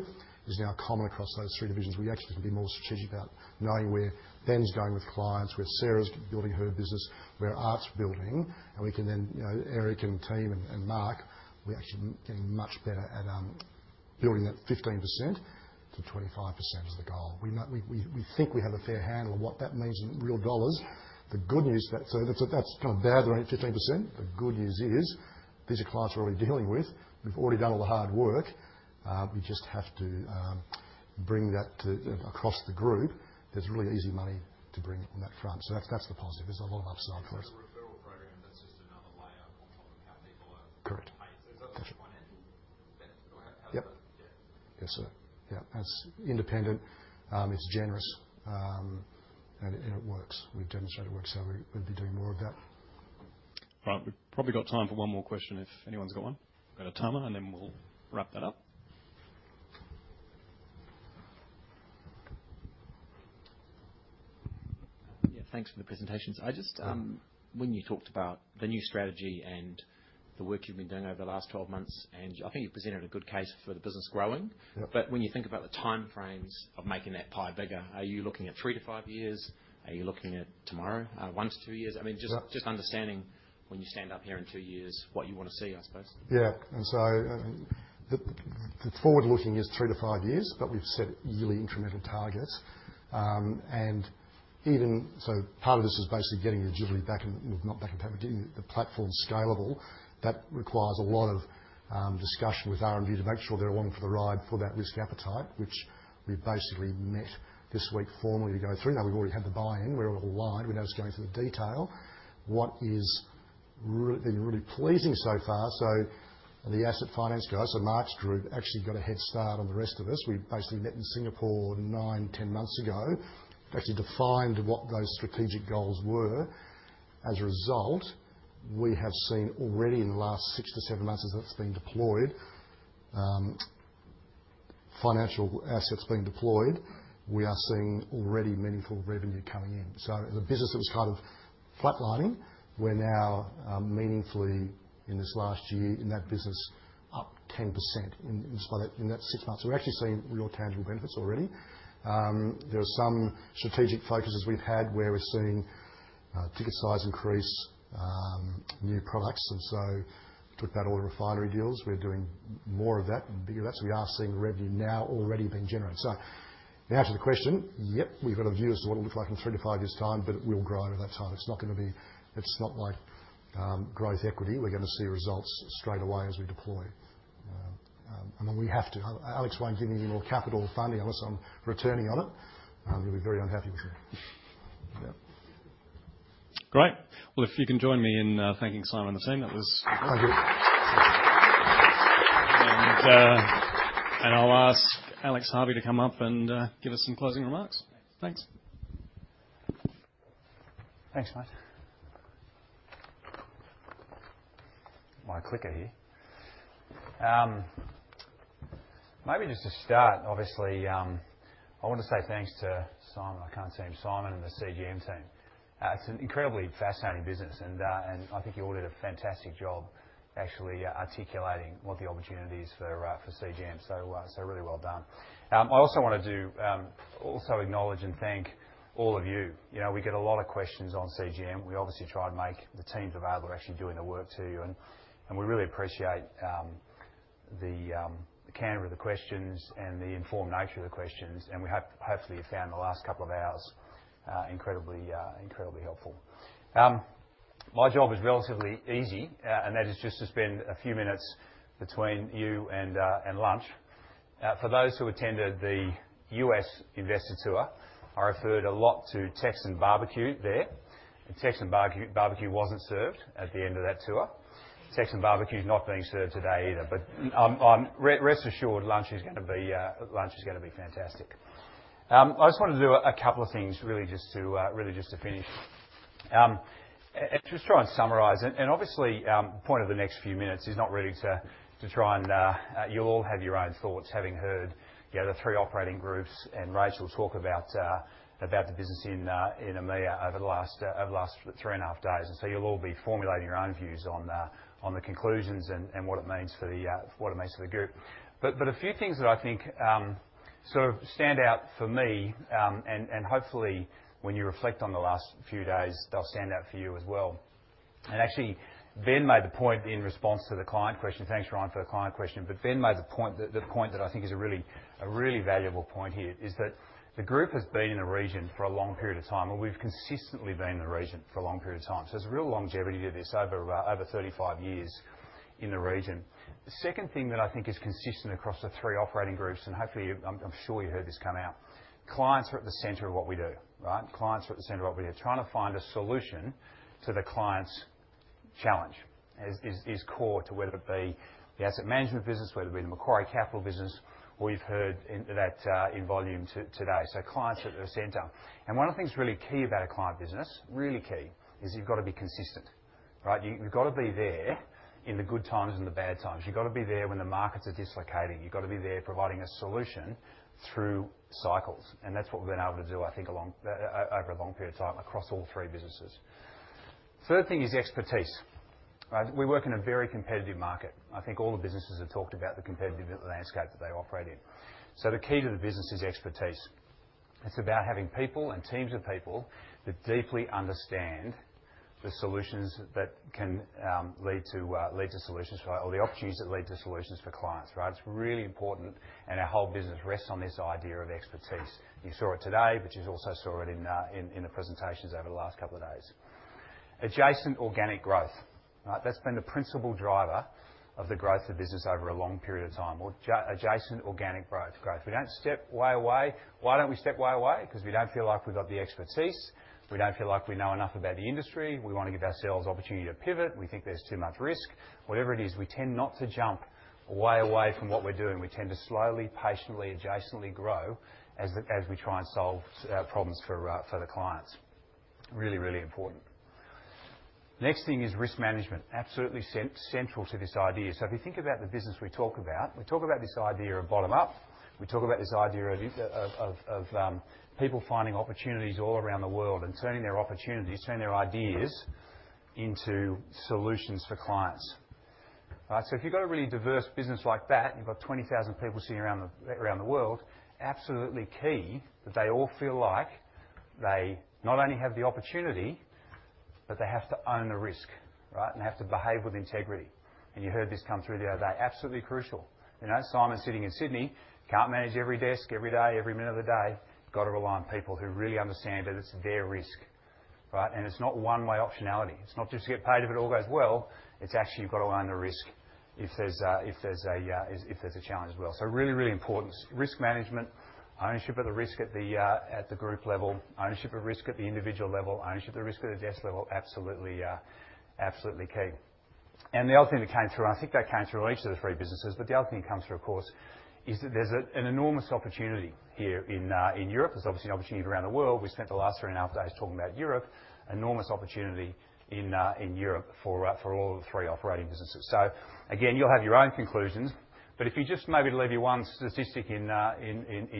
is now common across those three divisions. We actually can be more strategic about knowing where Ben's going with clients, where Sarah's building her business, where Art's building. We can then, Erik and team and Marc, we're actually getting much better at building that 15%-25% as the goal. We think we have a fair handle on what that means in real dollars. The good news is that so that's kind of bad there, 15%. The good news is these are clients we're already dealing with. We've already done all the hard work. We just have to bring that across the group. There's really easy money to bring on that front. That's the positive. There's a lot of upside for us. The referral program, that's just another layer on top of how people are paid. There's other financial benefit or how that. Yep. Yes, sir. Yeah. It's independent. It's generous. It works. We've demonstrated it works. We'll be doing more of that. Right. We've probably got time for one more question if anyone's got one. We've got a timer, and then we'll wrap that up. Yeah. Thanks for the presentations. When you talked about the new strategy and the work you've been doing over the last 12 months, and I think you've presented a good case for the business growing. When you think about the timeframes of making that pie bigger, are you looking at three to five years? Are you looking at tomorrow, one to two years? I mean, just understanding when you stand up here in two years, what you want to see, I suppose. Yeah. The forward-looking is three to five years, but we've set yearly incremental targets. Even so, part of this is basically getting the agility back and not back in power, but getting the platform scalable. That requires a lot of discussion with RMG to make sure they're along for the ride for that risk appetite, which we basically met this week formally to go through. Now, we've already had the buy-in. We're all aligned. We're now just going through the detail. What has been really pleasing so far? The asset finance guys, so Marc's group actually got a head start on the rest of us. We basically met in Singapore nine, ten months ago, actually defined what those strategic goals were. As a result, we have seen already in the last six to seven months as it's been deployed, financial assets being deployed, we are seeing already meaningful revenue coming in. As a business that was kind of flatlining, we're now meaningfully in this last year in that business up 10% in that six months. We're actually seeing real tangible benefits already. There are some strategic focuses we've had where we're seeing ticket size increase, new products. We took that, all the refinery deals. We're doing more of that and bigger of that. We are seeing revenue now already being generated. Now to the question, yep, we've got a view as to what it looks like in three to five years' time, but we'll grow over that time. It's not going to be, it's not like growth equity. We're going to see results straight away as we deploy. We have to. Alex won't give me any more capital funding unless I'm returning on it. He'll be very unhappy with me. Great. If you can join me in thanking Simon and the team, that was. Thank you. I'll ask Alex Harvey to come up and give us some closing remarks. Thanks. Thanks, mate. My clicker here. Maybe just to start, obviously, I want to say thanks to Simon. I can't see him. Simon and the CGM team. It's an incredibly fascinating business. I think you all did a fantastic job actually articulating what the opportunity is for CGM. Really well done. I also want to acknowledge and thank all of you. We get a lot of questions on CGM. We obviously try to make the teams available, actually doing the work too. We really appreciate the candor of the questions and the informed nature of the questions. We hopefully have found the last couple of hours incredibly helpful. My job is relatively easy, and that is just to spend a few minutes between you and lunch. For those who attended the US investor tour, I referred a lot to Texan barbecue there. Texan barbecue was not served at the end of that tour. Texan barbecue is not being served today either. Rest assured, lunch is going to be fantastic. I just wanted to do a couple of things really just to finish and try and summarize. Obviously, the point of the next few minutes is not really to try and—you'll all have your own thoughts having heard the three operating groups and Rachel talk about the business in EMEA over the last three and a half days. You'll all be formulating your own views on the conclusions and what it means for the group. A few things that I think sort of stand out for me, and hopefully when you reflect on the last few days, they'll stand out for you as well. Actually, Ben made the point in response to the client question. Thanks, Ryan, for the client question. Ben made the point that I think is a really valuable point here, that the group has been in the region for a long period of time. We have consistently been in the region for a long period of time. There is a real longevity to this, over 35 years in the region. The second thing that I think is consistent across the three operating groups, and hopefully I am sure you heard this come out, clients are at the centre of what we do, right? Clients are at the centre of what we do. Trying to find a solution to the client's challenge is core to whether it be the asset management business, whether it be the Macquarie Capital business, or you have heard that in volume today. Clients at the centre. One of the things really key about a client business, really key, is you've got to be consistent, right? You've got to be there in the good times and the bad times. You've got to be there when the markets are dislocating. You've got to be there providing a solution through cycles. That's what we've been able to do, I think, over a long period of time across all three businesses. Third thing is expertise. We work in a very competitive market. I think all the businesses have talked about the competitive landscape that they operate in. The key to the business is expertise. It's about having people and teams of people that deeply understand the solutions that can lead to solutions or the opportunities that lead to solutions for clients, right? It's really important. Our whole business rests on this idea of expertise. You saw it today, but you also saw it in the presentations over the last couple of days. Adjacent organic growth, right? That's been the principal driver of the growth of the business over a long period of time. Adjacent organic growth. We don't step way away. Why don't we step way away? Because we don't feel like we've got the expertise. We don't feel like we know enough about the industry. We want to give ourselves the opportunity to pivot. We think there's too much risk. Whatever it is, we tend not to jump way away from what we're doing. We tend to slowly, patiently, adjacently grow as we try and solve problems for the clients. Really, really important. Next thing is risk management. Absolutely central to this idea. If you think about the business we talk about, we talk about this idea of bottom-up. We talk about this idea of people finding opportunities all around the world and turning their opportunities, turning their ideas into solutions for clients. If you've got a really diverse business like that, you've got 20,000 people sitting around the world, absolutely key that they all feel like they not only have the opportunity, but they have to own the risk, right? They have to behave with integrity. You heard this come through the other day. Absolutely crucial. Simon sitting in Sydney can't manage every desk every day, every minute of the day. Got to rely on people who really understand that it's their risk, right? It's not one-way optionality. It's not just to get paid if it all goes well. It's actually you've got to own the risk if there's a challenge as well. Really, really important. Risk management, ownership of the risk at the group level, ownership of risk at the individual level, ownership of the risk at the desk level, absolutely key. The other thing that came through, and I think that came through on each of the three businesses, the other thing that comes through, of course, is that there's an enormous opportunity here in Europe. There's obviously an opportunity around the world. We spent the last three and a half days talking about Europe. Enormous opportunity in Europe for all three operating businesses. Again, you'll have your own conclusions. If you just maybe to leave you one statistic in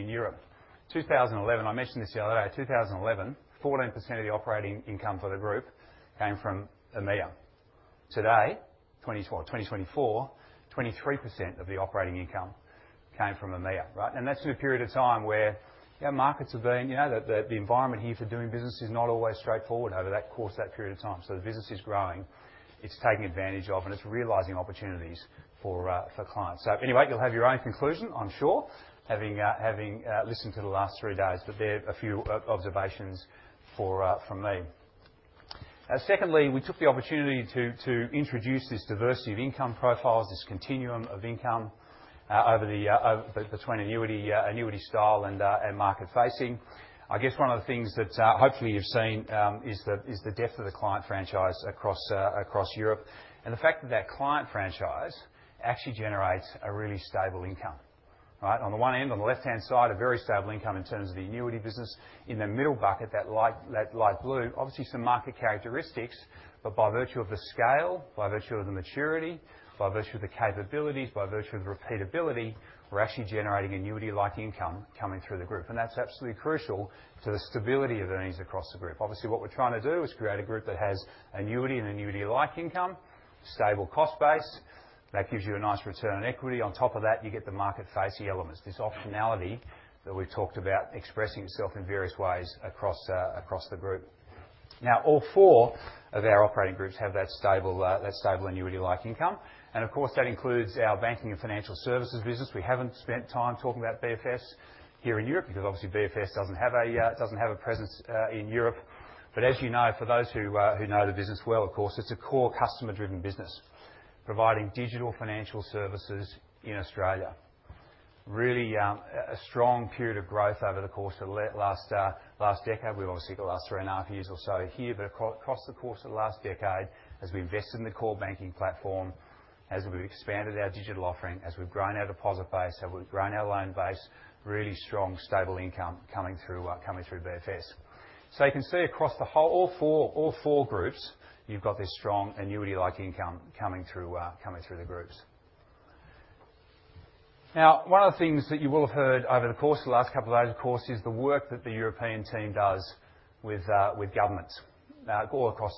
Europe. 2011, I mentioned this the other day, 2011, 14% of the operating income for the group came from EMEA. Today, 2024, 23% of the operating income came from EMEA, right? That is in a period of time where markets have been, the environment here for doing business is not always straightforward over that course, that period of time. The business is growing. It is taking advantage of, and it is realising opportunities for clients. You will have your own conclusion, I am sure, having listened to the last three days. There are a few observations from me. Secondly, we took the opportunity to introduce this diversity of income profiles, this continuum of income between annuity style and market facing. I guess one of the things that hopefully you have seen is the depth of the client franchise across Europe. The fact that that client franchise actually generates a really stable income, right? On the one end, on the left-hand side, a very stable income in terms of the annuity business. In the middle bucket, that light blue, obviously some market characteristics, but by virtue of the scale, by virtue of the maturity, by virtue of the capabilities, by virtue of the repeatability, we are actually generating annuity-like income coming through the group. That is absolutely crucial to the stability of earnings across the group. Obviously, what we are trying to do is create a group that has annuity and annuity-like income, stable cost base. That gives you a nice return on equity. On top of that, you get the market-facing elements, this optionality that we have talked about expressing itself in various ways across the group. Now, all four of our operating groups have that stable annuity-like income. Of course, that includes our Banking and Financial Services business. We haven't spent time talking about BFS here in Europe because obviously BFS doesn't have a presence in Europe. But as you know, for those who know the business well, of course, it's a core customer-driven business, providing digital financial services in Australia. Really a strong period of growth over the course of the last decade. We've obviously got the last three and a half years or so here. But across the course of the last decade, as we invested in the core banking platform, as we've expanded our digital offering, as we've grown our deposit base, as we've grown our loan base, really strong, stable income coming through BFS. You can see across all four groups, you've got this strong annuity-like income coming through the groups. Now, one of the things that you will have heard over the course of the last couple of days, of course, is the work that the European team does with governments all across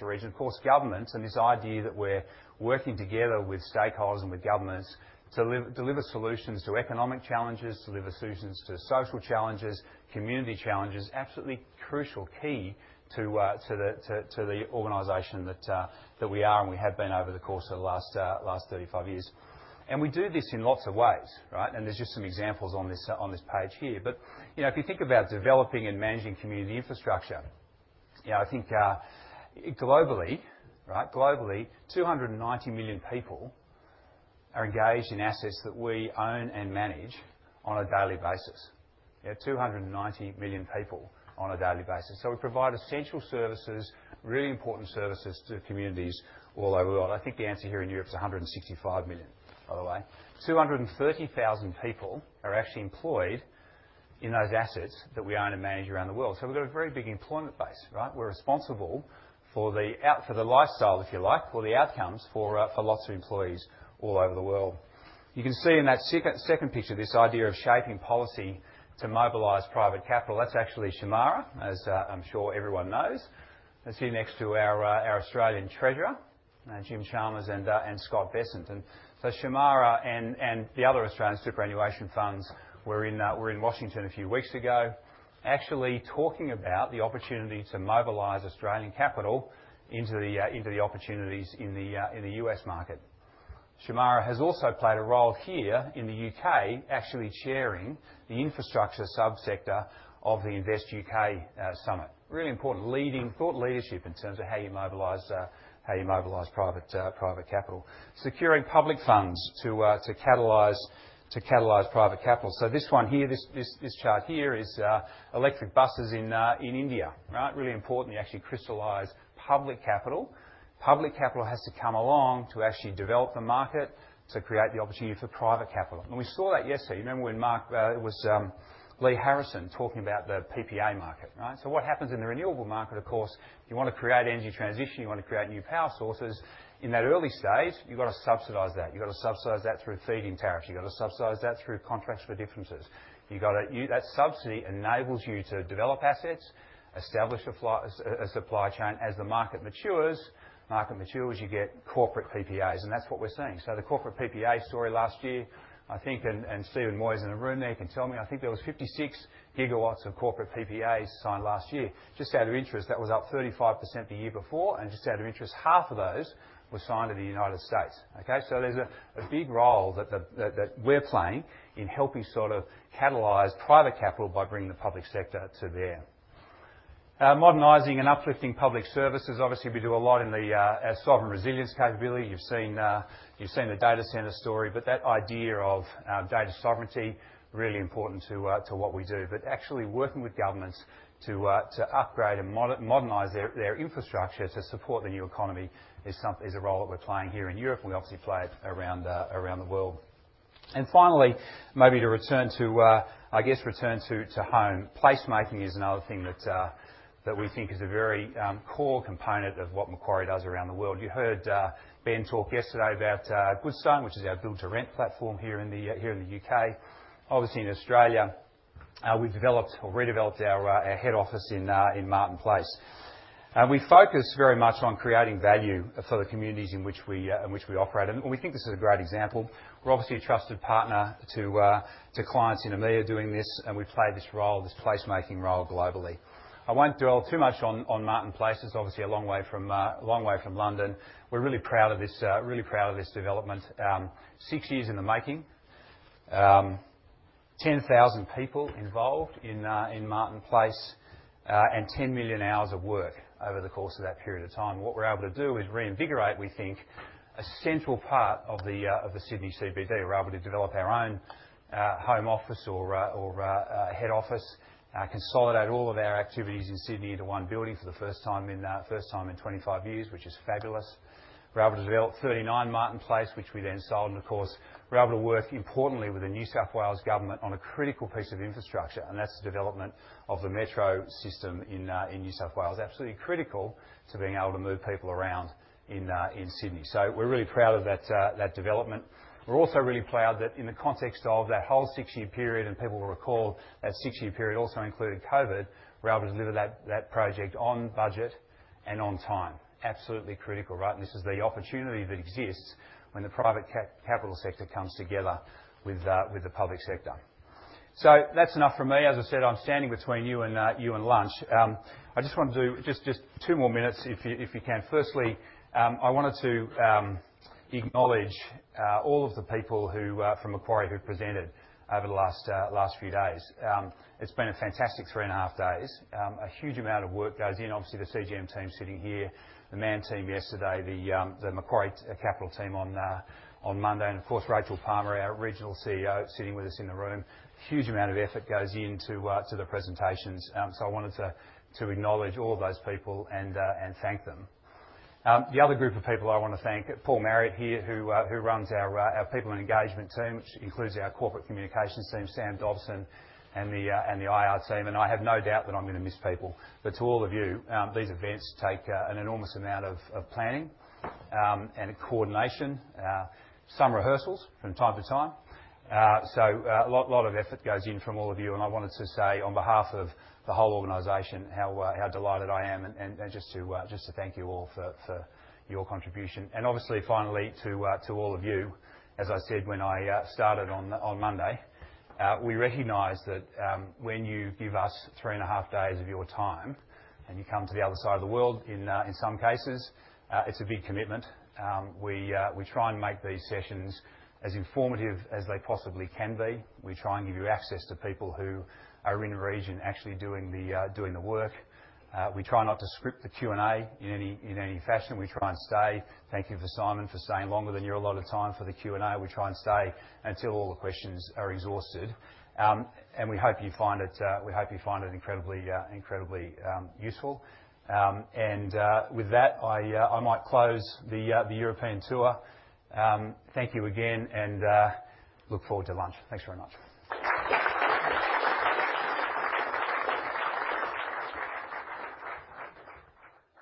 the region. Of course, governments and this idea that we're working together with stakeholders and with governments to deliver solutions to economic challenges, deliver solutions to social challenges, community challenges, absolutely crucial, key to the organization that we are and we have been over the course of the last 35 years. We do this in lots of ways, right? There are just some examples on this page here. If you think about developing and managing community infrastructure, I think globally, right, globally, 290 million people are engaged in assets that we own and manage on a daily basis. 290 million people on a daily basis. We provide essential services, really important services to communities all over the world. I think the answer here in Europe is 165 million, by the way. 230,000 people are actually employed in those assets that we own and manage around the world. We have a very big employment base, right? We are responsible for the lifestyle, if you like, or the outcomes for lots of employees all over the world. You can see in that second picture, this idea of shaping policy to mobilize private capital. That is actually Shemara, as I am sure everyone knows. That is here next to our Australian Treasurer, Jim Chalmers, and Scott Bessent. Shemara and the other Australian superannuation funds were in Washington a few weeks ago, actually talking about the opportunity to mobilize Australian capital into the opportunities in the U.S. market. Shemara has also played a role here in the U.K., actually chairing the infrastructure subsector of the Invest U.K. Summit. Really important, leading thought leadership in terms of how you mobilize private capital. Securing public funds to catalyze private capital. This one here, this chart here is electric buses in India, right? Really important to actually crystallize public capital. Public capital has to come along to actually develop the market to create the opportunity for private capital. We saw that yesterday. You remember when Mark was, Lee Harrison talking about the PPA market, right? What happens in the renewable market, of course, if you want to create energy transition, you want to create new power sources, in that early stage, you have to subsidize that. You have to subsidize that through feed-in tariffs. You have to subsidize that through contracts for difference. That subsidy enables you to develop assets, establish a supply chain. As the market matures, you get corporate PPAs. That is what we are seeing. The corporate PPA story last year, I think, and Steven Moyes in the room there can tell me, I think there were 56 gigawatts of corporate PPAs signed last year. Just out of interest, that was up 35% the year before. Just out of interest, half of those were signed in the United States, okay? There is a big role that we are playing in helping sort of catalyze private capital by bringing the public sector to there. Modernizing and uplifting public services. Obviously, we do a lot in the sovereign resilience capability. You have seen the data center story. That idea of data sovereignty is really important to what we do. Actually working with governments to upgrade and modernize their infrastructure to support the new economy is a role that we're playing here in Europe. We obviously play it around the world. Finally, maybe to return, I guess return to home, placemaking is another thing that we think is a very core component of what Macquarie does around the world. You heard Ben talk yesterday about Goodstone, which is our build-to-rent platform here in the U.K. Obviously, in Australia, we've developed or redeveloped our head office in Martin Place. We focus very much on creating value for the communities in which we operate. We think this is a great example. We're obviously a trusted partner to clients in EMEA doing this. We play this role, this placemaking role globally. I won't dwell too much on Martin Place. It's obviously a long way from London. We're really proud of this development. Six years in the making, 10,000 people involved in Martin Place, and 10 million hours of work over the course of that period of time. What we're able to do is reinvigorate, we think, a central part of the Sydney CBD. We're able to develop our own home office or head office, consolidate all of our activities in Sydney into one building for the first time in 25 years, which is fabulous. We're able to develop 39 Martin Place, which we then sold. Of course, we're able to work importantly with the New South Wales government on a critical piece of infrastructure. That's the development of the metro system in New South Wales. Absolutely critical to being able to move people around in Sydney. We're really proud of that development. We're also really proud that in the context of that whole six-year period, and people will recall that six-year period also included COVID, we're able to deliver that project on budget and on time. Absolutely critical, right? This is the opportunity that exists when the private capital sector comes together with the public sector. That's enough for me. As I said, I'm standing between you and lunch. I just want to do just two more minutes, if you can. Firstly, I wanted to acknowledge all of the people from Macquarie who presented over the last few days. It's been a fantastic three and a half days. A huge amount of work goes in. Obviously, the CGM team sitting here, the MAM team yesterday, the Macquarie Capital team on Monday, and of course, Rachel Palmer, our Regional CEO, sitting with us in the room. Huge amount of effort goes into the presentations. I wanted to acknowledge all of those people and thank them. The other group of people I want to thank, Paul Marriott here, who runs our people and engagement team, which includes our corporate communications team, Sam Dobson, and the IR team. I have no doubt that I'm going to miss people. To all of you, these events take an enormous amount of planning and coordination, some rehearsals from time to time. A lot of effort goes in from all of you. I wanted to say, on behalf of the whole organisation, how delighted I am. Just to thank you all for your contribution. Obviously, finally, to all of you, as I said when I started on Monday, we recognize that when you give us three and a half days of your time and you come to the other side of the world, in some cases, it's a big commitment. We try and make these sessions as informative as they possibly can be. We try and give you access to people who are in the region actually doing the work. We try not to script the Q&A in any fashion. We try and stay. Thank you to Simon for staying longer than your allotted time for the Q&A. We try and stay until all the questions are exhausted. We hope you find it incredibly useful. With that, I might close the European tour. Thank you again, and look forward to lunch. Thanks very much.